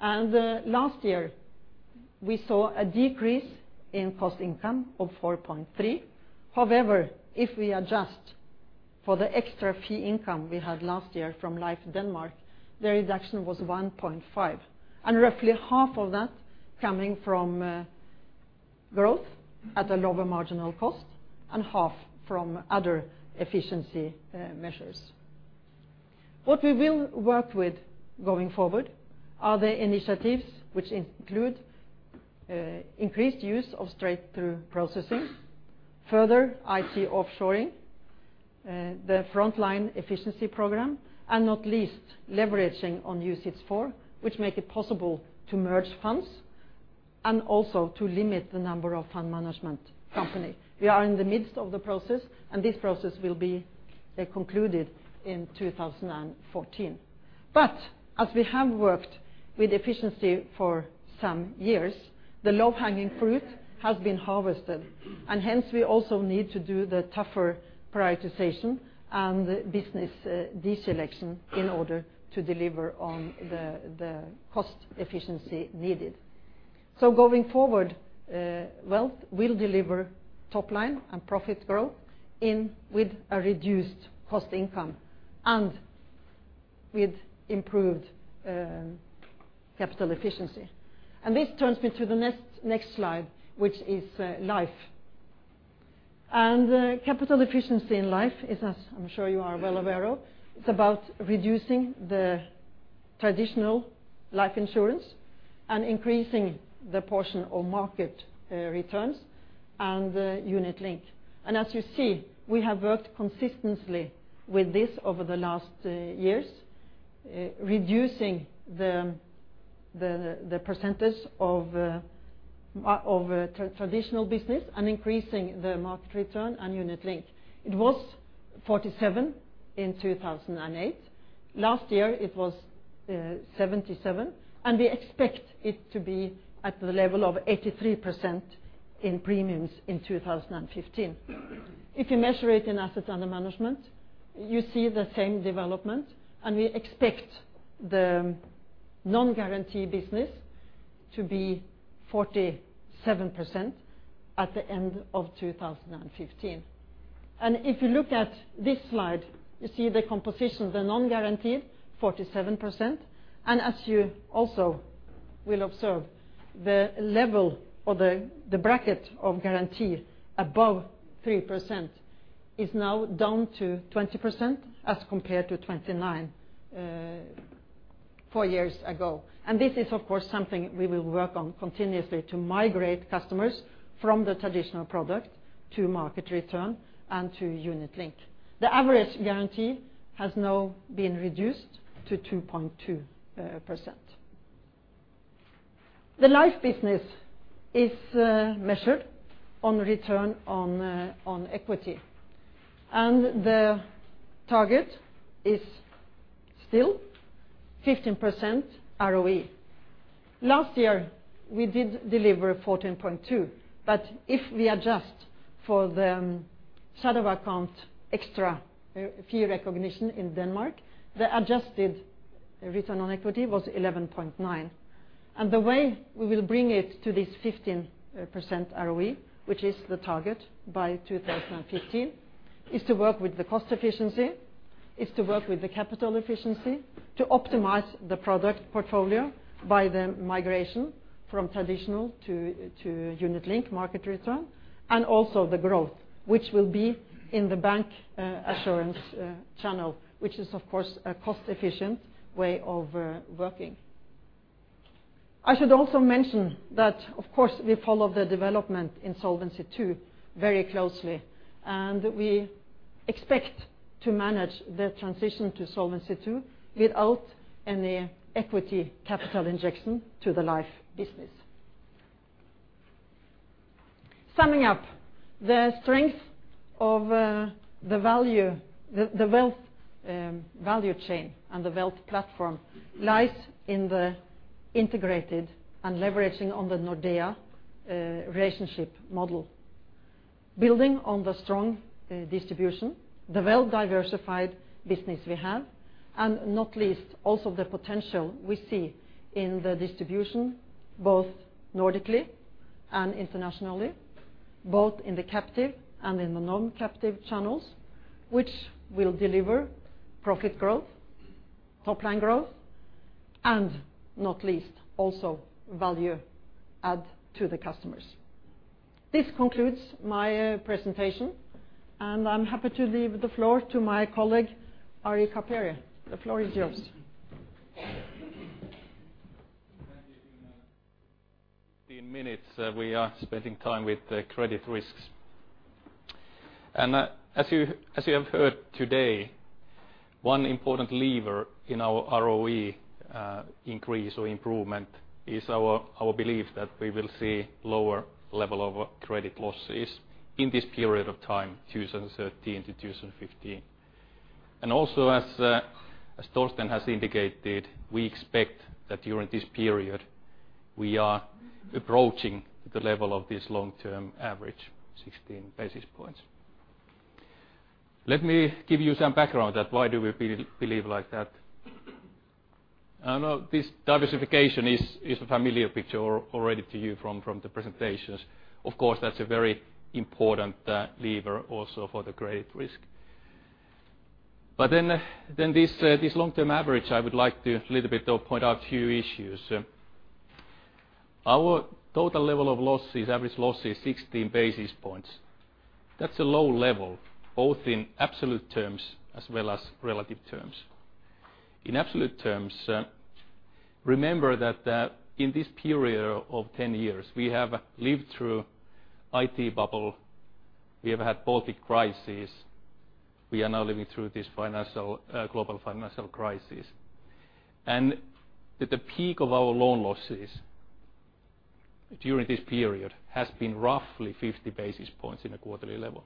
Last year, we saw a decrease in cost income of 4.3%. However, if we adjust for the extra fee income we had last year from Life Denmark, the reduction was 1.5%, and roughly half of that coming from growth at a lower marginal cost and half from other efficiency measures. What we will work with going forward are the initiatives which include increased use of straight-through processes, further IT offshoring, the Frontline Efficiency Program, and not least leveraging on UCITS IV, which make it possible to merge funds and also to limit the number of fund management company. We are in the midst of the process, and this process will be concluded in 2014. But as we have worked with efficiency for some years, the low-hanging fruit has been harvested, and hence we also need to do the tougher prioritization and business deselection in order to deliver on the cost efficiency needed. So going forward, Wealth will deliver top line and profit growth with a reduced cost income and with improved capital efficiency. This turns me to the next slide, which is life. Capital efficiency in life is, as I'm sure you are well aware of, it's about reducing the traditional life insurance and increasing the portion of market returns and the unit link. As you see, we have worked consistently with this over the last years, reducing the percentage of traditional business and increasing the market return and unit link. It was 47% in 2008. Last year it was 77%, and we expect it to be at the level of 83% in premiums in 2015. If you measure it in assets under management, you see the same development, and we expect the non-guarantee business to be 47% at the end of 2015. If you look at this slide, you see the composition, the non-guarantee 47%. As you also will observe, the level of the bracket of guarantee above 3% is now down to 20% as compared to 29% four years ago. This is, of course, something we will work on continuously to migrate customers from the traditional product to market return and to unit link. The average guarantee has now been reduced to 2.2%. The life business is measured on return on equity, and the target is still 15% ROE. Last year we did deliver 14.2%, but if we adjust for the shadow account extra fee recognition in Denmark, the adjusted return on equity was 11.9%. The way we will bring it to this 15% ROE, which is the target by 2015, is to work with the cost efficiency, is to work with the capital efficiency to optimize the product portfolio by the migration from traditional to unit link market return, and also the growth, which will be in the bancassurance channel, which is, of course, a cost-efficient way of working. I should also mention that, of course, we follow the development in Solvency II very closely, and we expect to manage the transition to Solvency II without any equity capital injection to the life business. Summing up, the strength of the Wealth value chain, and the Wealth platform lies in the integrated and leveraging on the Nordea relationship model. Building on the strong distribution, the well-diversified business we have, and not least, also the potential we see in the distribution, both Nordically and internationally, both in the captive and in the non-captive channels, which will deliver profit growth, top line growth, and not least, also value add to the customers. This concludes my presentation, and I'm happy to leave the floor to my colleague, Ari Kaperi. The floor is yours. Thank you, Nina. In minutes, we are spending time with the credit risks. As you have heard today, one important lever in our ROE increase or improvement is our belief that we will see lower level of credit losses in this period of time, 2013 to 2015. Also as Torsten has indicated, we expect that during this period, we are approaching the level of this long-term average, 16 basis points. Let me give you some background that why do we believe like that. I know this diversification is a familiar picture already to you from the presentations. Of course, that's a very important lever also for the credit risk. This long-term average, I would like to a little bit point out a few issues. Our total level of losses, average losses 16 basis points. That's a low level, both in absolute terms as well as relative terms. In absolute terms, remember that in this period of 10 years, we have lived through IT bubble, we have had Baltic crisis, we are now living through this global financial crisis. The peak of our loan losses during this period has been roughly 50 basis points in a quarterly level.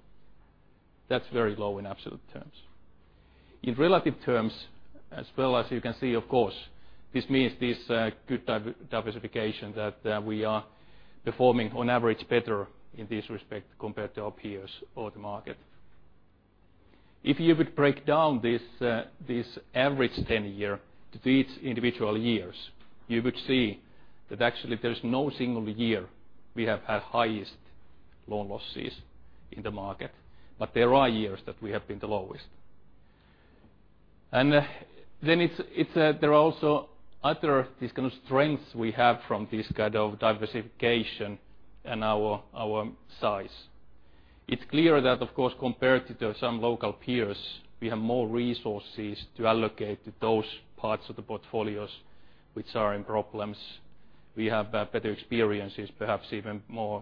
That's very low in absolute terms. In relative terms, as well as you can see, of course, this means this good diversification that we are performing on average better in this respect compared to our peers or the market. If you would break down this average 10-year to its individual years, you would see that actually there's no single year we have had highest loan losses in the market, but there are years that we have been the lowest. Then there are also other strengths we have from this kind of diversification and our size. It's clear that, of course, compared to some local peers, we have more resources to allocate to those parts of the portfolios which are in problems. We have better experiences, perhaps even more,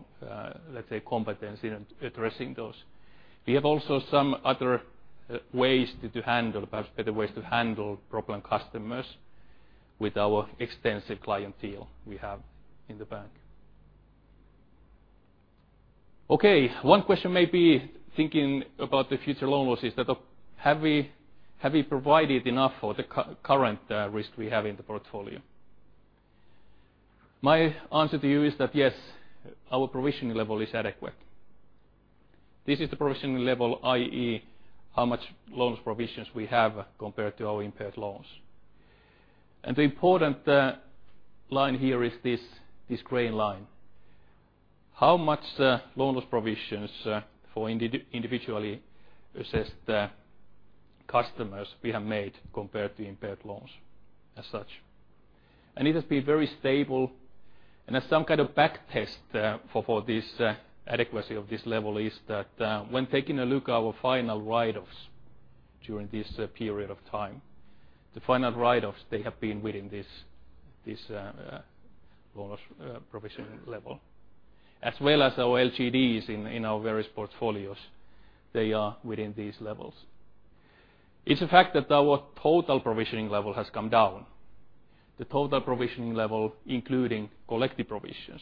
let's say, competency in addressing those. We have also some other ways to handle, perhaps better ways to handle problem customers with our extensive clientele we have in the bank. Okay, one question may be thinking about the future loan losses that have we provided enough for the current risk we have in the portfolio? My answer to you is that yes, our provisioning level is adequate. This is the provisioning level, i.e., how much loan provisions we have compared to our impaired loans. The important line here is this gray line. How much loan loss provisions for individually assessed customers we have made compared to impaired loans as such. It has been very stable, and as some kind of back test for this adequacy of this level is that when taking a look our final write-offs during this period of time, the final write-offs, they have been within this loan loss provisioning level, as well as our LGDs in our various portfolios, they are within these levels. It's a fact that our total provisioning level has come down, the total provisioning level, including collective provisions.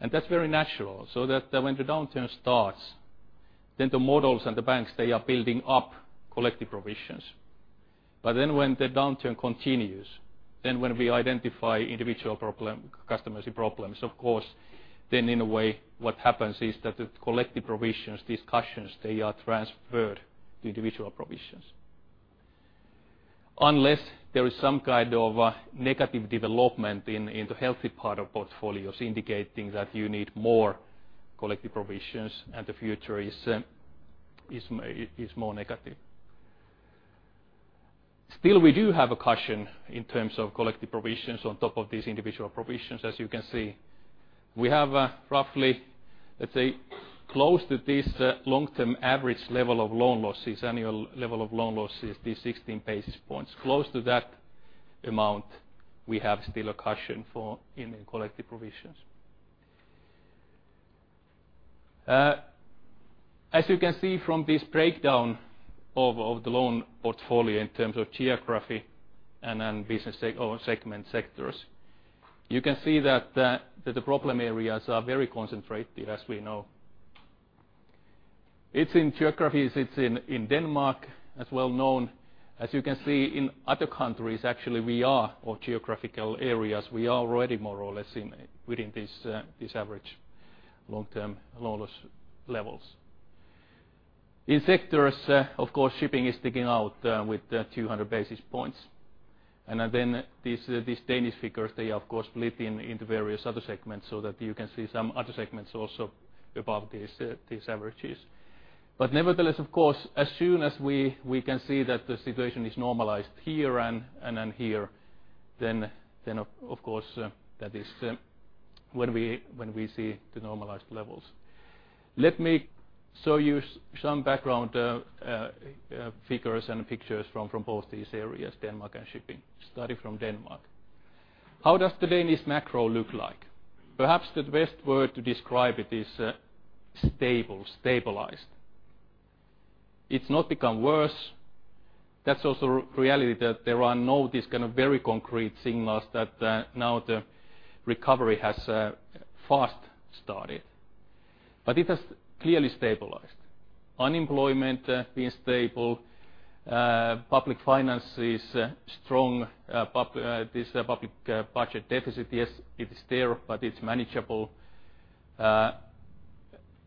That's very natural, so that when the downturn starts, then the models and the banks, they are building up collective provisions. When the downturn continues, then when we identify individual customers problems, of course, then in a way what happens is that the collective provisions, these cushions, they are transferred to individual provisions. Unless there is some kind of negative development in the healthy part of portfolios indicating that you need more collective provisions and the future is more negative. Still, we do have a cushion in terms of collective provisions on top of these individual provisions. As you can see, we have roughly, let's say, close to this long-term average level of loan losses, annual level of loan losses, these 16 basis points. Close to that amount, we have still a cushion in the collective provisions. As you can see from this breakdown of the loan portfolio in terms of geography and business sectors, you can see that the problem areas are very concentrated as we know. It's in geographies, it's in Denmark, as well known. As you can see in other countries, actually, we are, or geographical areas, we are already more or less within this average long-term loan loss levels. In sectors, of course, shipping is sticking out with 200 basis points. These Danish figures, they of course split into various other segments so that you can see some other segments also above these averages. Nevertheless, of course, as soon as we can see that the situation is normalized here and then here, then of course, that is when we see the normalized levels. Let me show you some background figures and pictures from both these areas, Denmark and shipping. Start from Denmark. How does the Danish macro look like? Perhaps the best word to describe it is stable, stabilized. It's not become worse. That's also reality that there are no very concrete signals that now the recovery has fast started, but it has clearly stabilized. Unemployment being stable, public finances strong. This public budget deficit, yes, it is there, but it's manageable.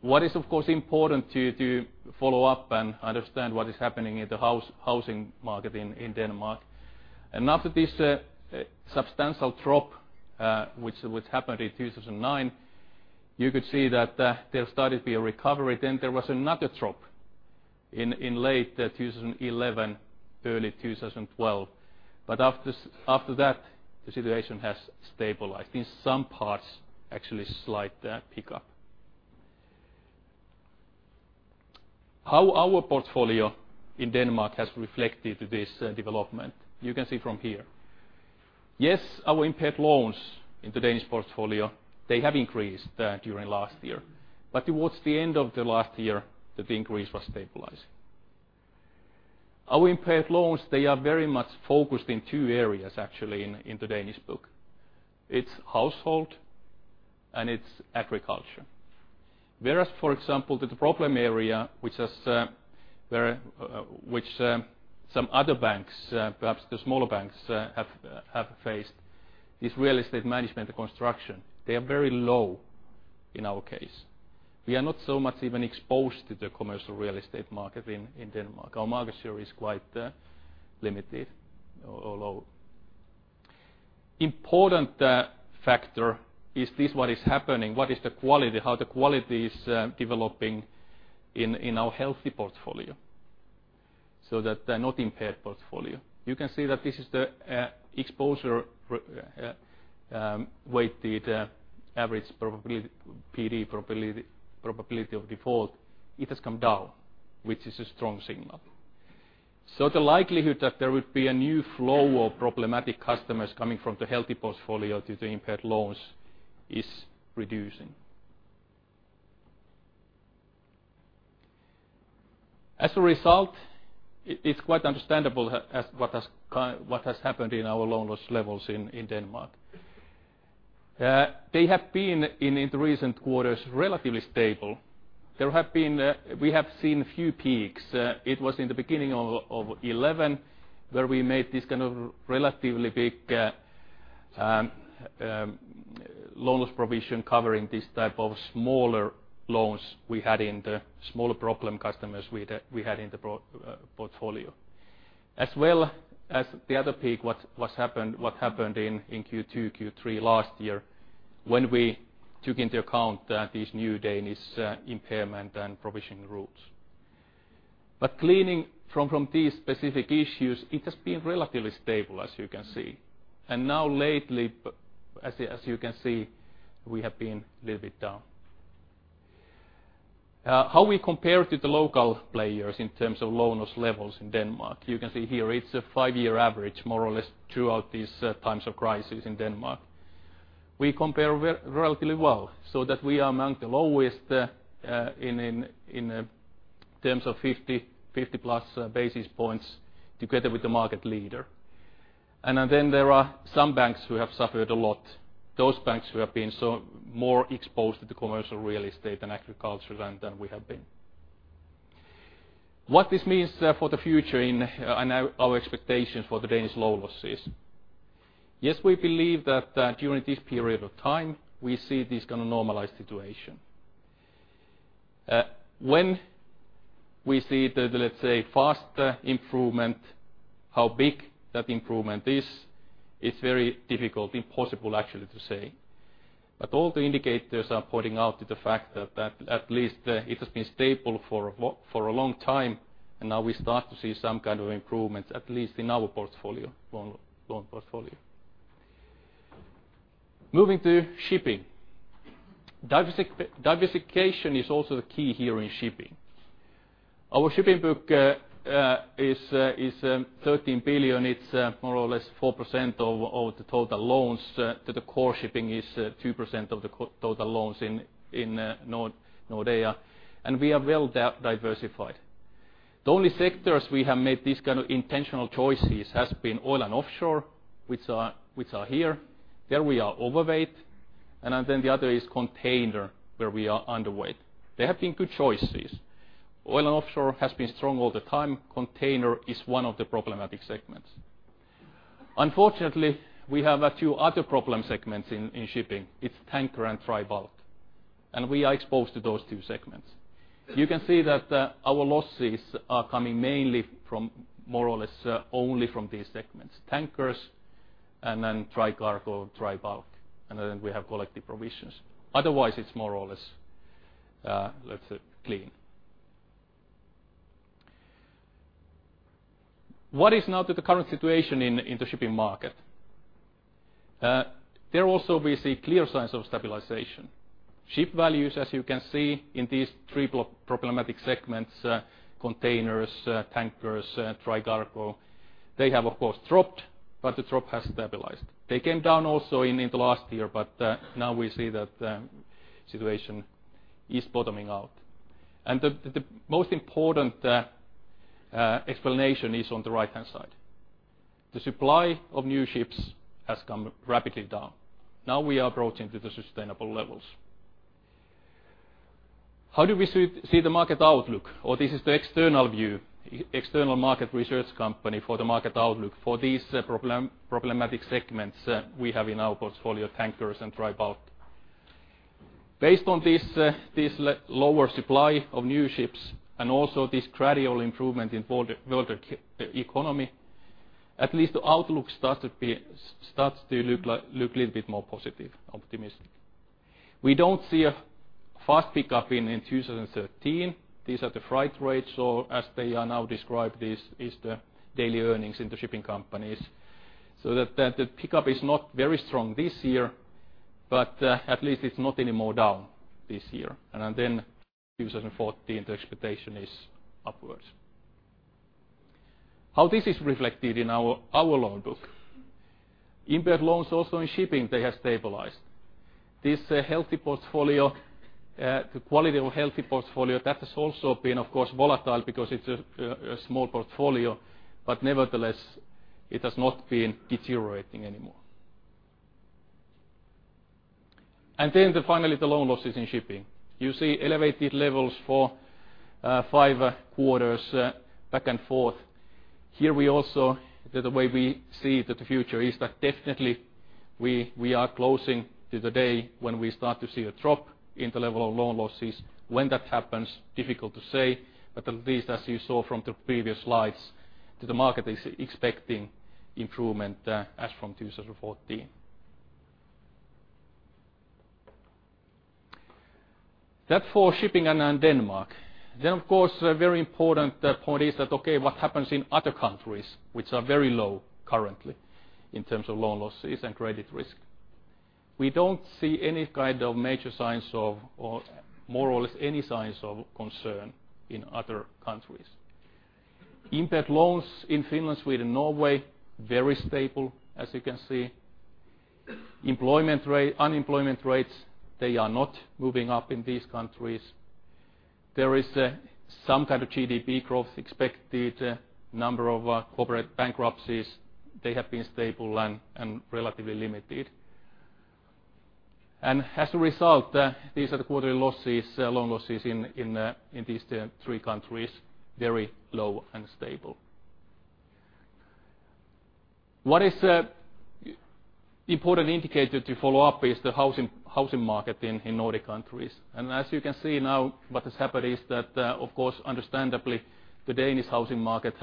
What is of course important to follow up and understand what is happening in the housing market in Denmark. After this substantial drop, which happened in 2009, you could see that there started to be a recovery. There was another drop in late 2011, early 2012. After that, the situation has stabilized. In some parts, actually slight pick-up. How our portfolio in Denmark has reflected this development, you can see from here. Yes, our impaired loans in the Danish portfolio, they have increased during last year, but towards the end of the last year, the increase was stabilized. Our impaired loans, they are very much focused in two areas actually in the Danish book. It is household and it is agriculture. Whereas for example the problem area, which some other banks, perhaps the smaller banks have faced, is real estate management construction. They are very low in our case. We are not so much even exposed to the commercial real estate market in Denmark. Our market share is quite limited or low. Important factor is this what is happening, what is the quality, how the quality is developing in our healthy portfolio. The not impaired portfolio. You can see that this is the exposure weighted average probability, PD probability of default, it has come down, which is a strong signal. The likelihood that there would be a new flow of problematic customers coming from the healthy portfolio to the impaired loans is reducing. As a result, it is quite understandable what has happened in our loan loss levels in Denmark. They have been in the recent quarters, relatively stable. We have seen few peaks. It was in the beginning of 2011 where we made this relatively big loan loss provision covering this type of smaller loans we had in the smaller problem customers we had in the portfolio. As well as the other peak, what happened in Q2, Q3 last year when we took into account these new Danish impairment and provisioning rules. Cleaning from these specific issues, it has been relatively stable as you can see. Now lately, as you can see, we have been a little bit down. How we compare to the local players in terms of loan loss levels in Denmark. You can see here it is a five-year average more or less throughout these times of crisis in Denmark. We compare relatively well so that we are among the lowest in terms of 50 plus basis points together with the market leader. Then there are some banks who have suffered a lot. Those banks who have been more exposed to the commercial real estate and agriculture than we have been. What this means for the future and our expectations for the Danish loan losses. Yes, we believe that during this period of time, we see this kind of normalized situation. When we see the, let's say, faster improvement, how big that improvement is, it is very difficult, impossible actually to say. All the indicators are pointing out to the fact that at least it has been stable for a long time and now we start to see some kind of improvements at least in our loan portfolio. Moving to shipping. Diversification is also the key here in shipping. Our shipping book is 13 billion. It is more or less 4% of the total loans to the core shipping is 2% of the total loans in Nordea Bank. We are well diversified. The only sectors we have made these kind of intentional choices has been oil and offshore, which are here. There we are overweight. The other is container, where we are underweight. They have been good choices. Oil and offshore has been strong all the time. Container is one of the problematic segments. Unfortunately, we have a few other problem segments in shipping. It is tanker and dry bulk. We are exposed to those two segments. You can see that our losses are coming more or less only from these segments, tankers and then dry cargo, dry bulk, and then we have collective provisions. Otherwise, it's more or less, let's say clean. What is now the current situation in the shipping market? There also we see clear signs of stabilization. Ship values, as you can see in these three problematic segments, containers, tankers, dry cargo. They have, of course, dropped, but the drop has stabilized. They came down also in the last year, but now we see that the situation is bottoming out. The most important explanation is on the right-hand side. The supply of new ships has come rapidly down. Now we are approaching to the sustainable levels. How do we see the market outlook? This is the external view, external market research company for the market outlook for these problematic segments we have in our portfolio, tankers and dry bulk. Based on this lower supply of new ships and also this gradual improvement in world economy, at least the outlook starts to look a little bit more positive, optimistic. We don't see a fast pickup in 2013. These are the freight rates or as they are now described, this is the daily earnings in the shipping companies. The pickup is not very strong this year, but at least it's not any more down this year. 2014, the expectation is upwards. How this is reflected in our loan book? Impact loans also in shipping, they have stabilized. This quality or healthy portfolio, that has also been, of course, volatile because it's a small portfolio, but nevertheless, it has not been deteriorating anymore. Finally, the loan losses in shipping. You see elevated levels for five quarters back and forth. Here we also, the way we see that the future is that definitely we are closing to the day when we start to see a drop in the level of loan losses. When that happens, difficult to say, but at least as you saw from the previous slides, that the market is expecting improvement as from 2014. That for shipping and then Denmark. Of course, a very important point is that, okay, what happens in other countries which are very low currently in terms of loan losses and credit risk? We don't see any kind of major signs of, or more or less any signs of concern in other countries. Impact loans in Finland, Sweden, Norway, very stable, as you can see. Unemployment rates, they are not moving up in these countries. There is some kind of GDP growth expected. Number of corporate bankruptcies, they have been stable and relatively limited. As a result, these are the quarterly loan losses in these three countries, very low and stable. What is important indicator to follow up is the housing market in Nordic countries. As you can see now what has happened is that, of course, understandably, the Danish housing market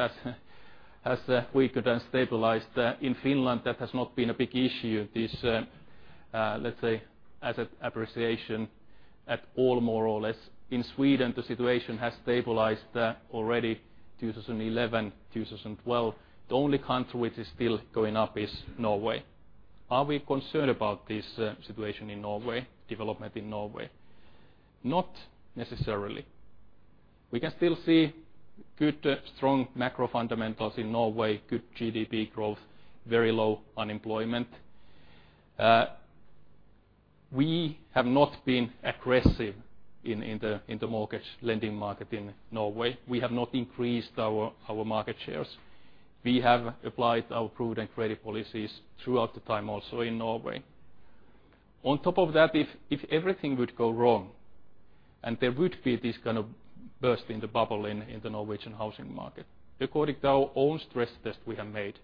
has weakened and stabilized. In Finland, that has not been a big issue. This, let's say, asset appreciation at all, more or less. In Sweden, the situation has stabilized already 2011, 2012. The only country which is still going up is Norway. Are we concerned about this situation in Norway, development in Norway? Not necessarily. We can still see good, strong macro fundamentals in Norway, good GDP growth, very low unemployment. We have not been aggressive in the mortgage lending market in Norway. We have not increased our market shares. We have applied our prudent credit policies throughout the time also in Norway. On top of that, if everything would go wrong and there would be this kind of burst in the bubble in the Norwegian housing market, according to our own stress test we have made,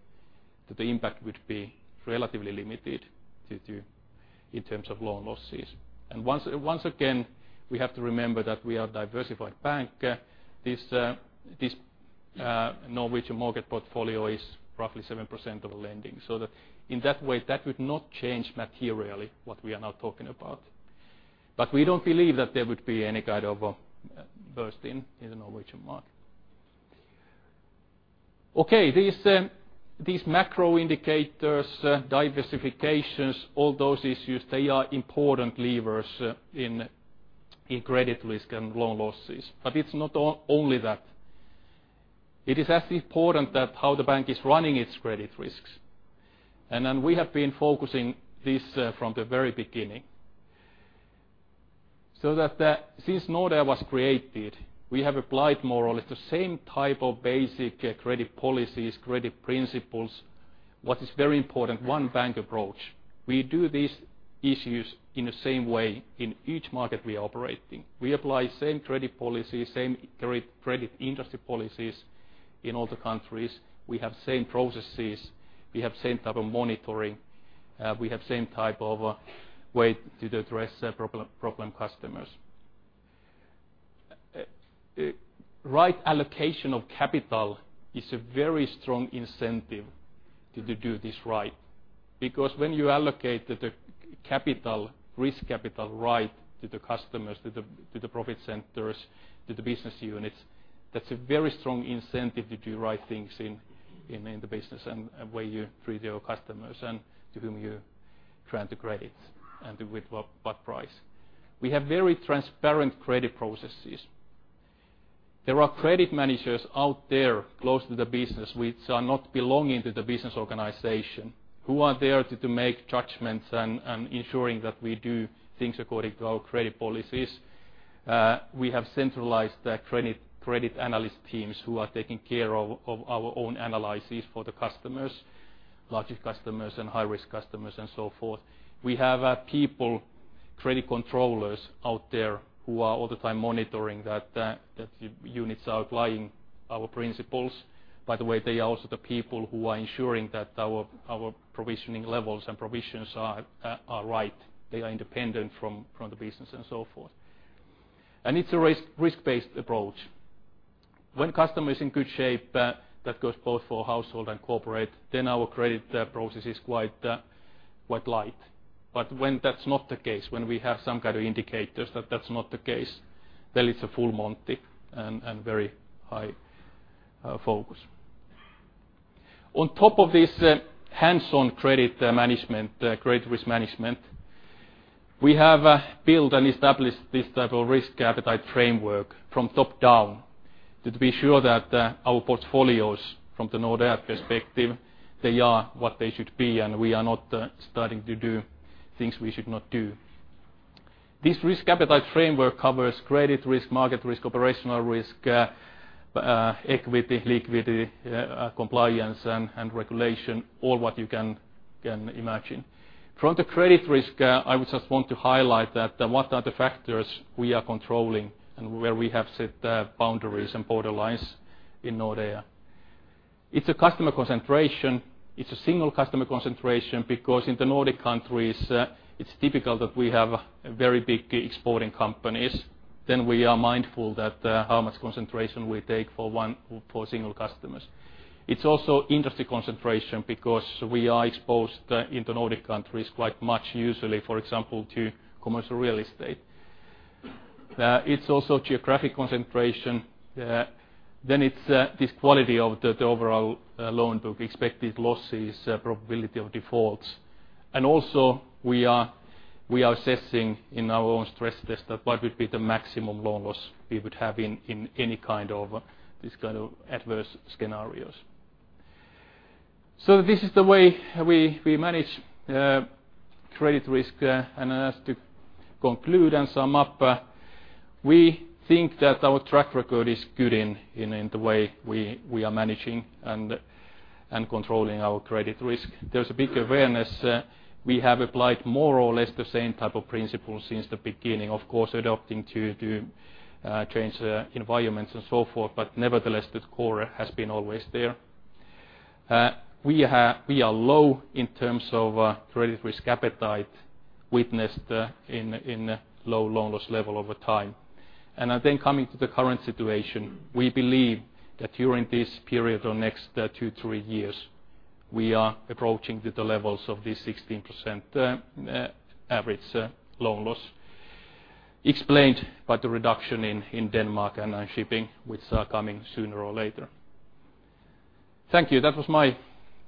that the impact would be relatively limited in terms of loan losses. Once again, we have to remember that we are a diversified bank. This Norwegian market portfolio is roughly 7% of the lending. That in that way, that would not change materially what we are now talking about. We don't believe that there would be any kind of burst in the Norwegian market. Okay. These macro indicators, diversifications, all those issues, they are important levers in credit risk and loan losses. It's not only that. It is as important that how the bank is running its credit risks. Then we have been focusing this from the very beginning, so that since Nordea was created, we have applied more or less the same type of basic credit policies, credit principles. What is very important, one bank approach. We do these issues in the same way in each market we are operating. We apply same credit policy, same credit industry policies in all the countries. We have same processes, we have same type of monitoring, we have same type of way to address problem customers. Right allocation of capital is a very strong incentive to do this right, because when you allocate the risk capital right to the customers, to the profit centers, to the business units, that's a very strong incentive to do right things in the business and way you treat your customers and to whom you grant the credits and with what price. We have very transparent credit processes. There are credit managers out there close to the business which are not belonging to the business organization who are there to make judgments and ensuring that we do things according to our credit policies. We have centralized the credit analyst teams who are taking care of our own analyses for the customers, larger customers and high-risk customers and so forth. We have people, credit controllers out there who are all the time monitoring that the units are applying our principles. By the way, they are also the people who are ensuring that our provisioning levels and provisions are right. They are independent from the business and so forth. It's a risk-based approach. When customer is in good shape, that goes both for household and corporate, then our credit process is quite light. When that's not the case, when we have some kind of indicators that that's not the case, then it's a full Monty and very high focus. On top of this hands-on credit risk management, we have built and established this type of risk appetite framework from top-down to be sure that our portfolios from the Nordea perspective, they are what they should be, and we are not starting to do things we should not do. This risk appetite framework covers credit risk, market risk, operational risk, equity, liquidity, compliance and regulation, all what you can imagine. From the credit risk, I would just want to highlight that what are the factors we are controlling and where we have set boundaries and borderlines in Nordea. It's a customer concentration, it's a single customer concentration because in the Nordic countries it's typical that we have very big exporting companies. We are mindful that how much concentration we take for single customers. It's also industry concentration because we are exposed in the Nordic countries quite much usually, for example, to commercial real estate. It's also geographic concentration. It's this quality of the overall loan book, expected losses, probability of defaults. Also we are assessing in our own stress test that what would be the maximum loan loss we would have in any kind of these kind of adverse scenarios. This is the way we manage credit risk. As to conclude and sum up, we think that our track record is good in the way we are managing and controlling our credit risk. There's a big awareness. We have applied more or less the same type of principles since the beginning, of course, adapting to change environments and so forth. Nevertheless, the core has been always there. We are low in terms of credit risk appetite witnessed in low loan loss level over time. Coming to the current situation, we believe that during this period or next two, three years, we are approaching the levels of this 16 basis point average loan loss explained by the reduction in Denmark and on shipping, which are coming sooner or later. Thank you. That was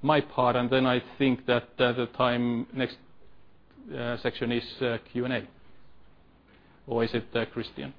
my part. I think that the time next section is Q&A. Or is it Christian?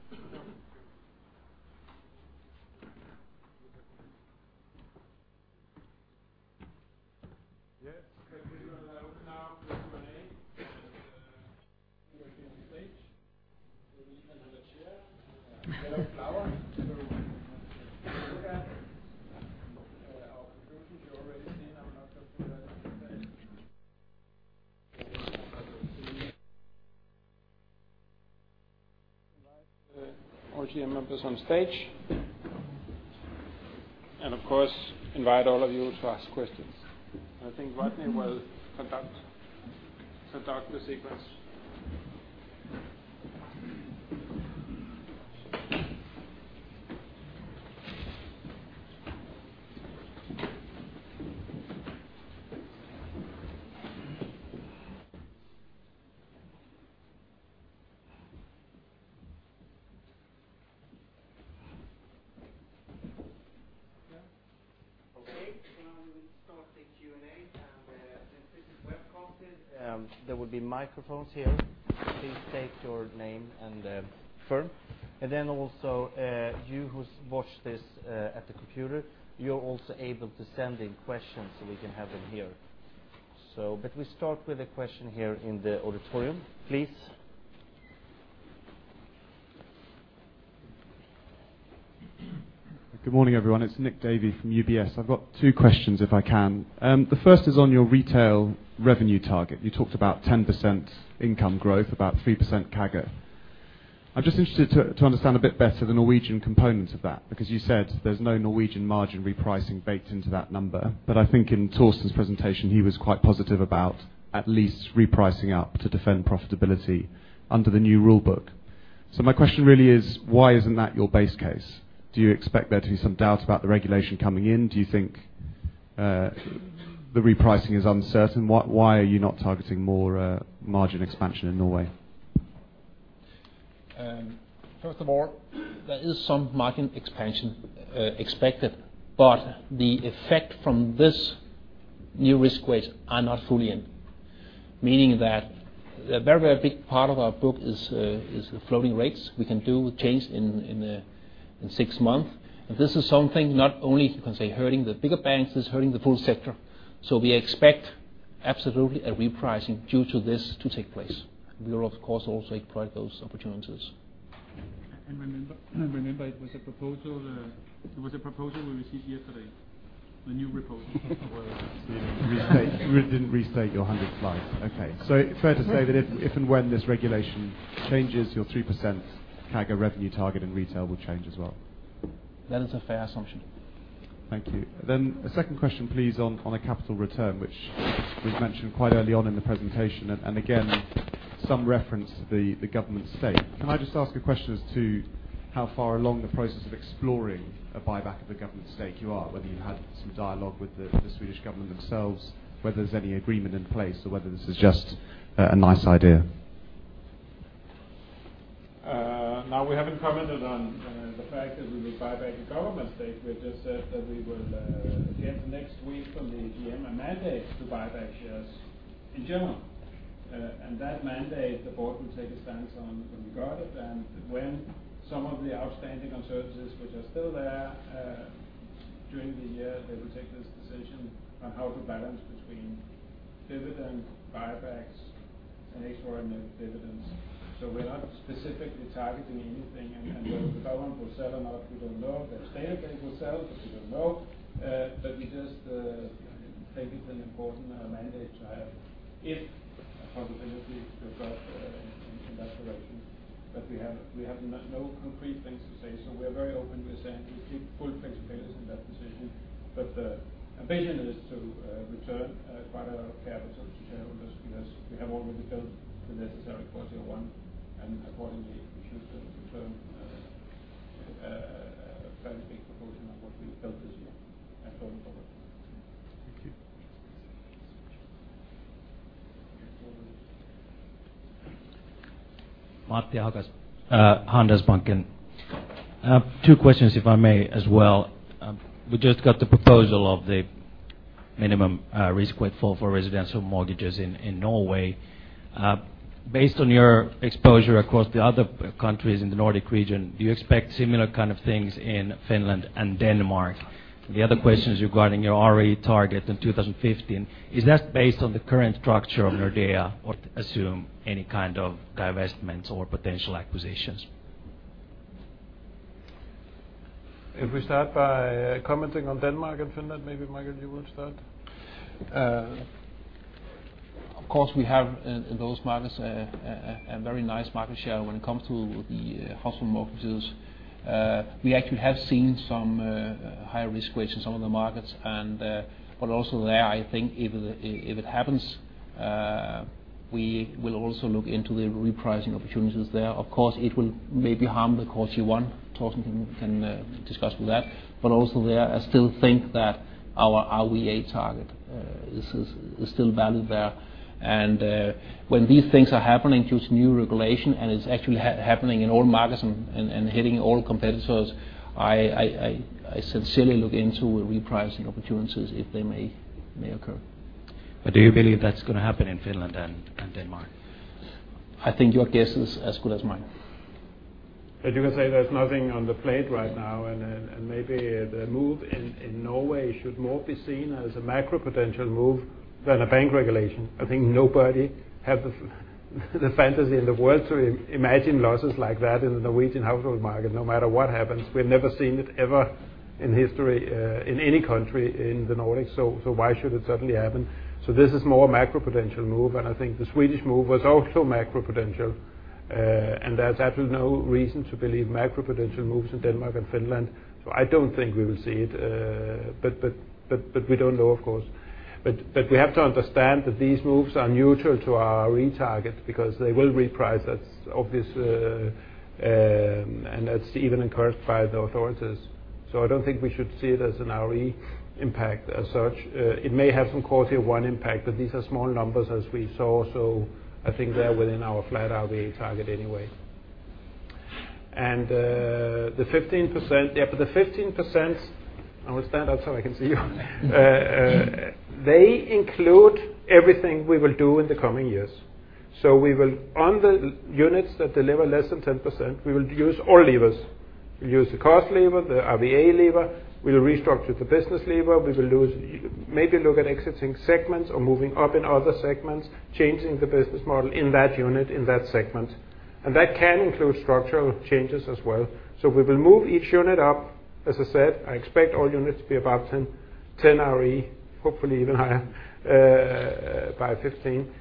No. Yes. We're going to open now for Q&A. You're here on stage. Maybe even have a chair. We have a flower. Our presentations you already seen. I'm not going through that again. Invite all GM members on stage. Of course, invite all of you to ask questions. I think Rodney will conduct the sequence. Okay, now we start the Q&A. Since this is webcasted, there will be microphones here. Please state your name and firm. You who watch this at the computer, you are also able to send in questions so we can have them here. We start with a question here in the auditorium, please. Good morning, everyone. It is Nick Davey from UBS. I have got two questions if I can. The first is on your retail revenue target. You talked about 10% income growth, about 3% CAGR. I am just interested to understand a bit better the Norwegian component of that, because you said there is no Norwegian margin repricing baked into that number. I think in Torsten's presentation, he was quite positive about at least repricing up to defend profitability under the new rule book. My question really is, why is not that your base case? Do you expect there to be some doubt about the regulation coming in? The repricing is uncertain. Why are you not targeting more margin expansion in Norway? First of all, there is some margin expansion expected, the effect from this new risk weights are not fully in. Meaning that a very big part of our book is the floating rates we can do with change in six months. This is something not only, you can say, hurting the bigger banks, it is hurting the full sector. We expect absolutely a repricing due to this to take place. We will, of course, also exploit those opportunities. Remember it was a proposal we received yesterday, the new proposal. You didn't restate your 100 slides. Okay. Fair to say that if and when this regulation changes, your 3% CAGR revenue target in retail will change as well. That is a fair assumption. Thank you. A second question, please, on a capital return, which was mentioned quite early on in the presentation, and again, some reference to the government stake. Can I just ask a question as to how far along the process of exploring a buyback of the government stake you are, whether you've had some dialogue with the Swedish government themselves, whether there's any agreement in place or whether this is just a nice idea? We haven't commented on the fact that we will buy back the government stake. We have just said that we will get next week from the AGM, a mandate to buy back shares in general. That mandate the board will take a stance on when we got it and when some of the outstanding uncertainties, which are still there during the year, they will take this decision on how to balance between dividend buybacks and extraordinary dividends. We're not specifically targeting anything, and whether the government will sell or not, we don't know. They're saying they will sell, but we don't know. We just think it's an important mandate to have if a possibility to go in that direction. We have no concrete things to say. We are very open. We're saying we keep full flexibility in that decision. The ambition is to return quite a lot of capital to shareholders because we have already built the necessary Core Tier 1, and accordingly we should return a fairly big proportion of what we've built this year and going forward. Thank you. Matti Hakala, Handelsbanken. Two questions if I may as well. We just got the proposal of the minimum risk weight floor for residential mortgages in Norway. Based on your exposure across the other countries in the Nordic region, do you expect similar kind of things in Finland and Denmark? The other question is regarding your ROE target in 2015. Is that based on the current structure of Nordea, or assume any kind of divestments or potential acquisitions? We start by commenting on Denmark and Finland, maybe Michael you will start. Of course we have in those markets a very nice market share when it comes to the household mortgages. We actually have seen some higher risk weights in some of the markets. Also there, I think if it happens, we will also look into the repricing opportunities there. Of course, it will maybe harm the Core Tier 1. Torsten can discuss with that. Also there, I still think that our ROE target is still valid there. When these things are happening due to new regulation and it's actually happening in all markets and hitting all competitors, I sincerely look into repricing opportunities if they may occur. Do you believe that's going to happen in Finland and Denmark? I think your guess is as good as mine. As you can say, there's nothing on the plate right now, maybe the move in Norway should more be seen as a macro potential move than a bank regulation. I think nobody have the fantasy in the world to imagine losses like that in the Norwegian household market. No matter what happens, we've never seen it ever in history in any country in the Nordics, so why should it suddenly happen? This is more macro potential move, I think the Swedish move was also macro potential. There's absolutely no reason to believe macro potential moves in Denmark and Finland. I don't think we will see it. We don't know, of course. We have to understand that these moves are neutral to our ROE targets because they will reprice. That's obvious. That's even encouraged by the authorities. I don't think we should see it as an ROE impact as such. It may have some Core Tier 1 impact, but these are small numbers as we saw. I think they're within our flat ROE target anyway. The 15%. I will stand up so I can see you. They include everything we will do in the coming years. We will, on the units that deliver less than 10%, we will use all levers. We'll use the cost lever, the RWA lever. We'll restructure the business lever. We will maybe look at exiting segments or moving up in other segments, changing the business model in that unit, in that segment. That can include structural changes as well. We will move each unit up. As I said, I expect all units to be above 10% ROE, hopefully even higher by 2015.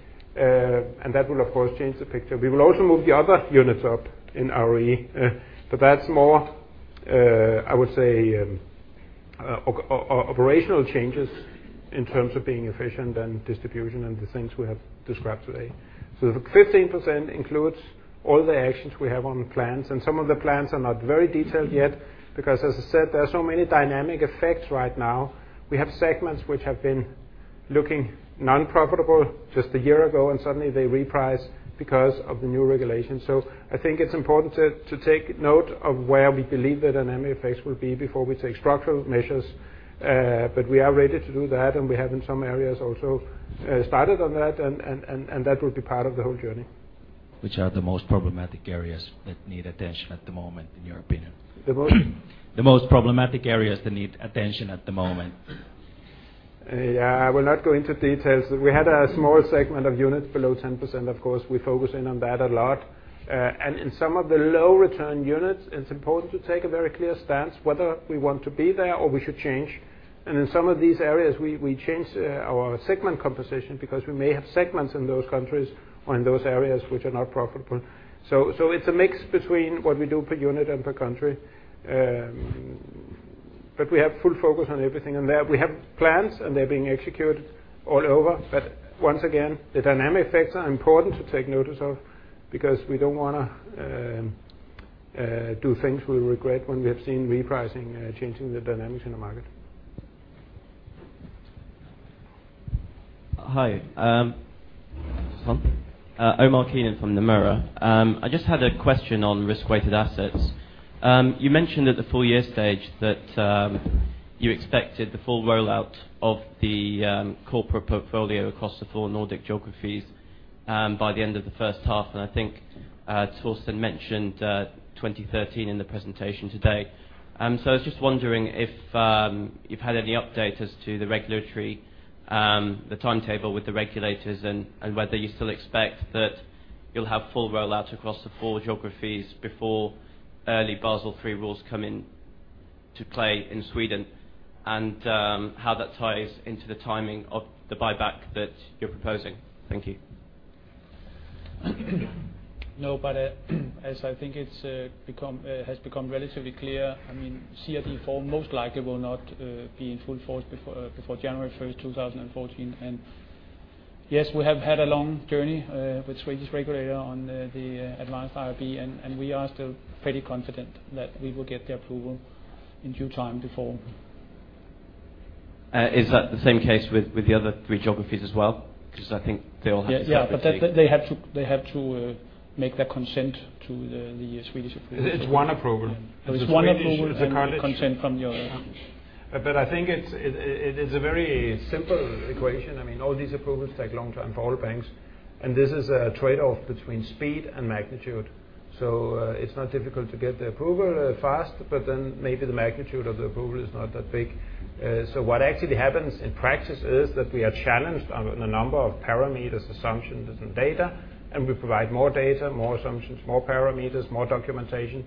That will, of course, change the picture. We will also move the other units up in ROE. That's more I would say operational changes in terms of being efficient and distribution and the things we have described today. The 15% includes all the actions we have on plans, and some of the plans are not very detailed yet, because as I said, there are so many dynamic effects right now. We have segments which have been looking non-profitable just a year ago, and suddenly they reprice because of the new regulations. I think it's important to take note of where we believe that dynamic effects will be before we take structural measures. We are ready to do that, and we have in some areas also started on that, and that will be part of the whole journey. Which are the most problematic areas that need attention at the moment, in your opinion? The most- The most problematic areas that need attention at the moment. I will not go into details. We had a small segment of units below 10%. Of course, we focus in on that a lot. In some of the low-return units, it is important to take a very clear stance whether we want to be there or we should change. In some of these areas, we changed our segment composition because we may have segments in those countries or in those areas which are not profitable. It is a mix between what we do per unit and per country. We have full focus on everything in there. We have plans and they are being executed all over. Once again, the dynamic effects are important to take notice of, because we do not want to do things we will regret when we have seen repricing changing the dynamics in the market. Hi. This on? Omar Keenan from Nomura. I just had a question on risk-weighted assets. You mentioned at the full year stage that you expected the full rollout of the corporate portfolio across the four Nordic geographies by the end of the first half, and I think Torsten mentioned 2013 in the presentation today. I was just wondering if you have had any update as to the regulatory, the timetable with the regulators, and whether you still expect that you will have full rollout across the four geographies before early Basel III rules come into play in Sweden, and how that ties into the timing of the buyback that you are proposing. Thank you. No, as I think it has become relatively clear, CRD IV most likely will not be in full force before January 1st, 2014. Yes, we have had a long journey with Swedish regulator on the Advanced IRB, and we are still pretty confident that we will get the approval in due time before. Is that the same case with the other three geographies as well? I think they all have. Yeah. They have to make that consent to the Swedish approval. It's one approval. It's one approval. The Swedish college The consent from I think it's a very simple equation. All these approvals take a long time for all banks, and this is a trade-off between speed and magnitude. It's not difficult to get the approval fast, maybe the magnitude of the approval is not that big. What actually happens in practice is that we are challenged on a number of parameters, assumptions and some data, we provide more data, more assumptions, more parameters, more documentation,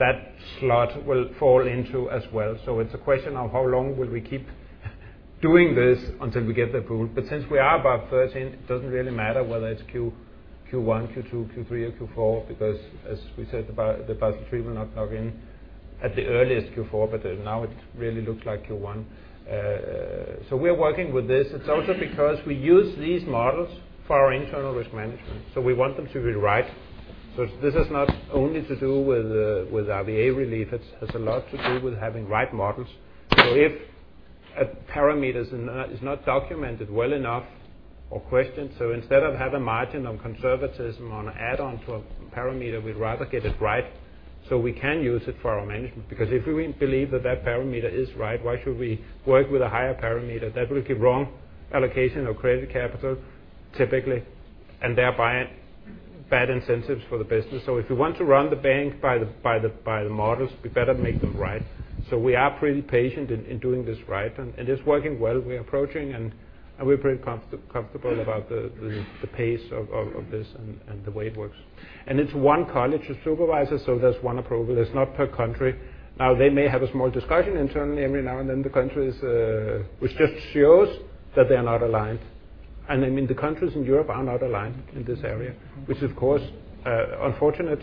that slot will fall into as well. It's a question of how long will we keep doing this until we get the approval. Since we are above 13, it doesn't really matter whether it's Q1, Q2, Q3 or Q4, because as we said, the Basel III will not come in at the earliest Q4, now it really looks like Q1. We're working with this. It's also because we use these models for our internal risk management, we want them to be right. This is not only to do with the RWA relief, it has a lot to do with having right models. If a parameter is not documented well enough or questioned, instead of have a margin of conservatism on an add-on to a parameter, we'd rather get it right so we can use it for our management. Because if we believe that parameter is right, why should we work with a higher parameter that will give wrong allocation of credit capital, typically, and thereby bad incentives for the business? If you want to run the bank by the models, we better make them right. We are pretty patient in doing this right, and it's working well. We're approaching, we're pretty comfortable about the pace of this and the way it works. It's one college of supervisors, so there's one approval. It's not per country. Now, they may have a small discussion internally every now and then, the countries, which just shows that they are not aligned. The countries in Europe are not aligned in this area, which of course, unfortunate,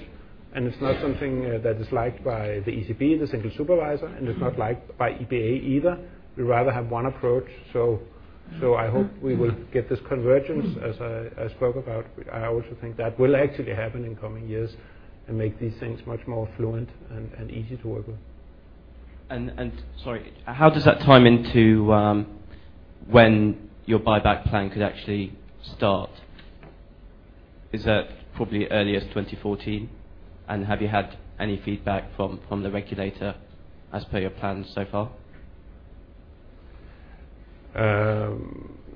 and it's not something that is liked by the ECB, the single supervisor, and it's not liked by EBA either. We'd rather have one approach. I hope we will get this convergence, as I spoke about. I also think that will actually happen in coming years and make these things much more fluent and easy to work with. Sorry, how does that time into when your buyback plan could actually start? Is that probably early as 2014? Have you had any feedback from the regulator as per your plans so far?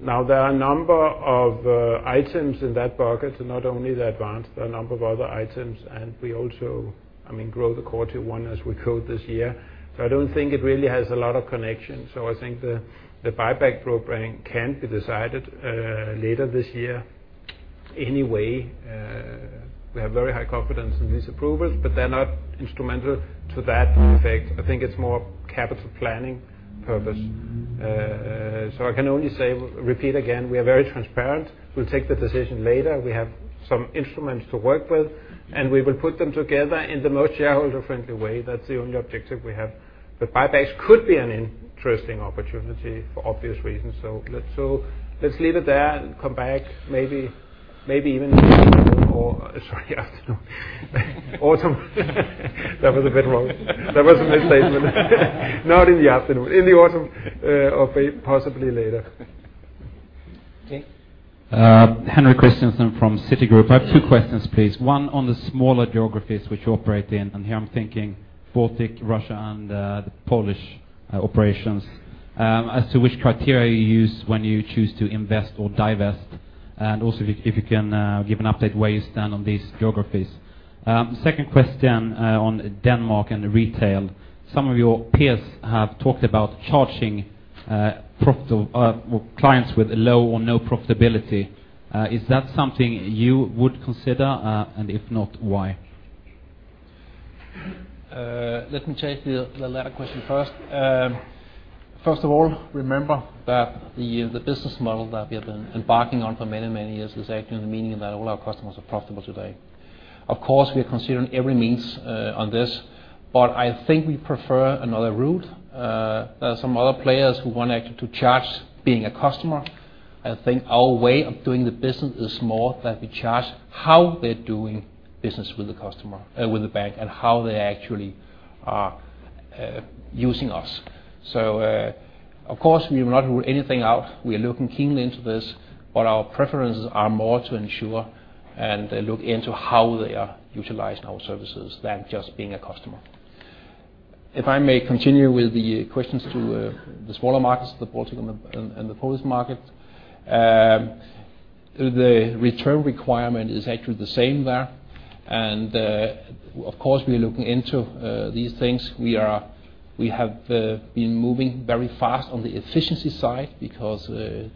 Now, there are a number of items in that bucket, not only the advanced, there are a number of other items, we also grow the Core Tier 1 as we could this year. I don't think it really has a lot of connection. I think the buyback program can be decided later this year anyway. We have very high confidence in these approvals, they're not instrumental to that effect. I think it's more capital planning purpose. I can only repeat again, we are very transparent. We'll take the decision later. We have some instruments to work with, we will put them together in the most shareholder-friendly way. That's the only objective we have. Buybacks could be an interesting opportunity for obvious reasons. Let's leave it there and come back maybe Sorry. Autumn. That was a bit wrong. That was a misstatement. Not in the afternoon, in the autumn, or possibly later. Okay. Henry Christensen from Citigroup. I have two questions, please. One on the smaller geographies which you operate in, and here I'm thinking Baltic, Russia, and the Polish operations. As to which criteria you use when you choose to invest or divest, and also if you can give an update where you stand on these geographies. The second question on Denmark and retail. Some of your peers have talked about charging clients with low or no profitability. Is that something you would consider? If not, why? Let me take the latter question first. First of all, remember that the business model that we have been embarking on for many years is actually the meaning that all our customers are profitable today. Of course, we are considering every means on this. I think we prefer another route. There are some other players who want actually to charge being a customer. I think our way of doing the business is more that we charge how they're doing business with the bank, and how they actually are using us. Of course, we will not rule anything out. We are looking keenly into this, but our preferences are more to ensure and look into how they are utilizing our services than just being a customer. If I may continue with the questions to the smaller markets, the Baltic and the Polish market. The return requirement is actually the same there. Of course, we are looking into these things. We have been moving very fast on the efficiency side because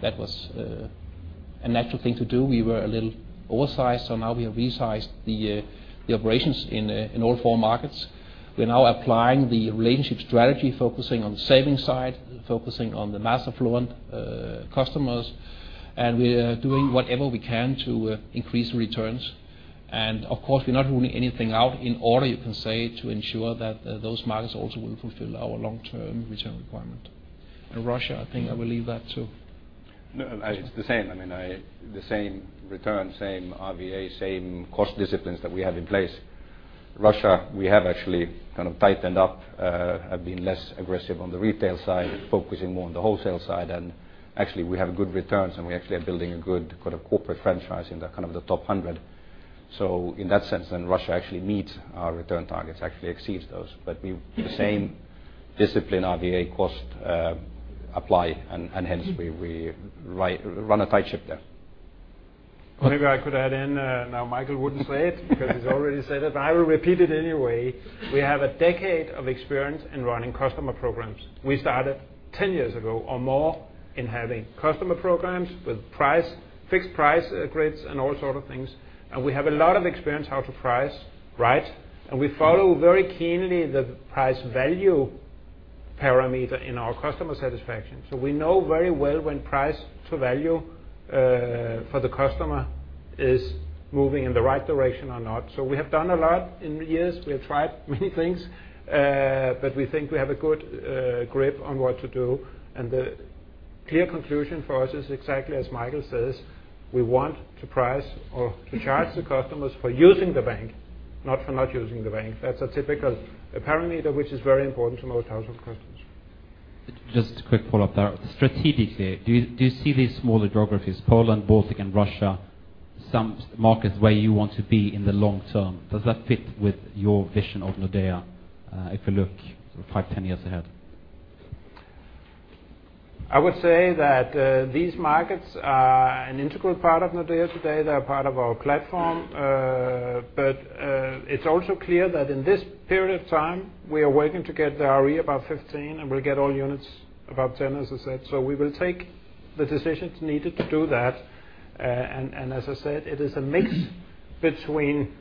that was a natural thing to do. We were a little oversized, now we have resized the operations in all four markets. We're now applying the relationship strategy, focusing on the savings side, focusing on the mass affluent customers. We are doing whatever we can to increase returns. Of course, we're not ruling anything out in order, you can say, to ensure that those markets also will fulfill our long-term return requirement. Russia, I think I will leave that to- No, it's the same. I mean, the same return, same RWA, same cost disciplines that we have in place. Russia, we have actually tightened up, have been less aggressive on the retail side, focusing more on the wholesale side. Actually, we have good returns, and we actually are building a good corporate franchise in the top 100. In that sense, then Russia actually meets our return targets, actually exceeds those. The same discipline RWA cost apply, and hence, we run a tight ship there. Maybe I could add in now. Michael wouldn't say it because he's already said it, but I will repeat it anyway. We have a decade of experience in running customer programs. We started 10 years ago or more in having customer programs with fixed price grids and all sort of things. We have a lot of experience how to price right. We follow very keenly the price-value parameter in our customer satisfaction. We know very well when price to value for the customer is moving in the right direction or not. We have done a lot in years. We have tried many things. We think we have a good grip on what to do. The clear conclusion for us is exactly as Michael says, we want to price or to charge the customers for using the bank, not for not using the bank. That's a typical parameter, which is very important to most household customers. Just a quick follow-up there. Strategically, do you see these smaller geographies, Poland, Baltic, and Russia, some markets where you want to be in the long term? Does that fit with your vision of Nordea if you look sort of five, 10 years ahead? I would say that these markets are an integral part of Nordea today. They're part of our platform. It's also clear that in this period of time, we are working to get the ROE above 15, and we'll get all units above 10, as I said. We will take the decisions needed to do that. As I said, it is a mix between,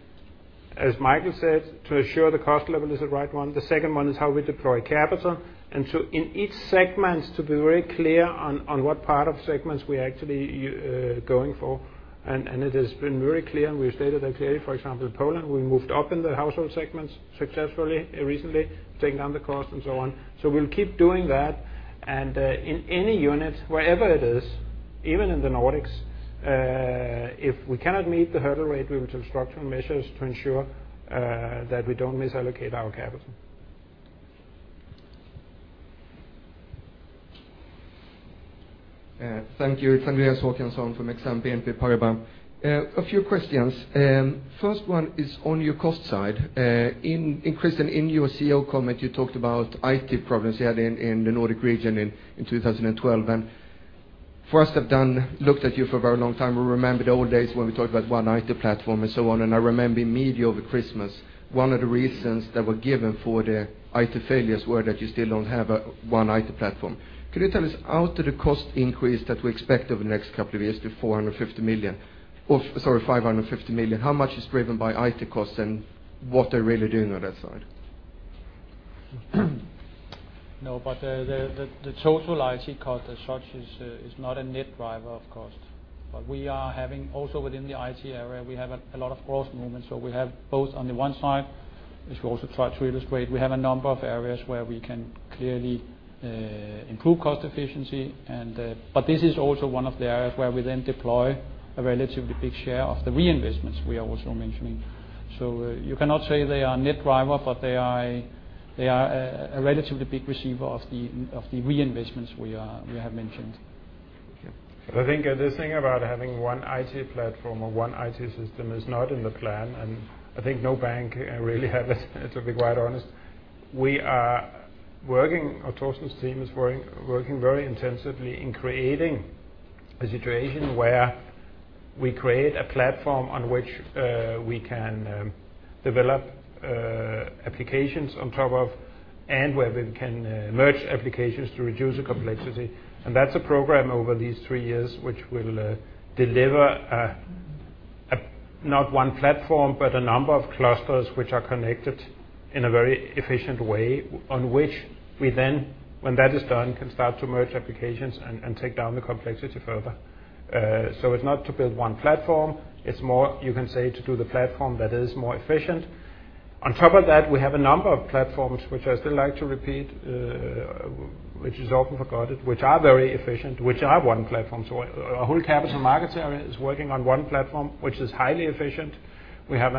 as Michael said, to assure the cost level is the right one. The second one is how we deploy capital. In each segment to be very clear on what part of segments we are actually going for. It has been very clear, and we have stated that clearly. For example, in Poland, we moved up in the household segments successfully recently, taking down the cost and so on. We'll keep doing that. In any unit, wherever it is, even in the Nordics, if we cannot meet the hurdle rate, we will take structural measures to ensure that we don't misallocate our capital. Thank you. It's Andreas Håkansson from Exane BNP Paribas. A few questions. First one is on your cost side. Christian, in your CEO comment, you talked about IT problems you had in the Nordic region in 2012. For us that have looked at you for a very long time, we remember the old days when we talked about one IT platform and so on. I remember in media over Christmas, one of the reasons that were given for the IT failures were that you still don't have one IT platform. Could you tell us out of the cost increase that we expect over the next couple of years to 450 million, or sorry, 550 million, how much is driven by IT costs and what are you really doing on that side? The total IT cost as such is not a net driver of cost. We are having also within the IT area, we have a lot of growth movement. We have both on the one side, which we also try to illustrate. We have a number of areas where we can clearly improve cost efficiency. This is also one of the areas where we then deploy a relatively big share of the reinvestments we are also mentioning. You cannot say they are net driver, but they are a relatively big receiver of the reinvestments we have mentioned. Okay. I think this thing about having one IT platform or one IT system is not in the plan. I think no bank really have it, to be quite honest. Torsten's team is working very intensively in creating a situation where we create a platform on which we can develop applications on top of, and where we can merge applications to reduce the complexity. That's a program over these three years which will deliver not one platform, but a number of clusters which are connected in a very efficient way, on which we then, when that is done, can start to merge applications and take down the complexity further. It's not to build one platform. It's more, you can say, to do the platform that is more efficient. On top of that, we have a number of platforms, which I still like to repeat, which is often forgotten, which are very efficient, which are one platform. Our whole capital markets area is working on one platform, which is highly efficient. We have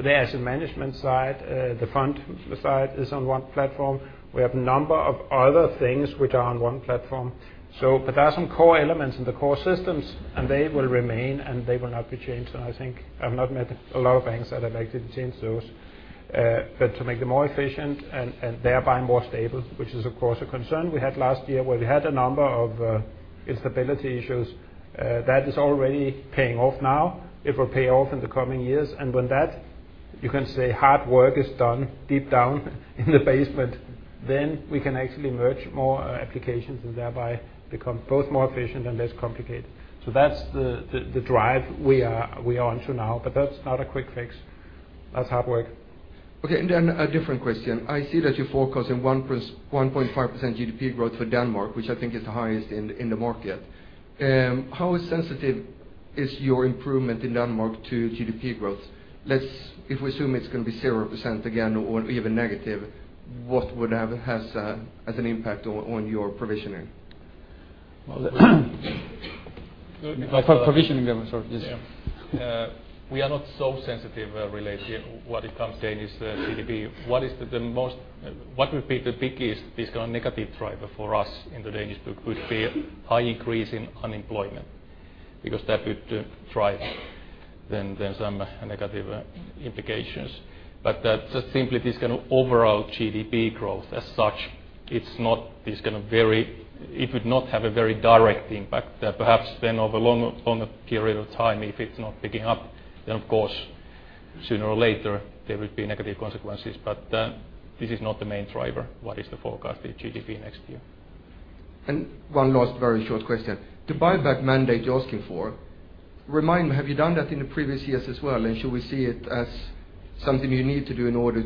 the asset management side, the front side is on one platform. We have a number of other things which are on one platform. There are some core elements in the core systems, and they will remain, and they will not be changed. I think I've not met a lot of banks that have actually changed those. To make them more efficient and thereby more stable, which is of course a concern we had last year where we had a number of instability issues, that is already paying off now. It will pay off in the coming years. When that, you can say, hard work is done deep down in the basement, then we can actually merge more applications and thereby become both more efficient and less complicated. That's the drive we are on to now. That's not a quick fix. That's hard work. Okay, a different question. I see that you're forecasting 1.5% GDP growth for Denmark, which I think is the highest in the market. How sensitive is your improvement in Denmark to GDP growth? If we assume it's going to be 0% again or even negative, what would have as an impact on your provisioning? Well. By provisioning, sorry, yes. We are not so sensitive related when it comes to Danish GDP. What would be the biggest negative driver for us in the Danish book would be high increase in unemployment, because that would drive then some negative implications. Just simply this kind of overall GDP growth as such, it would not have a very direct impact. Perhaps over longer period of time, if it is not picking up, of course, sooner or later there would be negative consequences. This is not the main driver, what is the forecasted GDP next year. One last very short question. The buyback mandate you are asking for, remind me, have you done that in the previous years as well, and should we see it as something you need to do in order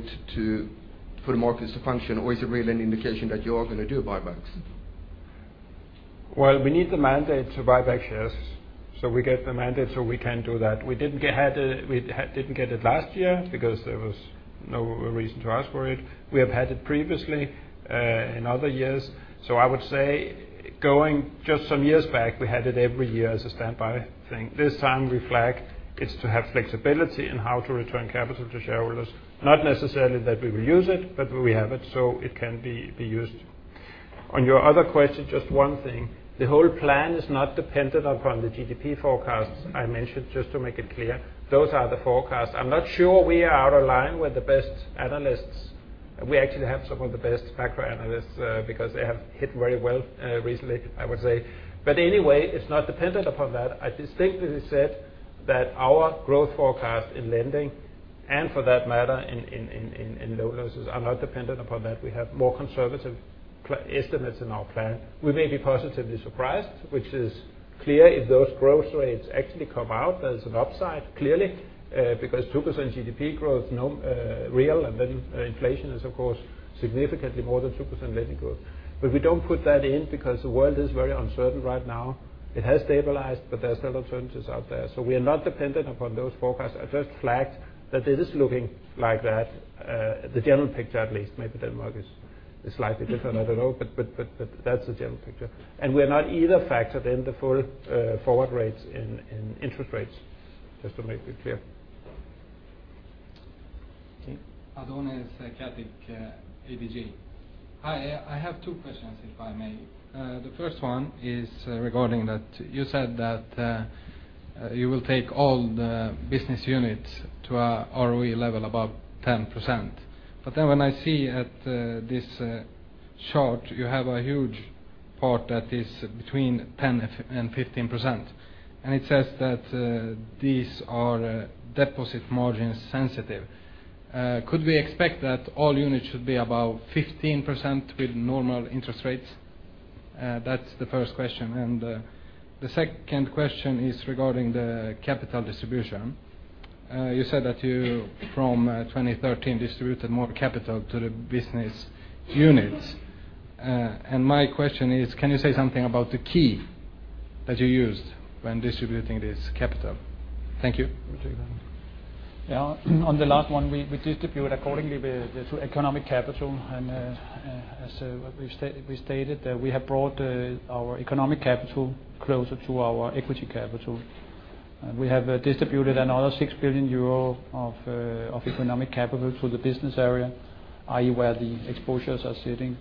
for the markets to function, or is it really an indication that you are going to do buybacks? We need the mandate to buy back shares. We get the mandate so we can do that. We did not get it last year because there was no reason to ask for it. We have had it previously in other years. I would say going just some years back, we had it every year as a standby thing. This time we flag it is to have flexibility in how to return capital to shareholders. Not necessarily that we will use it, but we have it so it can be used. On your other question, just one thing. The whole plan is not dependent upon the GDP forecasts I mentioned, just to make it clear. Those are the forecasts. I am not sure we are out of line with the best analysts. We actually have some of the best macro analysts because they have hit very well recently, I would say. Anyway, it is not dependent upon that. I distinctly said that our growth forecast in lending, and for that matter in loan losses, are not dependent upon that. We have more conservative estimates in our plan. We may be positively surprised, which is clear if those growth rates actually come out as an upside, clearly, because 2% GDP growth real, and then inflation is of course significantly more than 2% lending growth. We do not put that in because the world is very uncertain right now. It has stabilized, but there are still uncertainties out there. We are not dependent upon those forecasts. I just flagged that it is looking like that. The general picture, at least. Maybe Denmark is slightly different, I do not know, but that is the general picture. We have not either factored in the full forward rates in interest rates, just to make it clear. Okay. Adonis Katic, ABG. Hi, I have two questions, if I may. The first one is regarding that you said that you will take all the business units to a ROE level above 10%. When I see at this chart, you have a huge part that is between 10% and 15%. It says that these are deposit margin sensitive. Could we expect that all units should be above 15% with normal interest rates? That's the first question. The second question is regarding the capital distribution. You said that you from 2013 distributed more capital to the business units. My question is, can you say something about the key that you used when distributing this capital? Thank you. Yeah. On the last one, we distribute accordingly with the economic capital, and as we stated, we have brought our economic capital closer to our equity capital. We have distributed another 6 billion euro of economic capital to the business area, i.e., where the exposures are sitting,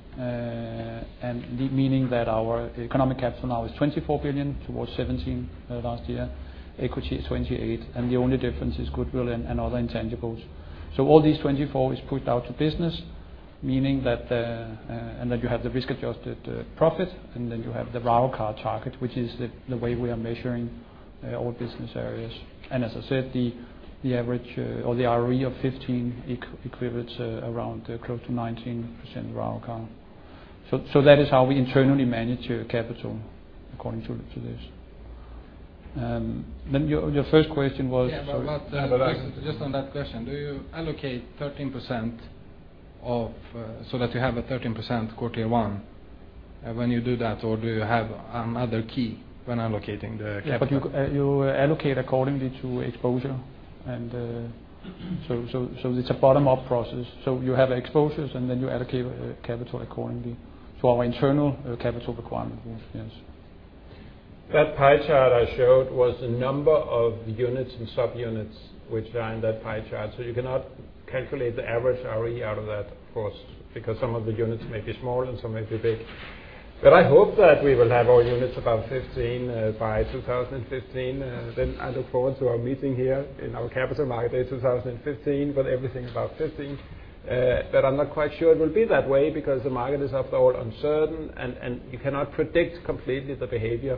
meaning that our economic capital now is 24 billion towards 17 billion last year. Equity is 28 billion, and the only difference is goodwill and other intangibles. All these 24 billion is put out to business, meaning that you have the risk-adjusted profit, and then you have the ROIC target, which is the way we are measuring all business areas. As I said, the average or the ROE of 15% equivalents around close to 19% ROIC. That is how we internally manage capital according to this. Your first question was- Yeah, just on that question. Do you allocate 13% of, so that you have a 13% quarter one when you do that, or do you have another key when allocating the capital? Yeah. You allocate according to exposure. It's a bottom-up process. You have exposures, and then you allocate capital accordingly to our internal capital requirements. Yes. That pie chart I showed was the number of units and subunits which are in that pie chart. You cannot calculate the average ROE out of that, of course, because some of the units may be small and some may be big. I hope that we will have all units above 15% by 2015. I look forward to our meeting here in our Capital Markets Day 2015 with everything above 15%. I'm not quite sure it will be that way because the market is, after all, uncertain, and you cannot predict completely the behavior.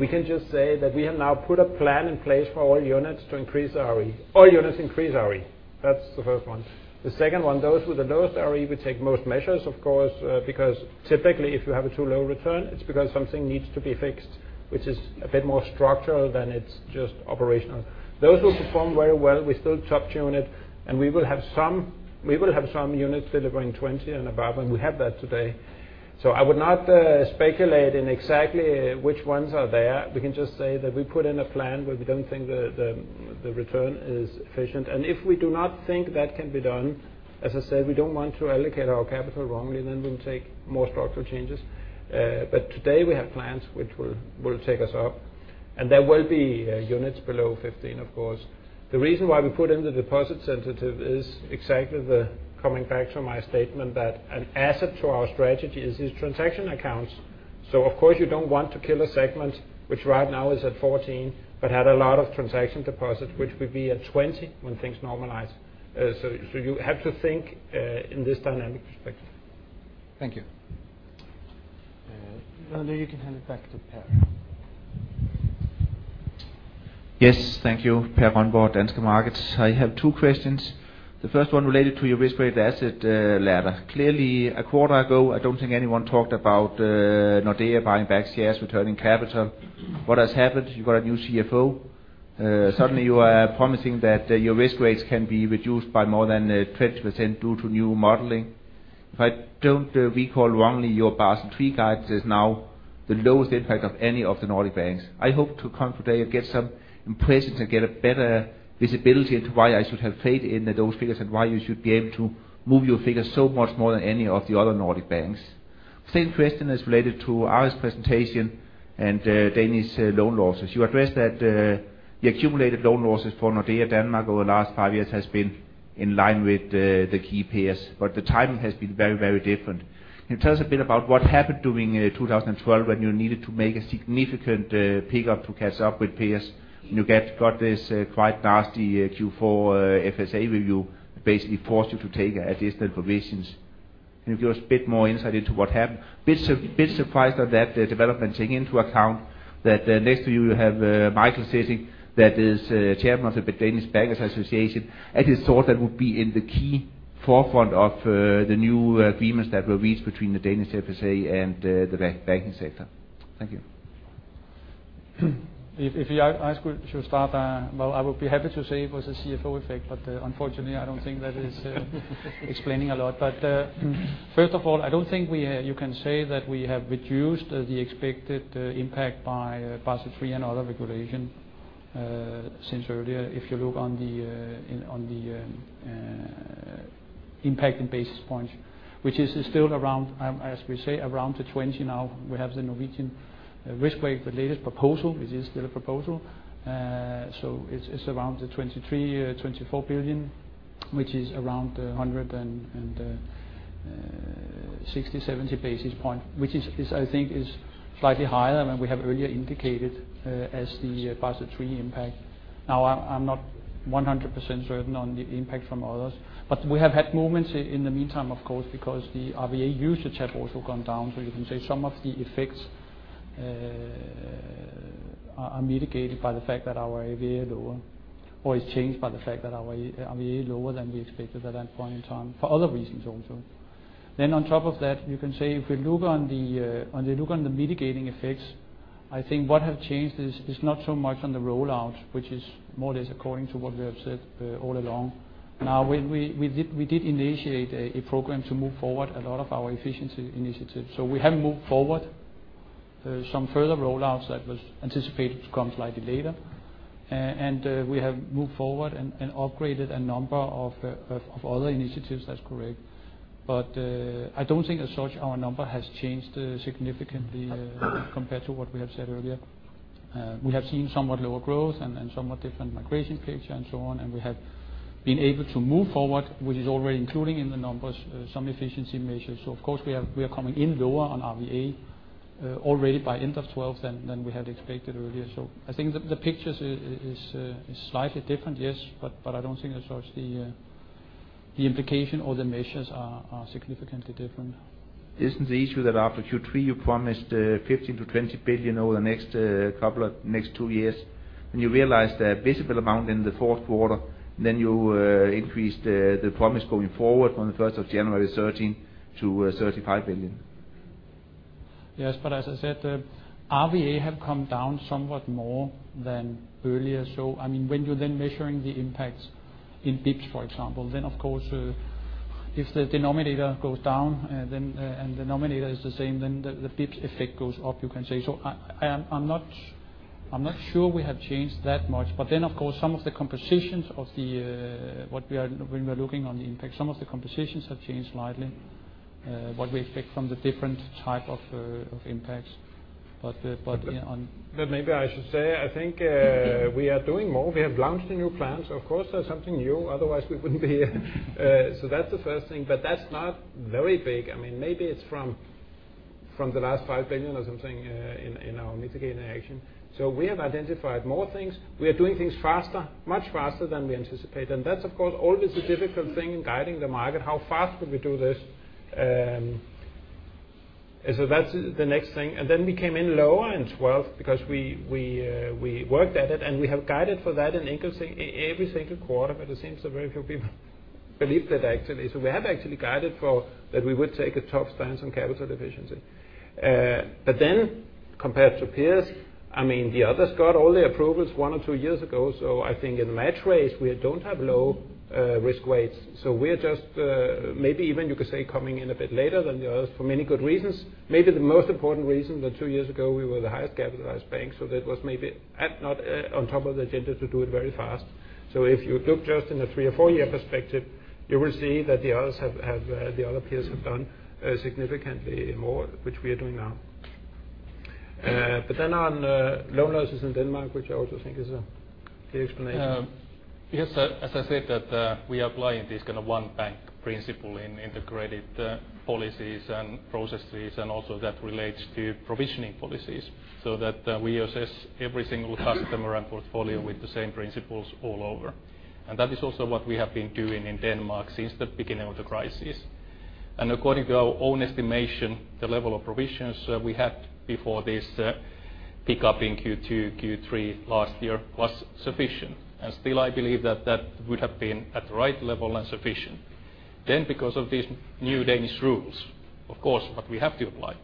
We can just say that we have now put a plan in place for all units to increase ROE. All units increase ROE. That's the first one. The second one, those with the lowest ROE, we take most measures, of course because typically, if you have a too low return, it's because something needs to be fixed, which is a bit more structural than it's just operational. Those who perform very well, we still top tune it, and we will have some units delivering 20% and above, and we have that today. I would not speculate in exactly which ones are there. We can just say that we put in a plan where we don't think the return is efficient. If we do not think that can be done, as I said, we don't want to allocate our capital wrongly, we'll take more structural changes. Today we have plans which will take us up, and there will be units below 15%, of course. The reason why we put in the deposit sensitive is exactly the coming back to my statement that an asset to our strategy is these transaction accounts. Of course you don't want to kill a segment, which right now is at 14%, but had a lot of transaction deposits, which will be at 20% when things normalize. You have to think in this dynamic perspective. Thank you. Well, you can hand it back to Per. Yes. Thank you. Per Tronborg, Danske Markets. I have two questions. The first one related to your risk-weighted asset ladder. Clearly, a quarter ago, I don't think anyone talked about Nordea buying back shares, returning capital. What has happened? You got a new CFO. Suddenly you are promising that your risk weights can be reduced by more than 20% due to new modeling. If I don't recall wrongly, your Basel III guide is now the lowest impact of any of the Nordic banks. I hope to come today and get some impressions and get a better visibility into why I should have faith in those figures and why you should be able to move your figures so much more than any of the other Nordic banks. Same question as related to our presentation and Danish loan losses. You addressed that the accumulated loan losses for Nordea Denmark over the last five years has been in line with the key peers, but the timing has been very, very different. Can you tell us a bit about what happened during 2012 when you needed to make a significant pickup to catch up with peers, and you got this quite nasty Q4 FSA review, basically forced you to take additional provisions? Can you give us a bit more insight into what happened? Bit surprised at that development, taking into account that next to you have Michael sitting that is chairman of the Danish Bankers' Association. I just thought that would be in the key forefront of the new agreements that were reached between the Danish FSA and the banking sector. Thank you. If I should start. Well, I would be happy to say it was a CFO effect, unfortunately, I don't think that is explaining a lot. First of all, I don't think you can say that we have reduced the expected impact by Basel III and other regulations since earlier. If you look on the impact in basis points, which is still around, as we say, around the 20 now. We have the Norwegian risk-weight, the latest proposal. It is still a proposal. It's around 23 billion, 24 billion, which is around 160, 70 basis point, which is I think is slightly higher than we have earlier indicated as the Basel III impact. Now, I'm not 100% certain on the impact from others, but we have had movements in the meantime, of course, because the RVE usage have also gone down. You can say some of the effects are mitigated by the fact that our RVE are lower, or is changed by the fact that our RVE are lower than we expected at that point in time, for other reasons also. On top of that, you can say, if we look on the mitigating effects, I think what has changed is not so much on the rollout, which is more or less according to what we have said all along. We did initiate a program to move forward a lot of our efficiency initiatives. We have moved forward some further rollouts that was anticipated to come slightly later. We have moved forward and upgraded a number of other initiatives, that's correct. I don't think as such our number has changed significantly compared to what we have said earlier. We have seen somewhat lower growth and somewhat different migration picture and so on, we have been able to move forward, which is already including in the numbers some efficiency measures. Of course we are coming in lower on RVE already by end of 2012 than we had expected earlier. I think the picture is slightly different, yes. I don't think as such the implication or the measures are significantly different. Isn't the issue that after Q3 you promised 15 billion-20 billion over the next 2 years? When you realized a visible amount in the fourth quarter, you increased the promise going forward from the 1st of January 2013 to 35 billion. As I said, RVE have come down somewhat more than earlier. When you're then measuring the impacts in basis points, for example, then of course, if the denominator goes down, and the numerator is the same, then the basis point effect goes up, you can say. I'm not sure we have changed that much. Of course, some of the compositions of when we're looking on the impact, some of the compositions have changed slightly, what we expect from the different type of impacts. On- I should say, I think we are doing more. We have launched the new plans. Of course, that's something new, otherwise we wouldn't be here. That's the first thing. That's not very big. Maybe it's from the last 5 billion or something in our mitigating action. We have identified more things. We are doing things faster, much faster than we anticipated. That's of course always the difficult thing in guiding the market. How fast could we do this? That's the next thing. We came in lower in 2012 because we worked at it, and we have guided for that in every single quarter. It seems that very few people believe that actually. We have actually guided for that we would take a tough stance on capital efficiency. Compared to peers, the others got all the approvals one or two years ago. I think in the match race, we don't have low risk weights. We're just, maybe even you could say, coming in a bit later than the others for many good reasons. Maybe the most important reason that two years ago we were the highest capitalized bank, so that was maybe not on top of the agenda to do it very fast. If you look just in a three or four-year perspective, you will see that the other peers have done significantly more, which we are doing now. On loan losses in Denmark, which I also think is the explanation. Yes. As I said that we are applying this kind of one bank principle in integrated policies and processes and also that relates to provisioning policies. That we assess every single customer and portfolio with the same principles all over. That is also what we have been doing in Denmark since the beginning of the crisis. According to our own estimation, the level of provisions we had before this pickup in Q2, Q3 last year was sufficient. Still, I believe that that would have been at the right level and sufficient. Because of these new Danish rules, of course, what we have to apply,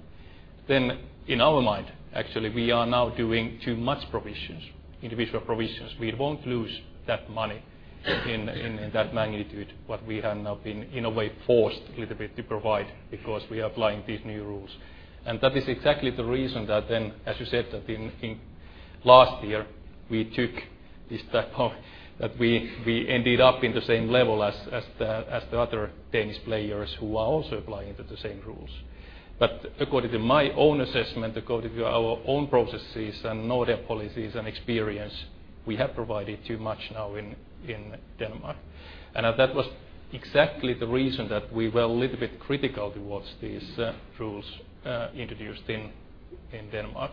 then in our mind, actually, we are now doing too much provisions, individual provisions. We won't lose that money in that magnitude, what we have now been, in a way, forced little bit to provide because we are applying these new rules. That is exactly the reason that then, as you said, that in last year, we took this type of, that we ended up in the same level as the other Danish players who are also applying to the same rules. According to my own assessment, according to our own processes and Nordea policies and experience, we have provided too much now in Denmark. That was exactly the reason that we were a little bit critical towards these rules introduced in Denmark.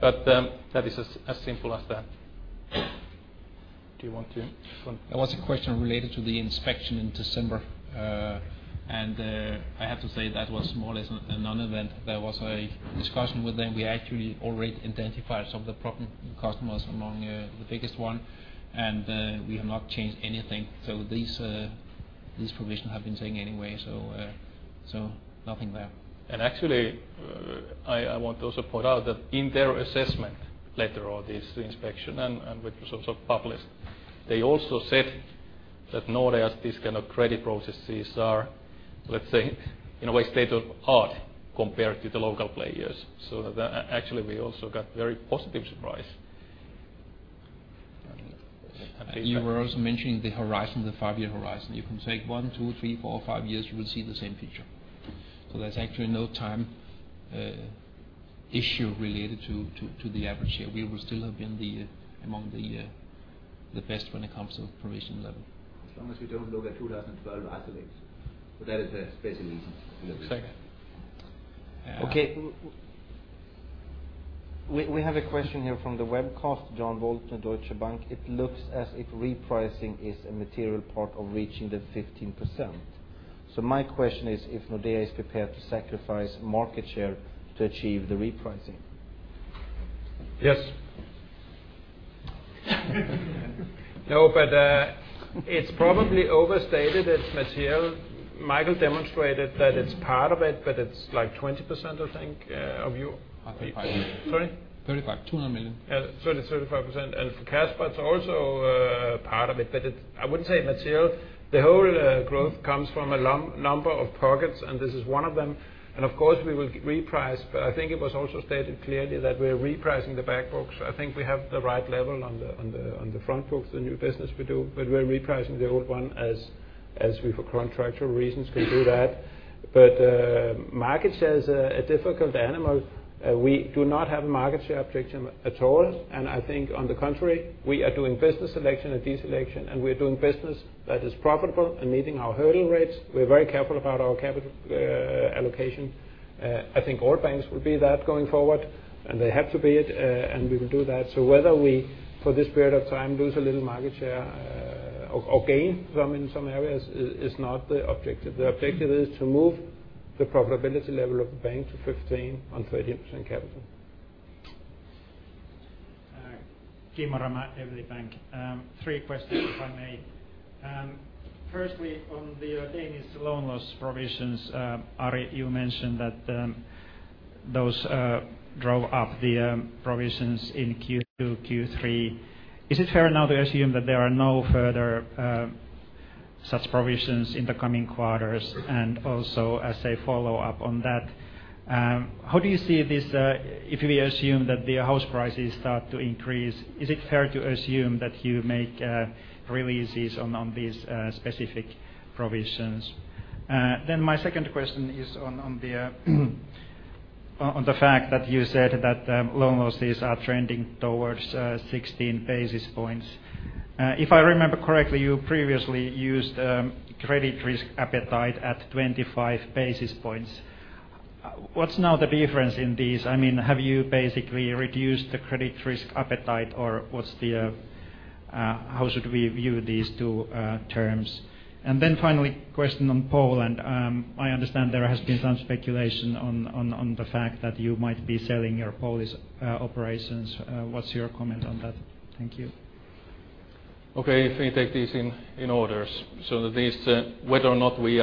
That is as simple as that. Do you want to comment? There was a question related to the inspection in December, I have to say that was more or less a non-event. There was a discussion with them. We actually already identified some of the problem customers among the biggest one, these provisions have been taken anyway, nothing there. Actually, I want to also point out that in their assessment letter or this inspection which was also published, they also said that Nordea's this kind of credit processes are, let's say, in a way, state of art compared to the local players. Actually we also got very positive surprise. You were also mentioning the horizon, the five-year horizon. You can take one, two, three, four, five years, you will see the same picture. There's actually no time issue related to the average here. We will still have been among the best when it comes to provision level. As long as we don't look at 2012 isolated. That is a special reason. Second. Okay. We have a question here from the webcast, John Bolton of Deutsche Bank. It looks as if repricing is a material part of reaching the 15%. My question is if Nordea is prepared to sacrifice market share to achieve the repricing? Yes. No, it's probably overstated. It's material. Michael demonstrated that it's part of it's like 20%, I think, of your- 35. Sorry? 35%. 200 million. Yeah, 30%-35%. For Casper, it's also part of it, but I wouldn't say material. The whole growth comes from a number of pockets, and this is one of them. Of course, we will reprice, but I think it was also stated clearly that we're repricing the back books. I think we have the right level on the front books, the new business we do, but we're repricing the old one as we, for contractual reasons, can do that. Market share is a difficult animal. We do not have a market share objective at all. I think, on the contrary, we are doing business selection and deselection, and we are doing business that is profitable and meeting our hurdle rates. We're very careful about our capital allocation. I think all banks will be that going forward, and they have to be it, and we will do that. Whether we, for this period of time, lose a little market share or gain some in some areas is not the objective. The objective is to move the profitability level of the bank to 15% on 13% capital. Kimmo Räme, Evli Bank. Three questions, if I may. Firstly, on the Danish loan loss provisions, Ari, you mentioned that those drove up the provisions in Q2, Q3. Is it fair now to assume that there are no further such provisions in the coming quarters? Also, as a follow-up on that, how do you see this if we assume that the house prices start to increase, is it fair to assume that you make releases on these specific provisions? My second question is on the fact that you said that loan losses are trending towards 16 basis points. If I remember correctly, you previously used credit risk appetite at 25 basis points. What's now the difference in these? Have you basically reduced the credit risk appetite, or how should we view these two terms? Finally, question on Poland. I understand there has been some speculation on the fact that you might be selling your Polish operations. What is your comment on that? Thank you. That is whether or not we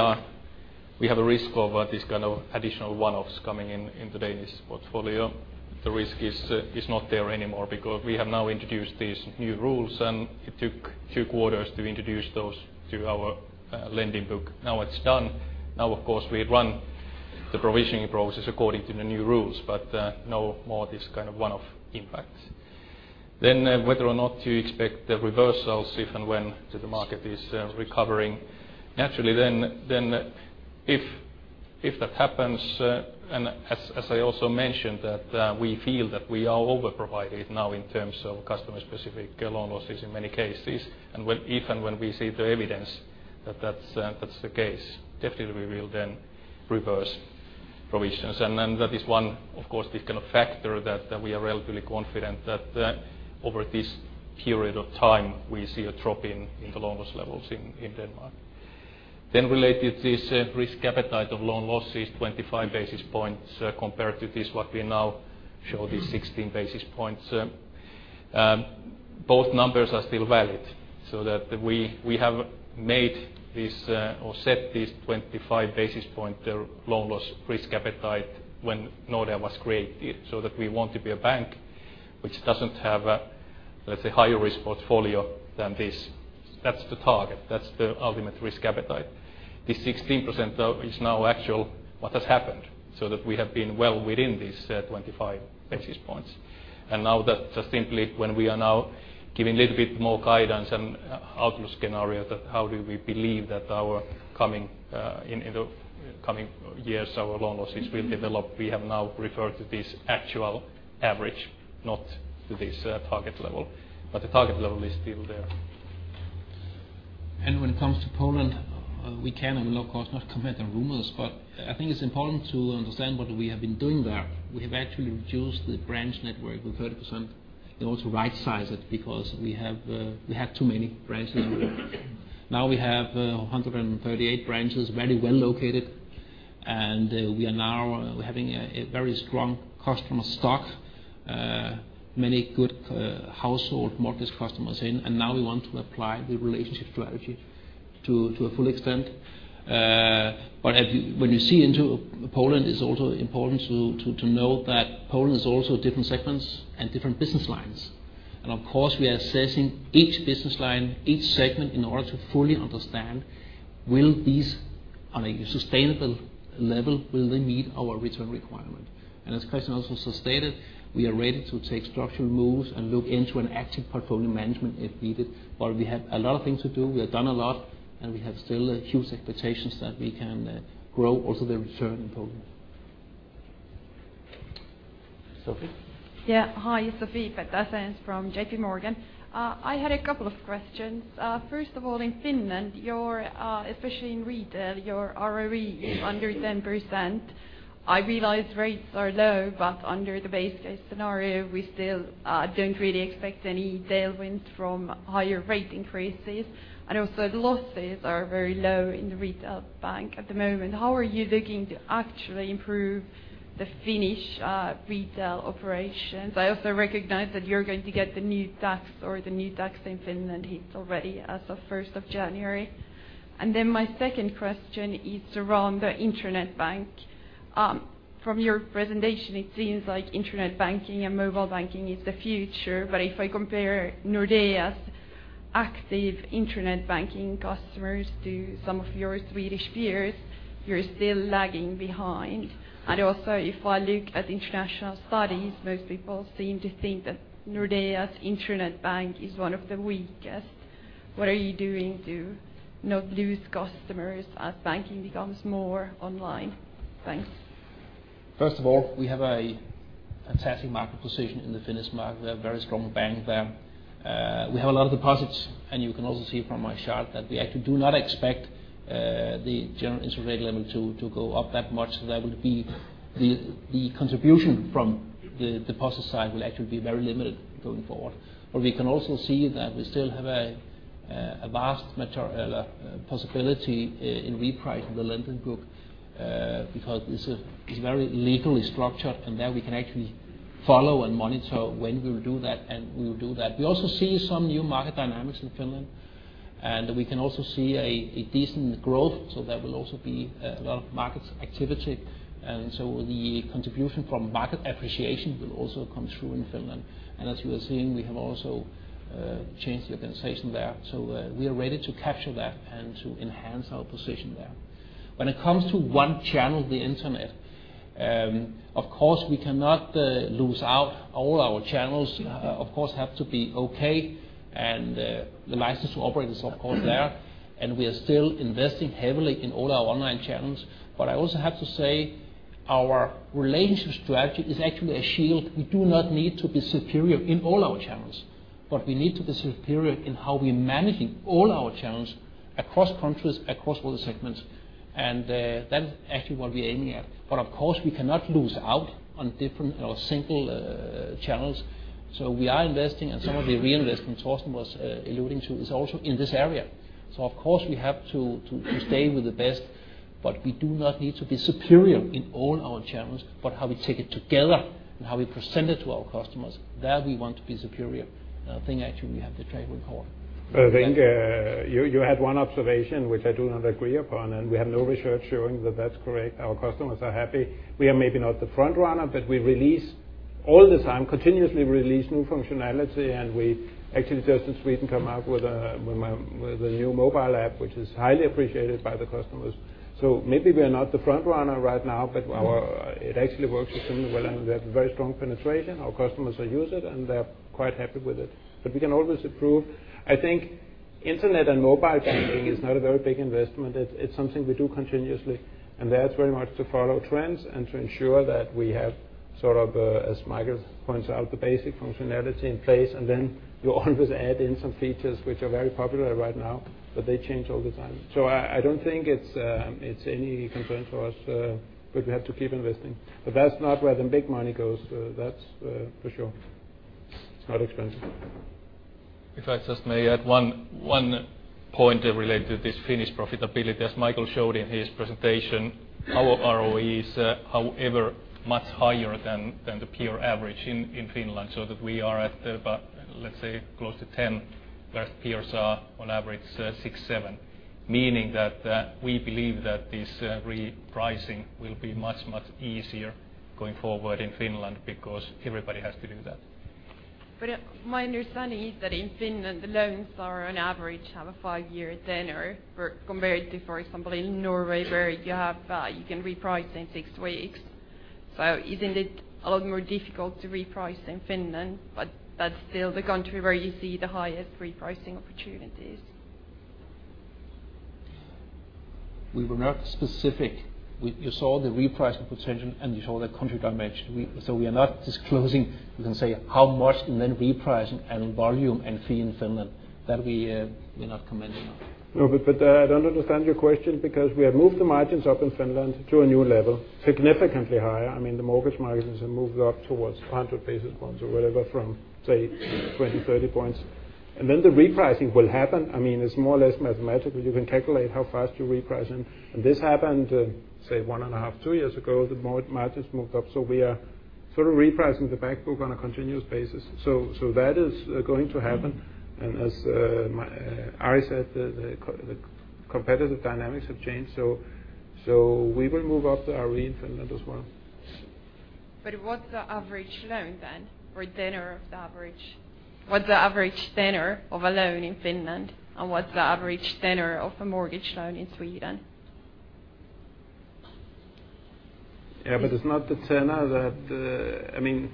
have a risk of this kind of additional one-offs coming in the Danish portfolio. The risk is not there anymore because we have now introduced these new rules, and it took two quarters to introduce those to our lending book. Now it is done. Of course, we run the provisioning process according to the new rules, but no more this kind of one-off impact. Whether or not you expect the reversals if and when the market is recovering naturally, if that happens, and as I also mentioned, that we feel that we are over-provided now in terms of customer-specific loan losses in many cases. Even when we see the evidence that that is the case, definitely we will then reverse provisions. That is one, of course, this kind of factor that we are relatively confident that over this period of time, we see a drop in the loan loss levels in Denmark. Related to this risk appetite of loan loss is 25 basis points compared to this what we now show this 16 basis points. Both numbers are still valid so that we have made this or set this 25-basis point loan loss risk appetite when Nordea was created so that we want to be a bank which does not have, let us say, higher risk portfolio than this. That is the target. That is the ultimate risk appetite. This 16%, though, is now actual what has happened, so that we have been well within this 25 basis points. That simply when we are now giving little bit more guidance and outlook scenario that how do we believe that our coming, in the coming years, our loan losses will develop. We have now referred to this actual average, not to this target level. The target level is still there. When it comes to Poland, we can and will, of course, not comment on rumors, but I think it's important to understand what we have been doing there. We have actually reduced the branch network with 30% in order to rightsize it because we had too many branches. Now we have 138 branches, very well located, and we are now having a very strong customer stock, many good household mortgage customers in, and now we want to apply the relationship strategy to a full extent. When you see into Poland, it's also important to note that Poland is also different segments and different business lines. Of course, we are assessing each business line, each segment, in order to fully understand will these, on a sustainable level, will they meet our return requirement? As Christian also stated, we are ready to take structural moves and look into an active portfolio management if needed. We have a lot of things to do. We have done a lot, and we have still huge expectations that we can grow also the return in Poland. Sofie? Hi, it's Sofie Peterzens from J.P. Morgan. I had a couple of questions. First of all, in Finland, especially in retail, your ROE is under 10%. I realize rates are low, but under the base case scenario, we still don't really expect any tailwind from higher rate increases. Also, the losses are very low in the retail bank at the moment. How are you looking to actually improve the Finnish retail operations? I also recognize that you're going to get the new tax or the new tax in Finland hit already as of 1st of January. My second question is around the internet bank. From your presentation, it seems like internet banking and mobile banking is the future, but if I compare Nordea's active internet banking customers to some of your Swedish peers, you're still lagging behind. Also, if I look at international studies, most people seem to think that Nordea's internet bank is one of the weakest. What are you doing to not lose customers as banking becomes more online? Thanks. First of all, we have a fantastic market position in the Finnish market. We have a very strong bank there. We have a lot of deposits, and you can also see from my chart that we actually do not expect the general interest rate level to go up that much. That would be the contribution from the deposit side will actually be very limited going forward. We can also see that we still have a vast material possibility in repricing the lending book, because it's very legally structured, and there we can actually follow and monitor when we will do that, and we will do that. We also see some new market dynamics in Finland, and we can also see a decent growth. There will also be a lot of market activity. The contribution from market appreciation will also come through in Finland. As you were seeing, we have also changed the organization there. We are ready to capture that and to enhance our position there. When it comes to one channel, the internet, of course, we cannot lose out. All our channels, of course, have to be okay, and the license to operate is of course there, and we are still investing heavily in all our online channels. I also have to say our relationship strategy is actually a shield. We do not need to be superior in all our channels, but we need to be superior in how we're managing all our channels across countries, across all segments. That is actually what we're aiming at. Of course, we cannot lose out on different or single channels. We are investing, and some of the reinvestment Torsten was alluding to is also in this area. Of course, we have to stay with the best, but we do not need to be superior in all our channels. How we take it together and how we present it to our customers, there we want to be superior. I think actually we have the track record. I think you had one observation which I do not agree upon, and we have no research showing that that's correct. Our customers are happy. We are maybe not the front-runner, but we release all the time, continuously release new functionality, and we actually just in Sweden come out with a new mobile app, which is highly appreciated by the customers. Maybe we are not the front-runner right now, but it actually works extremely well, and we have very strong penetration. Our customers use it, and they're quite happy with it. We can always improve. I think internet and mobile banking is not a very big investment. It's something we do continuously, and that's very much to follow trends and to ensure that we have sort of, as Michael points out, the basic functionality in place. Then you always add in some features which are very popular right now, but they change all the time. I don't think it's any concern for us. We have to keep investing. That's not where the big money goes, that's for sure. It's not expensive. If I just may add one point related to this Finnish profitability. As Michael showed in his presentation, our ROE is however much higher than the peer average in Finland, so that we are at about, let's say, close to 10, where peers are on average six, seven. Meaning that we believe that this repricing will be much, much easier going forward in Finland because everybody has to do that. My understanding is that in Finland, the loans are on average have a five-year tenor compared to, for example, in Norway, where you can reprice in six weeks. Isn't it a lot more difficult to reprice in Finland, but that's still the country where you see the highest repricing opportunities? We were not specific. You saw the repricing potential. You saw the country dimension. We are not disclosing, we can say how much in the repricing and volume and fee in Finland. That we're not commenting on. I do not understand your question because we have moved the margins up in Finland to a new level, significantly higher. I mean, the mortgage margins have moved up towards 100 basis points or whatever from, say, 20, 30 basis points. The repricing will happen. I mean, it is more or less mathematical. You can calculate how fast you are repricing. This happened, say, one and a half, two years ago, the margins moved up. We are sort of repricing the back book on a continuous basis. That is going to happen. As Ari said, the competitive dynamics have changed. We will move up the ROE in Finland as well. What is the average loan then, or tenor of the average? What is the average tenor of a loan in Finland and what is the average tenor of a mortgage loan in Sweden? It is not the tenor that, I mean-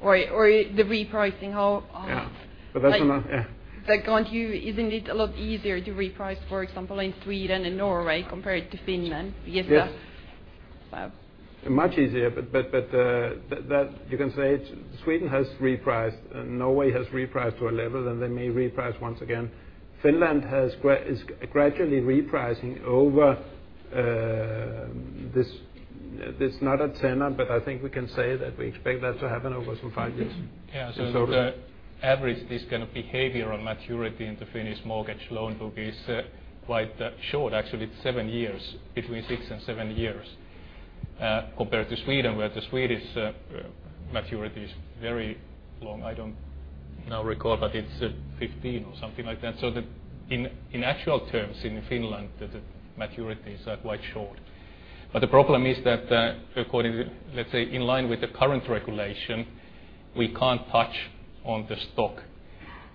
The repricing, how- Yeah. That's another, yeah. Can't you, isn't it a lot easier to reprice, for example, in Sweden and Norway compared to Finland? Much easier. You can say Sweden has repriced, and Norway has repriced to a level that they may reprice once again. Finland is gradually repricing over this, [not at center], I think we can say that we expect that to happen over some five years. Yeah. The average, this kind of behavior on maturity in the Finnish mortgage loan will be quite short. Actually, it's seven years, between six and seven years. Compared to Sweden, where the Swedish maturity is very long. I don't now recall, but it's 15 or something like that. In actual terms, in Finland, the maturity is quite short. The problem is that according to, let's say, in line with the current regulation, we can't touch on the stock.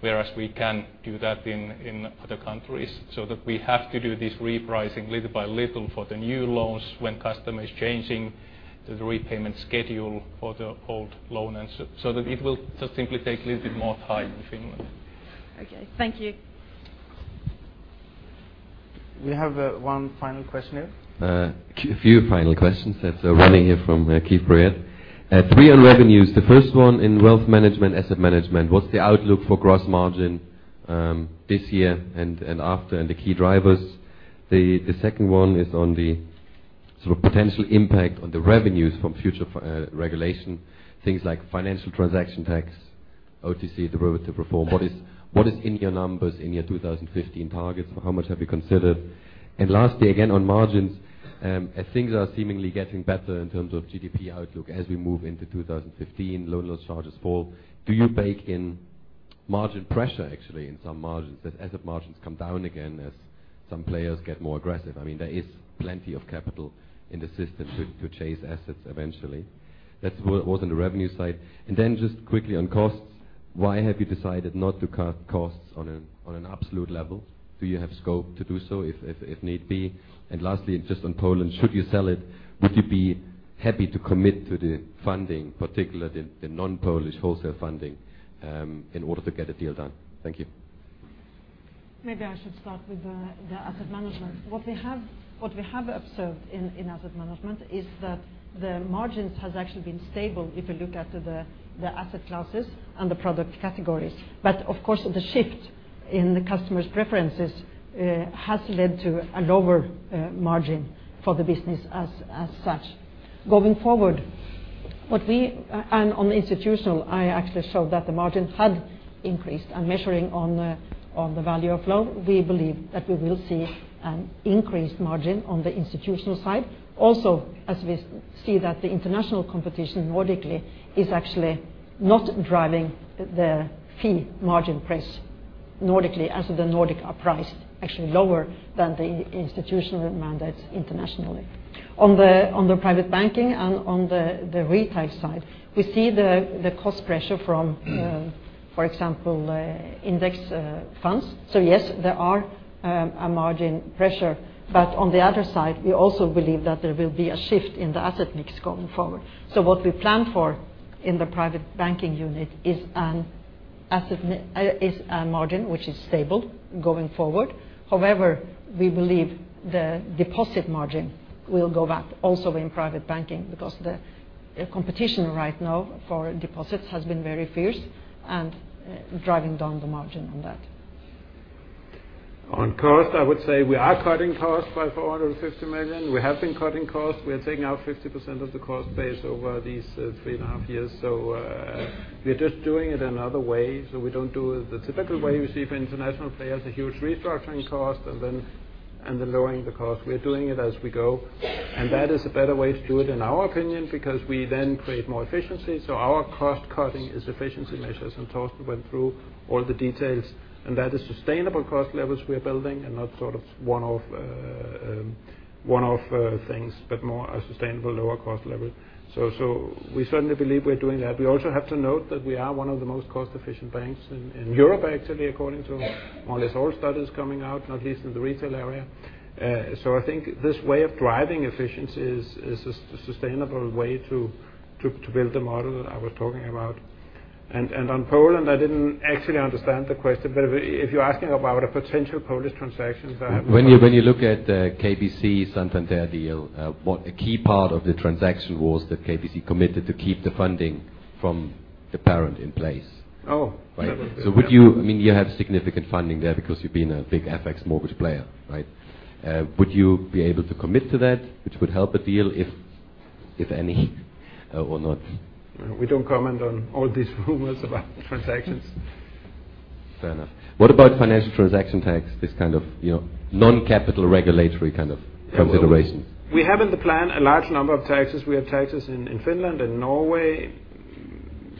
Whereas we can do that in other countries, that we have to do this repricing little by little for the new loans when customer is changing the repayment schedule for the old loan. That it will just simply take a little bit more time in Finland. Okay. Thank you. We have one final question here. A few final questions. It's Ronnie here from Kepler. three on revenues. The first one in wealth management, asset management. What's the outlook for gross margin this year and after, and the key drivers? The second one is on the sort of potential impact on the revenues from future regulation, things like financial transaction tax, OTC derivative reform. What is in your numbers, in your 2015 targets? How much have you considered? Lastly, again, on margins, as things are seemingly getting better in terms of GDP outlook as we move into 2015, loan loss charges fall. Do you bake in margin pressure actually in some margins, as asset margins come down again, as some players get more aggressive? There is plenty of capital in the system to chase assets eventually. That was on the revenue side. Then just quickly on costs, why have you decided not to cut costs on an absolute level? Do you have scope to do so if need be? Lastly, just on Poland, should you sell it, would you be happy to commit to the funding, particularly the non-Polish wholesale funding, in order to get a deal done? Thank you. Maybe I should start with the asset management. What we have observed in asset management is that the margins has actually been stable if you look at the asset classes and the product categories. Of course, the shift in the customer's preferences has led to a lower margin for the business as such. Going forward, on the institutional, I actually showed that the margin had increased. Measuring on the value of loan, we believe that we will see an increased margin on the institutional side. As we see that the international competition Nordically is actually not driving the fee margin pressure Nordically as the Nordic are priced actually lower than the institutional mandates internationally. On the Private Banking and on the retail side, we see the cost pressure from for example, index funds. Yes, there are a margin pressure. On the other side, we also believe that there will be a shift in the asset mix going forward. What we plan for in the Private Banking unit is a margin which is stable going forward. However, we believe the deposit margin will go back also in Private Banking because the competition right now for deposits has been very fierce and driving down the margin on that. On cost, I would say we are cutting costs by 450 million. We have been cutting costs. We are taking out 50% of the cost base over these three and a half years. We are just doing it another way, so we don't do it the typical way you see for international players, a huge restructuring cost and then lowering the cost. We are doing it as we go, and that is a better way to do it in our opinion, because we then create more efficiency. Our cost cutting is efficiency measures, and Torsten went through all the details. That is sustainable cost levels we are building and not sort of one-off things, but more a sustainable lower cost level. We certainly believe we're doing that. We also have to note that we are one of the most cost-efficient banks in Europe actually, according to more or less all studies coming out, not least in the retail area. I think this way of driving efficiency is a sustainable way to build the model that I was talking about. On Poland, I didn't actually understand the question, but if you're asking about a potential Polish transaction- When you look at the KBC Santander deal, a key part of the transaction was that KBC committed to keep the funding from the parent in place. Oh. Would you have significant funding there because you've been a big FX mortgage player, right? Would you be able to commit to that, which would help a deal if any or not? We don't comment on all these rumors about transactions. Fair enough. What about financial transaction tax, this kind of non-capital regulatory kind of considerations? We have in the plan a large number of taxes. We have taxes in Finland and Norway.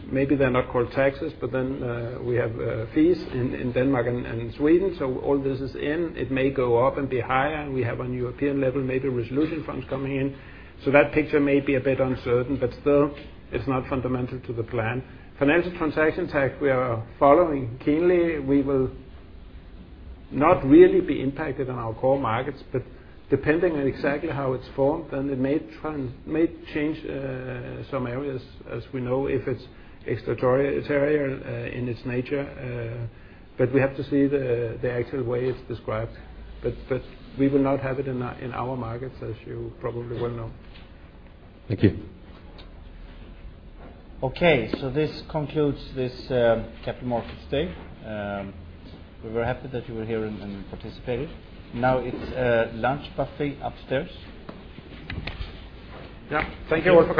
Maybe they're not called taxes, but then we have fees in Denmark and in Sweden. All this is in. It may go up and be higher, and we have on European level, maybe resolution funds coming in. That picture may be a bit uncertain, but still, it's not fundamental to the plan. Financial transaction tax we are following keenly. We will not really be impacted on our core markets, but depending on exactly how it's formed, then it may change some areas, as we know if it's extraterritorial in its nature. We have to see the actual way it's described. We will not have it in our markets, as you probably well know. Thank you. This concludes this Capital Markets Day. We were happy that you were here and participated. Now it's lunch buffet upstairs. Thank you all for coming.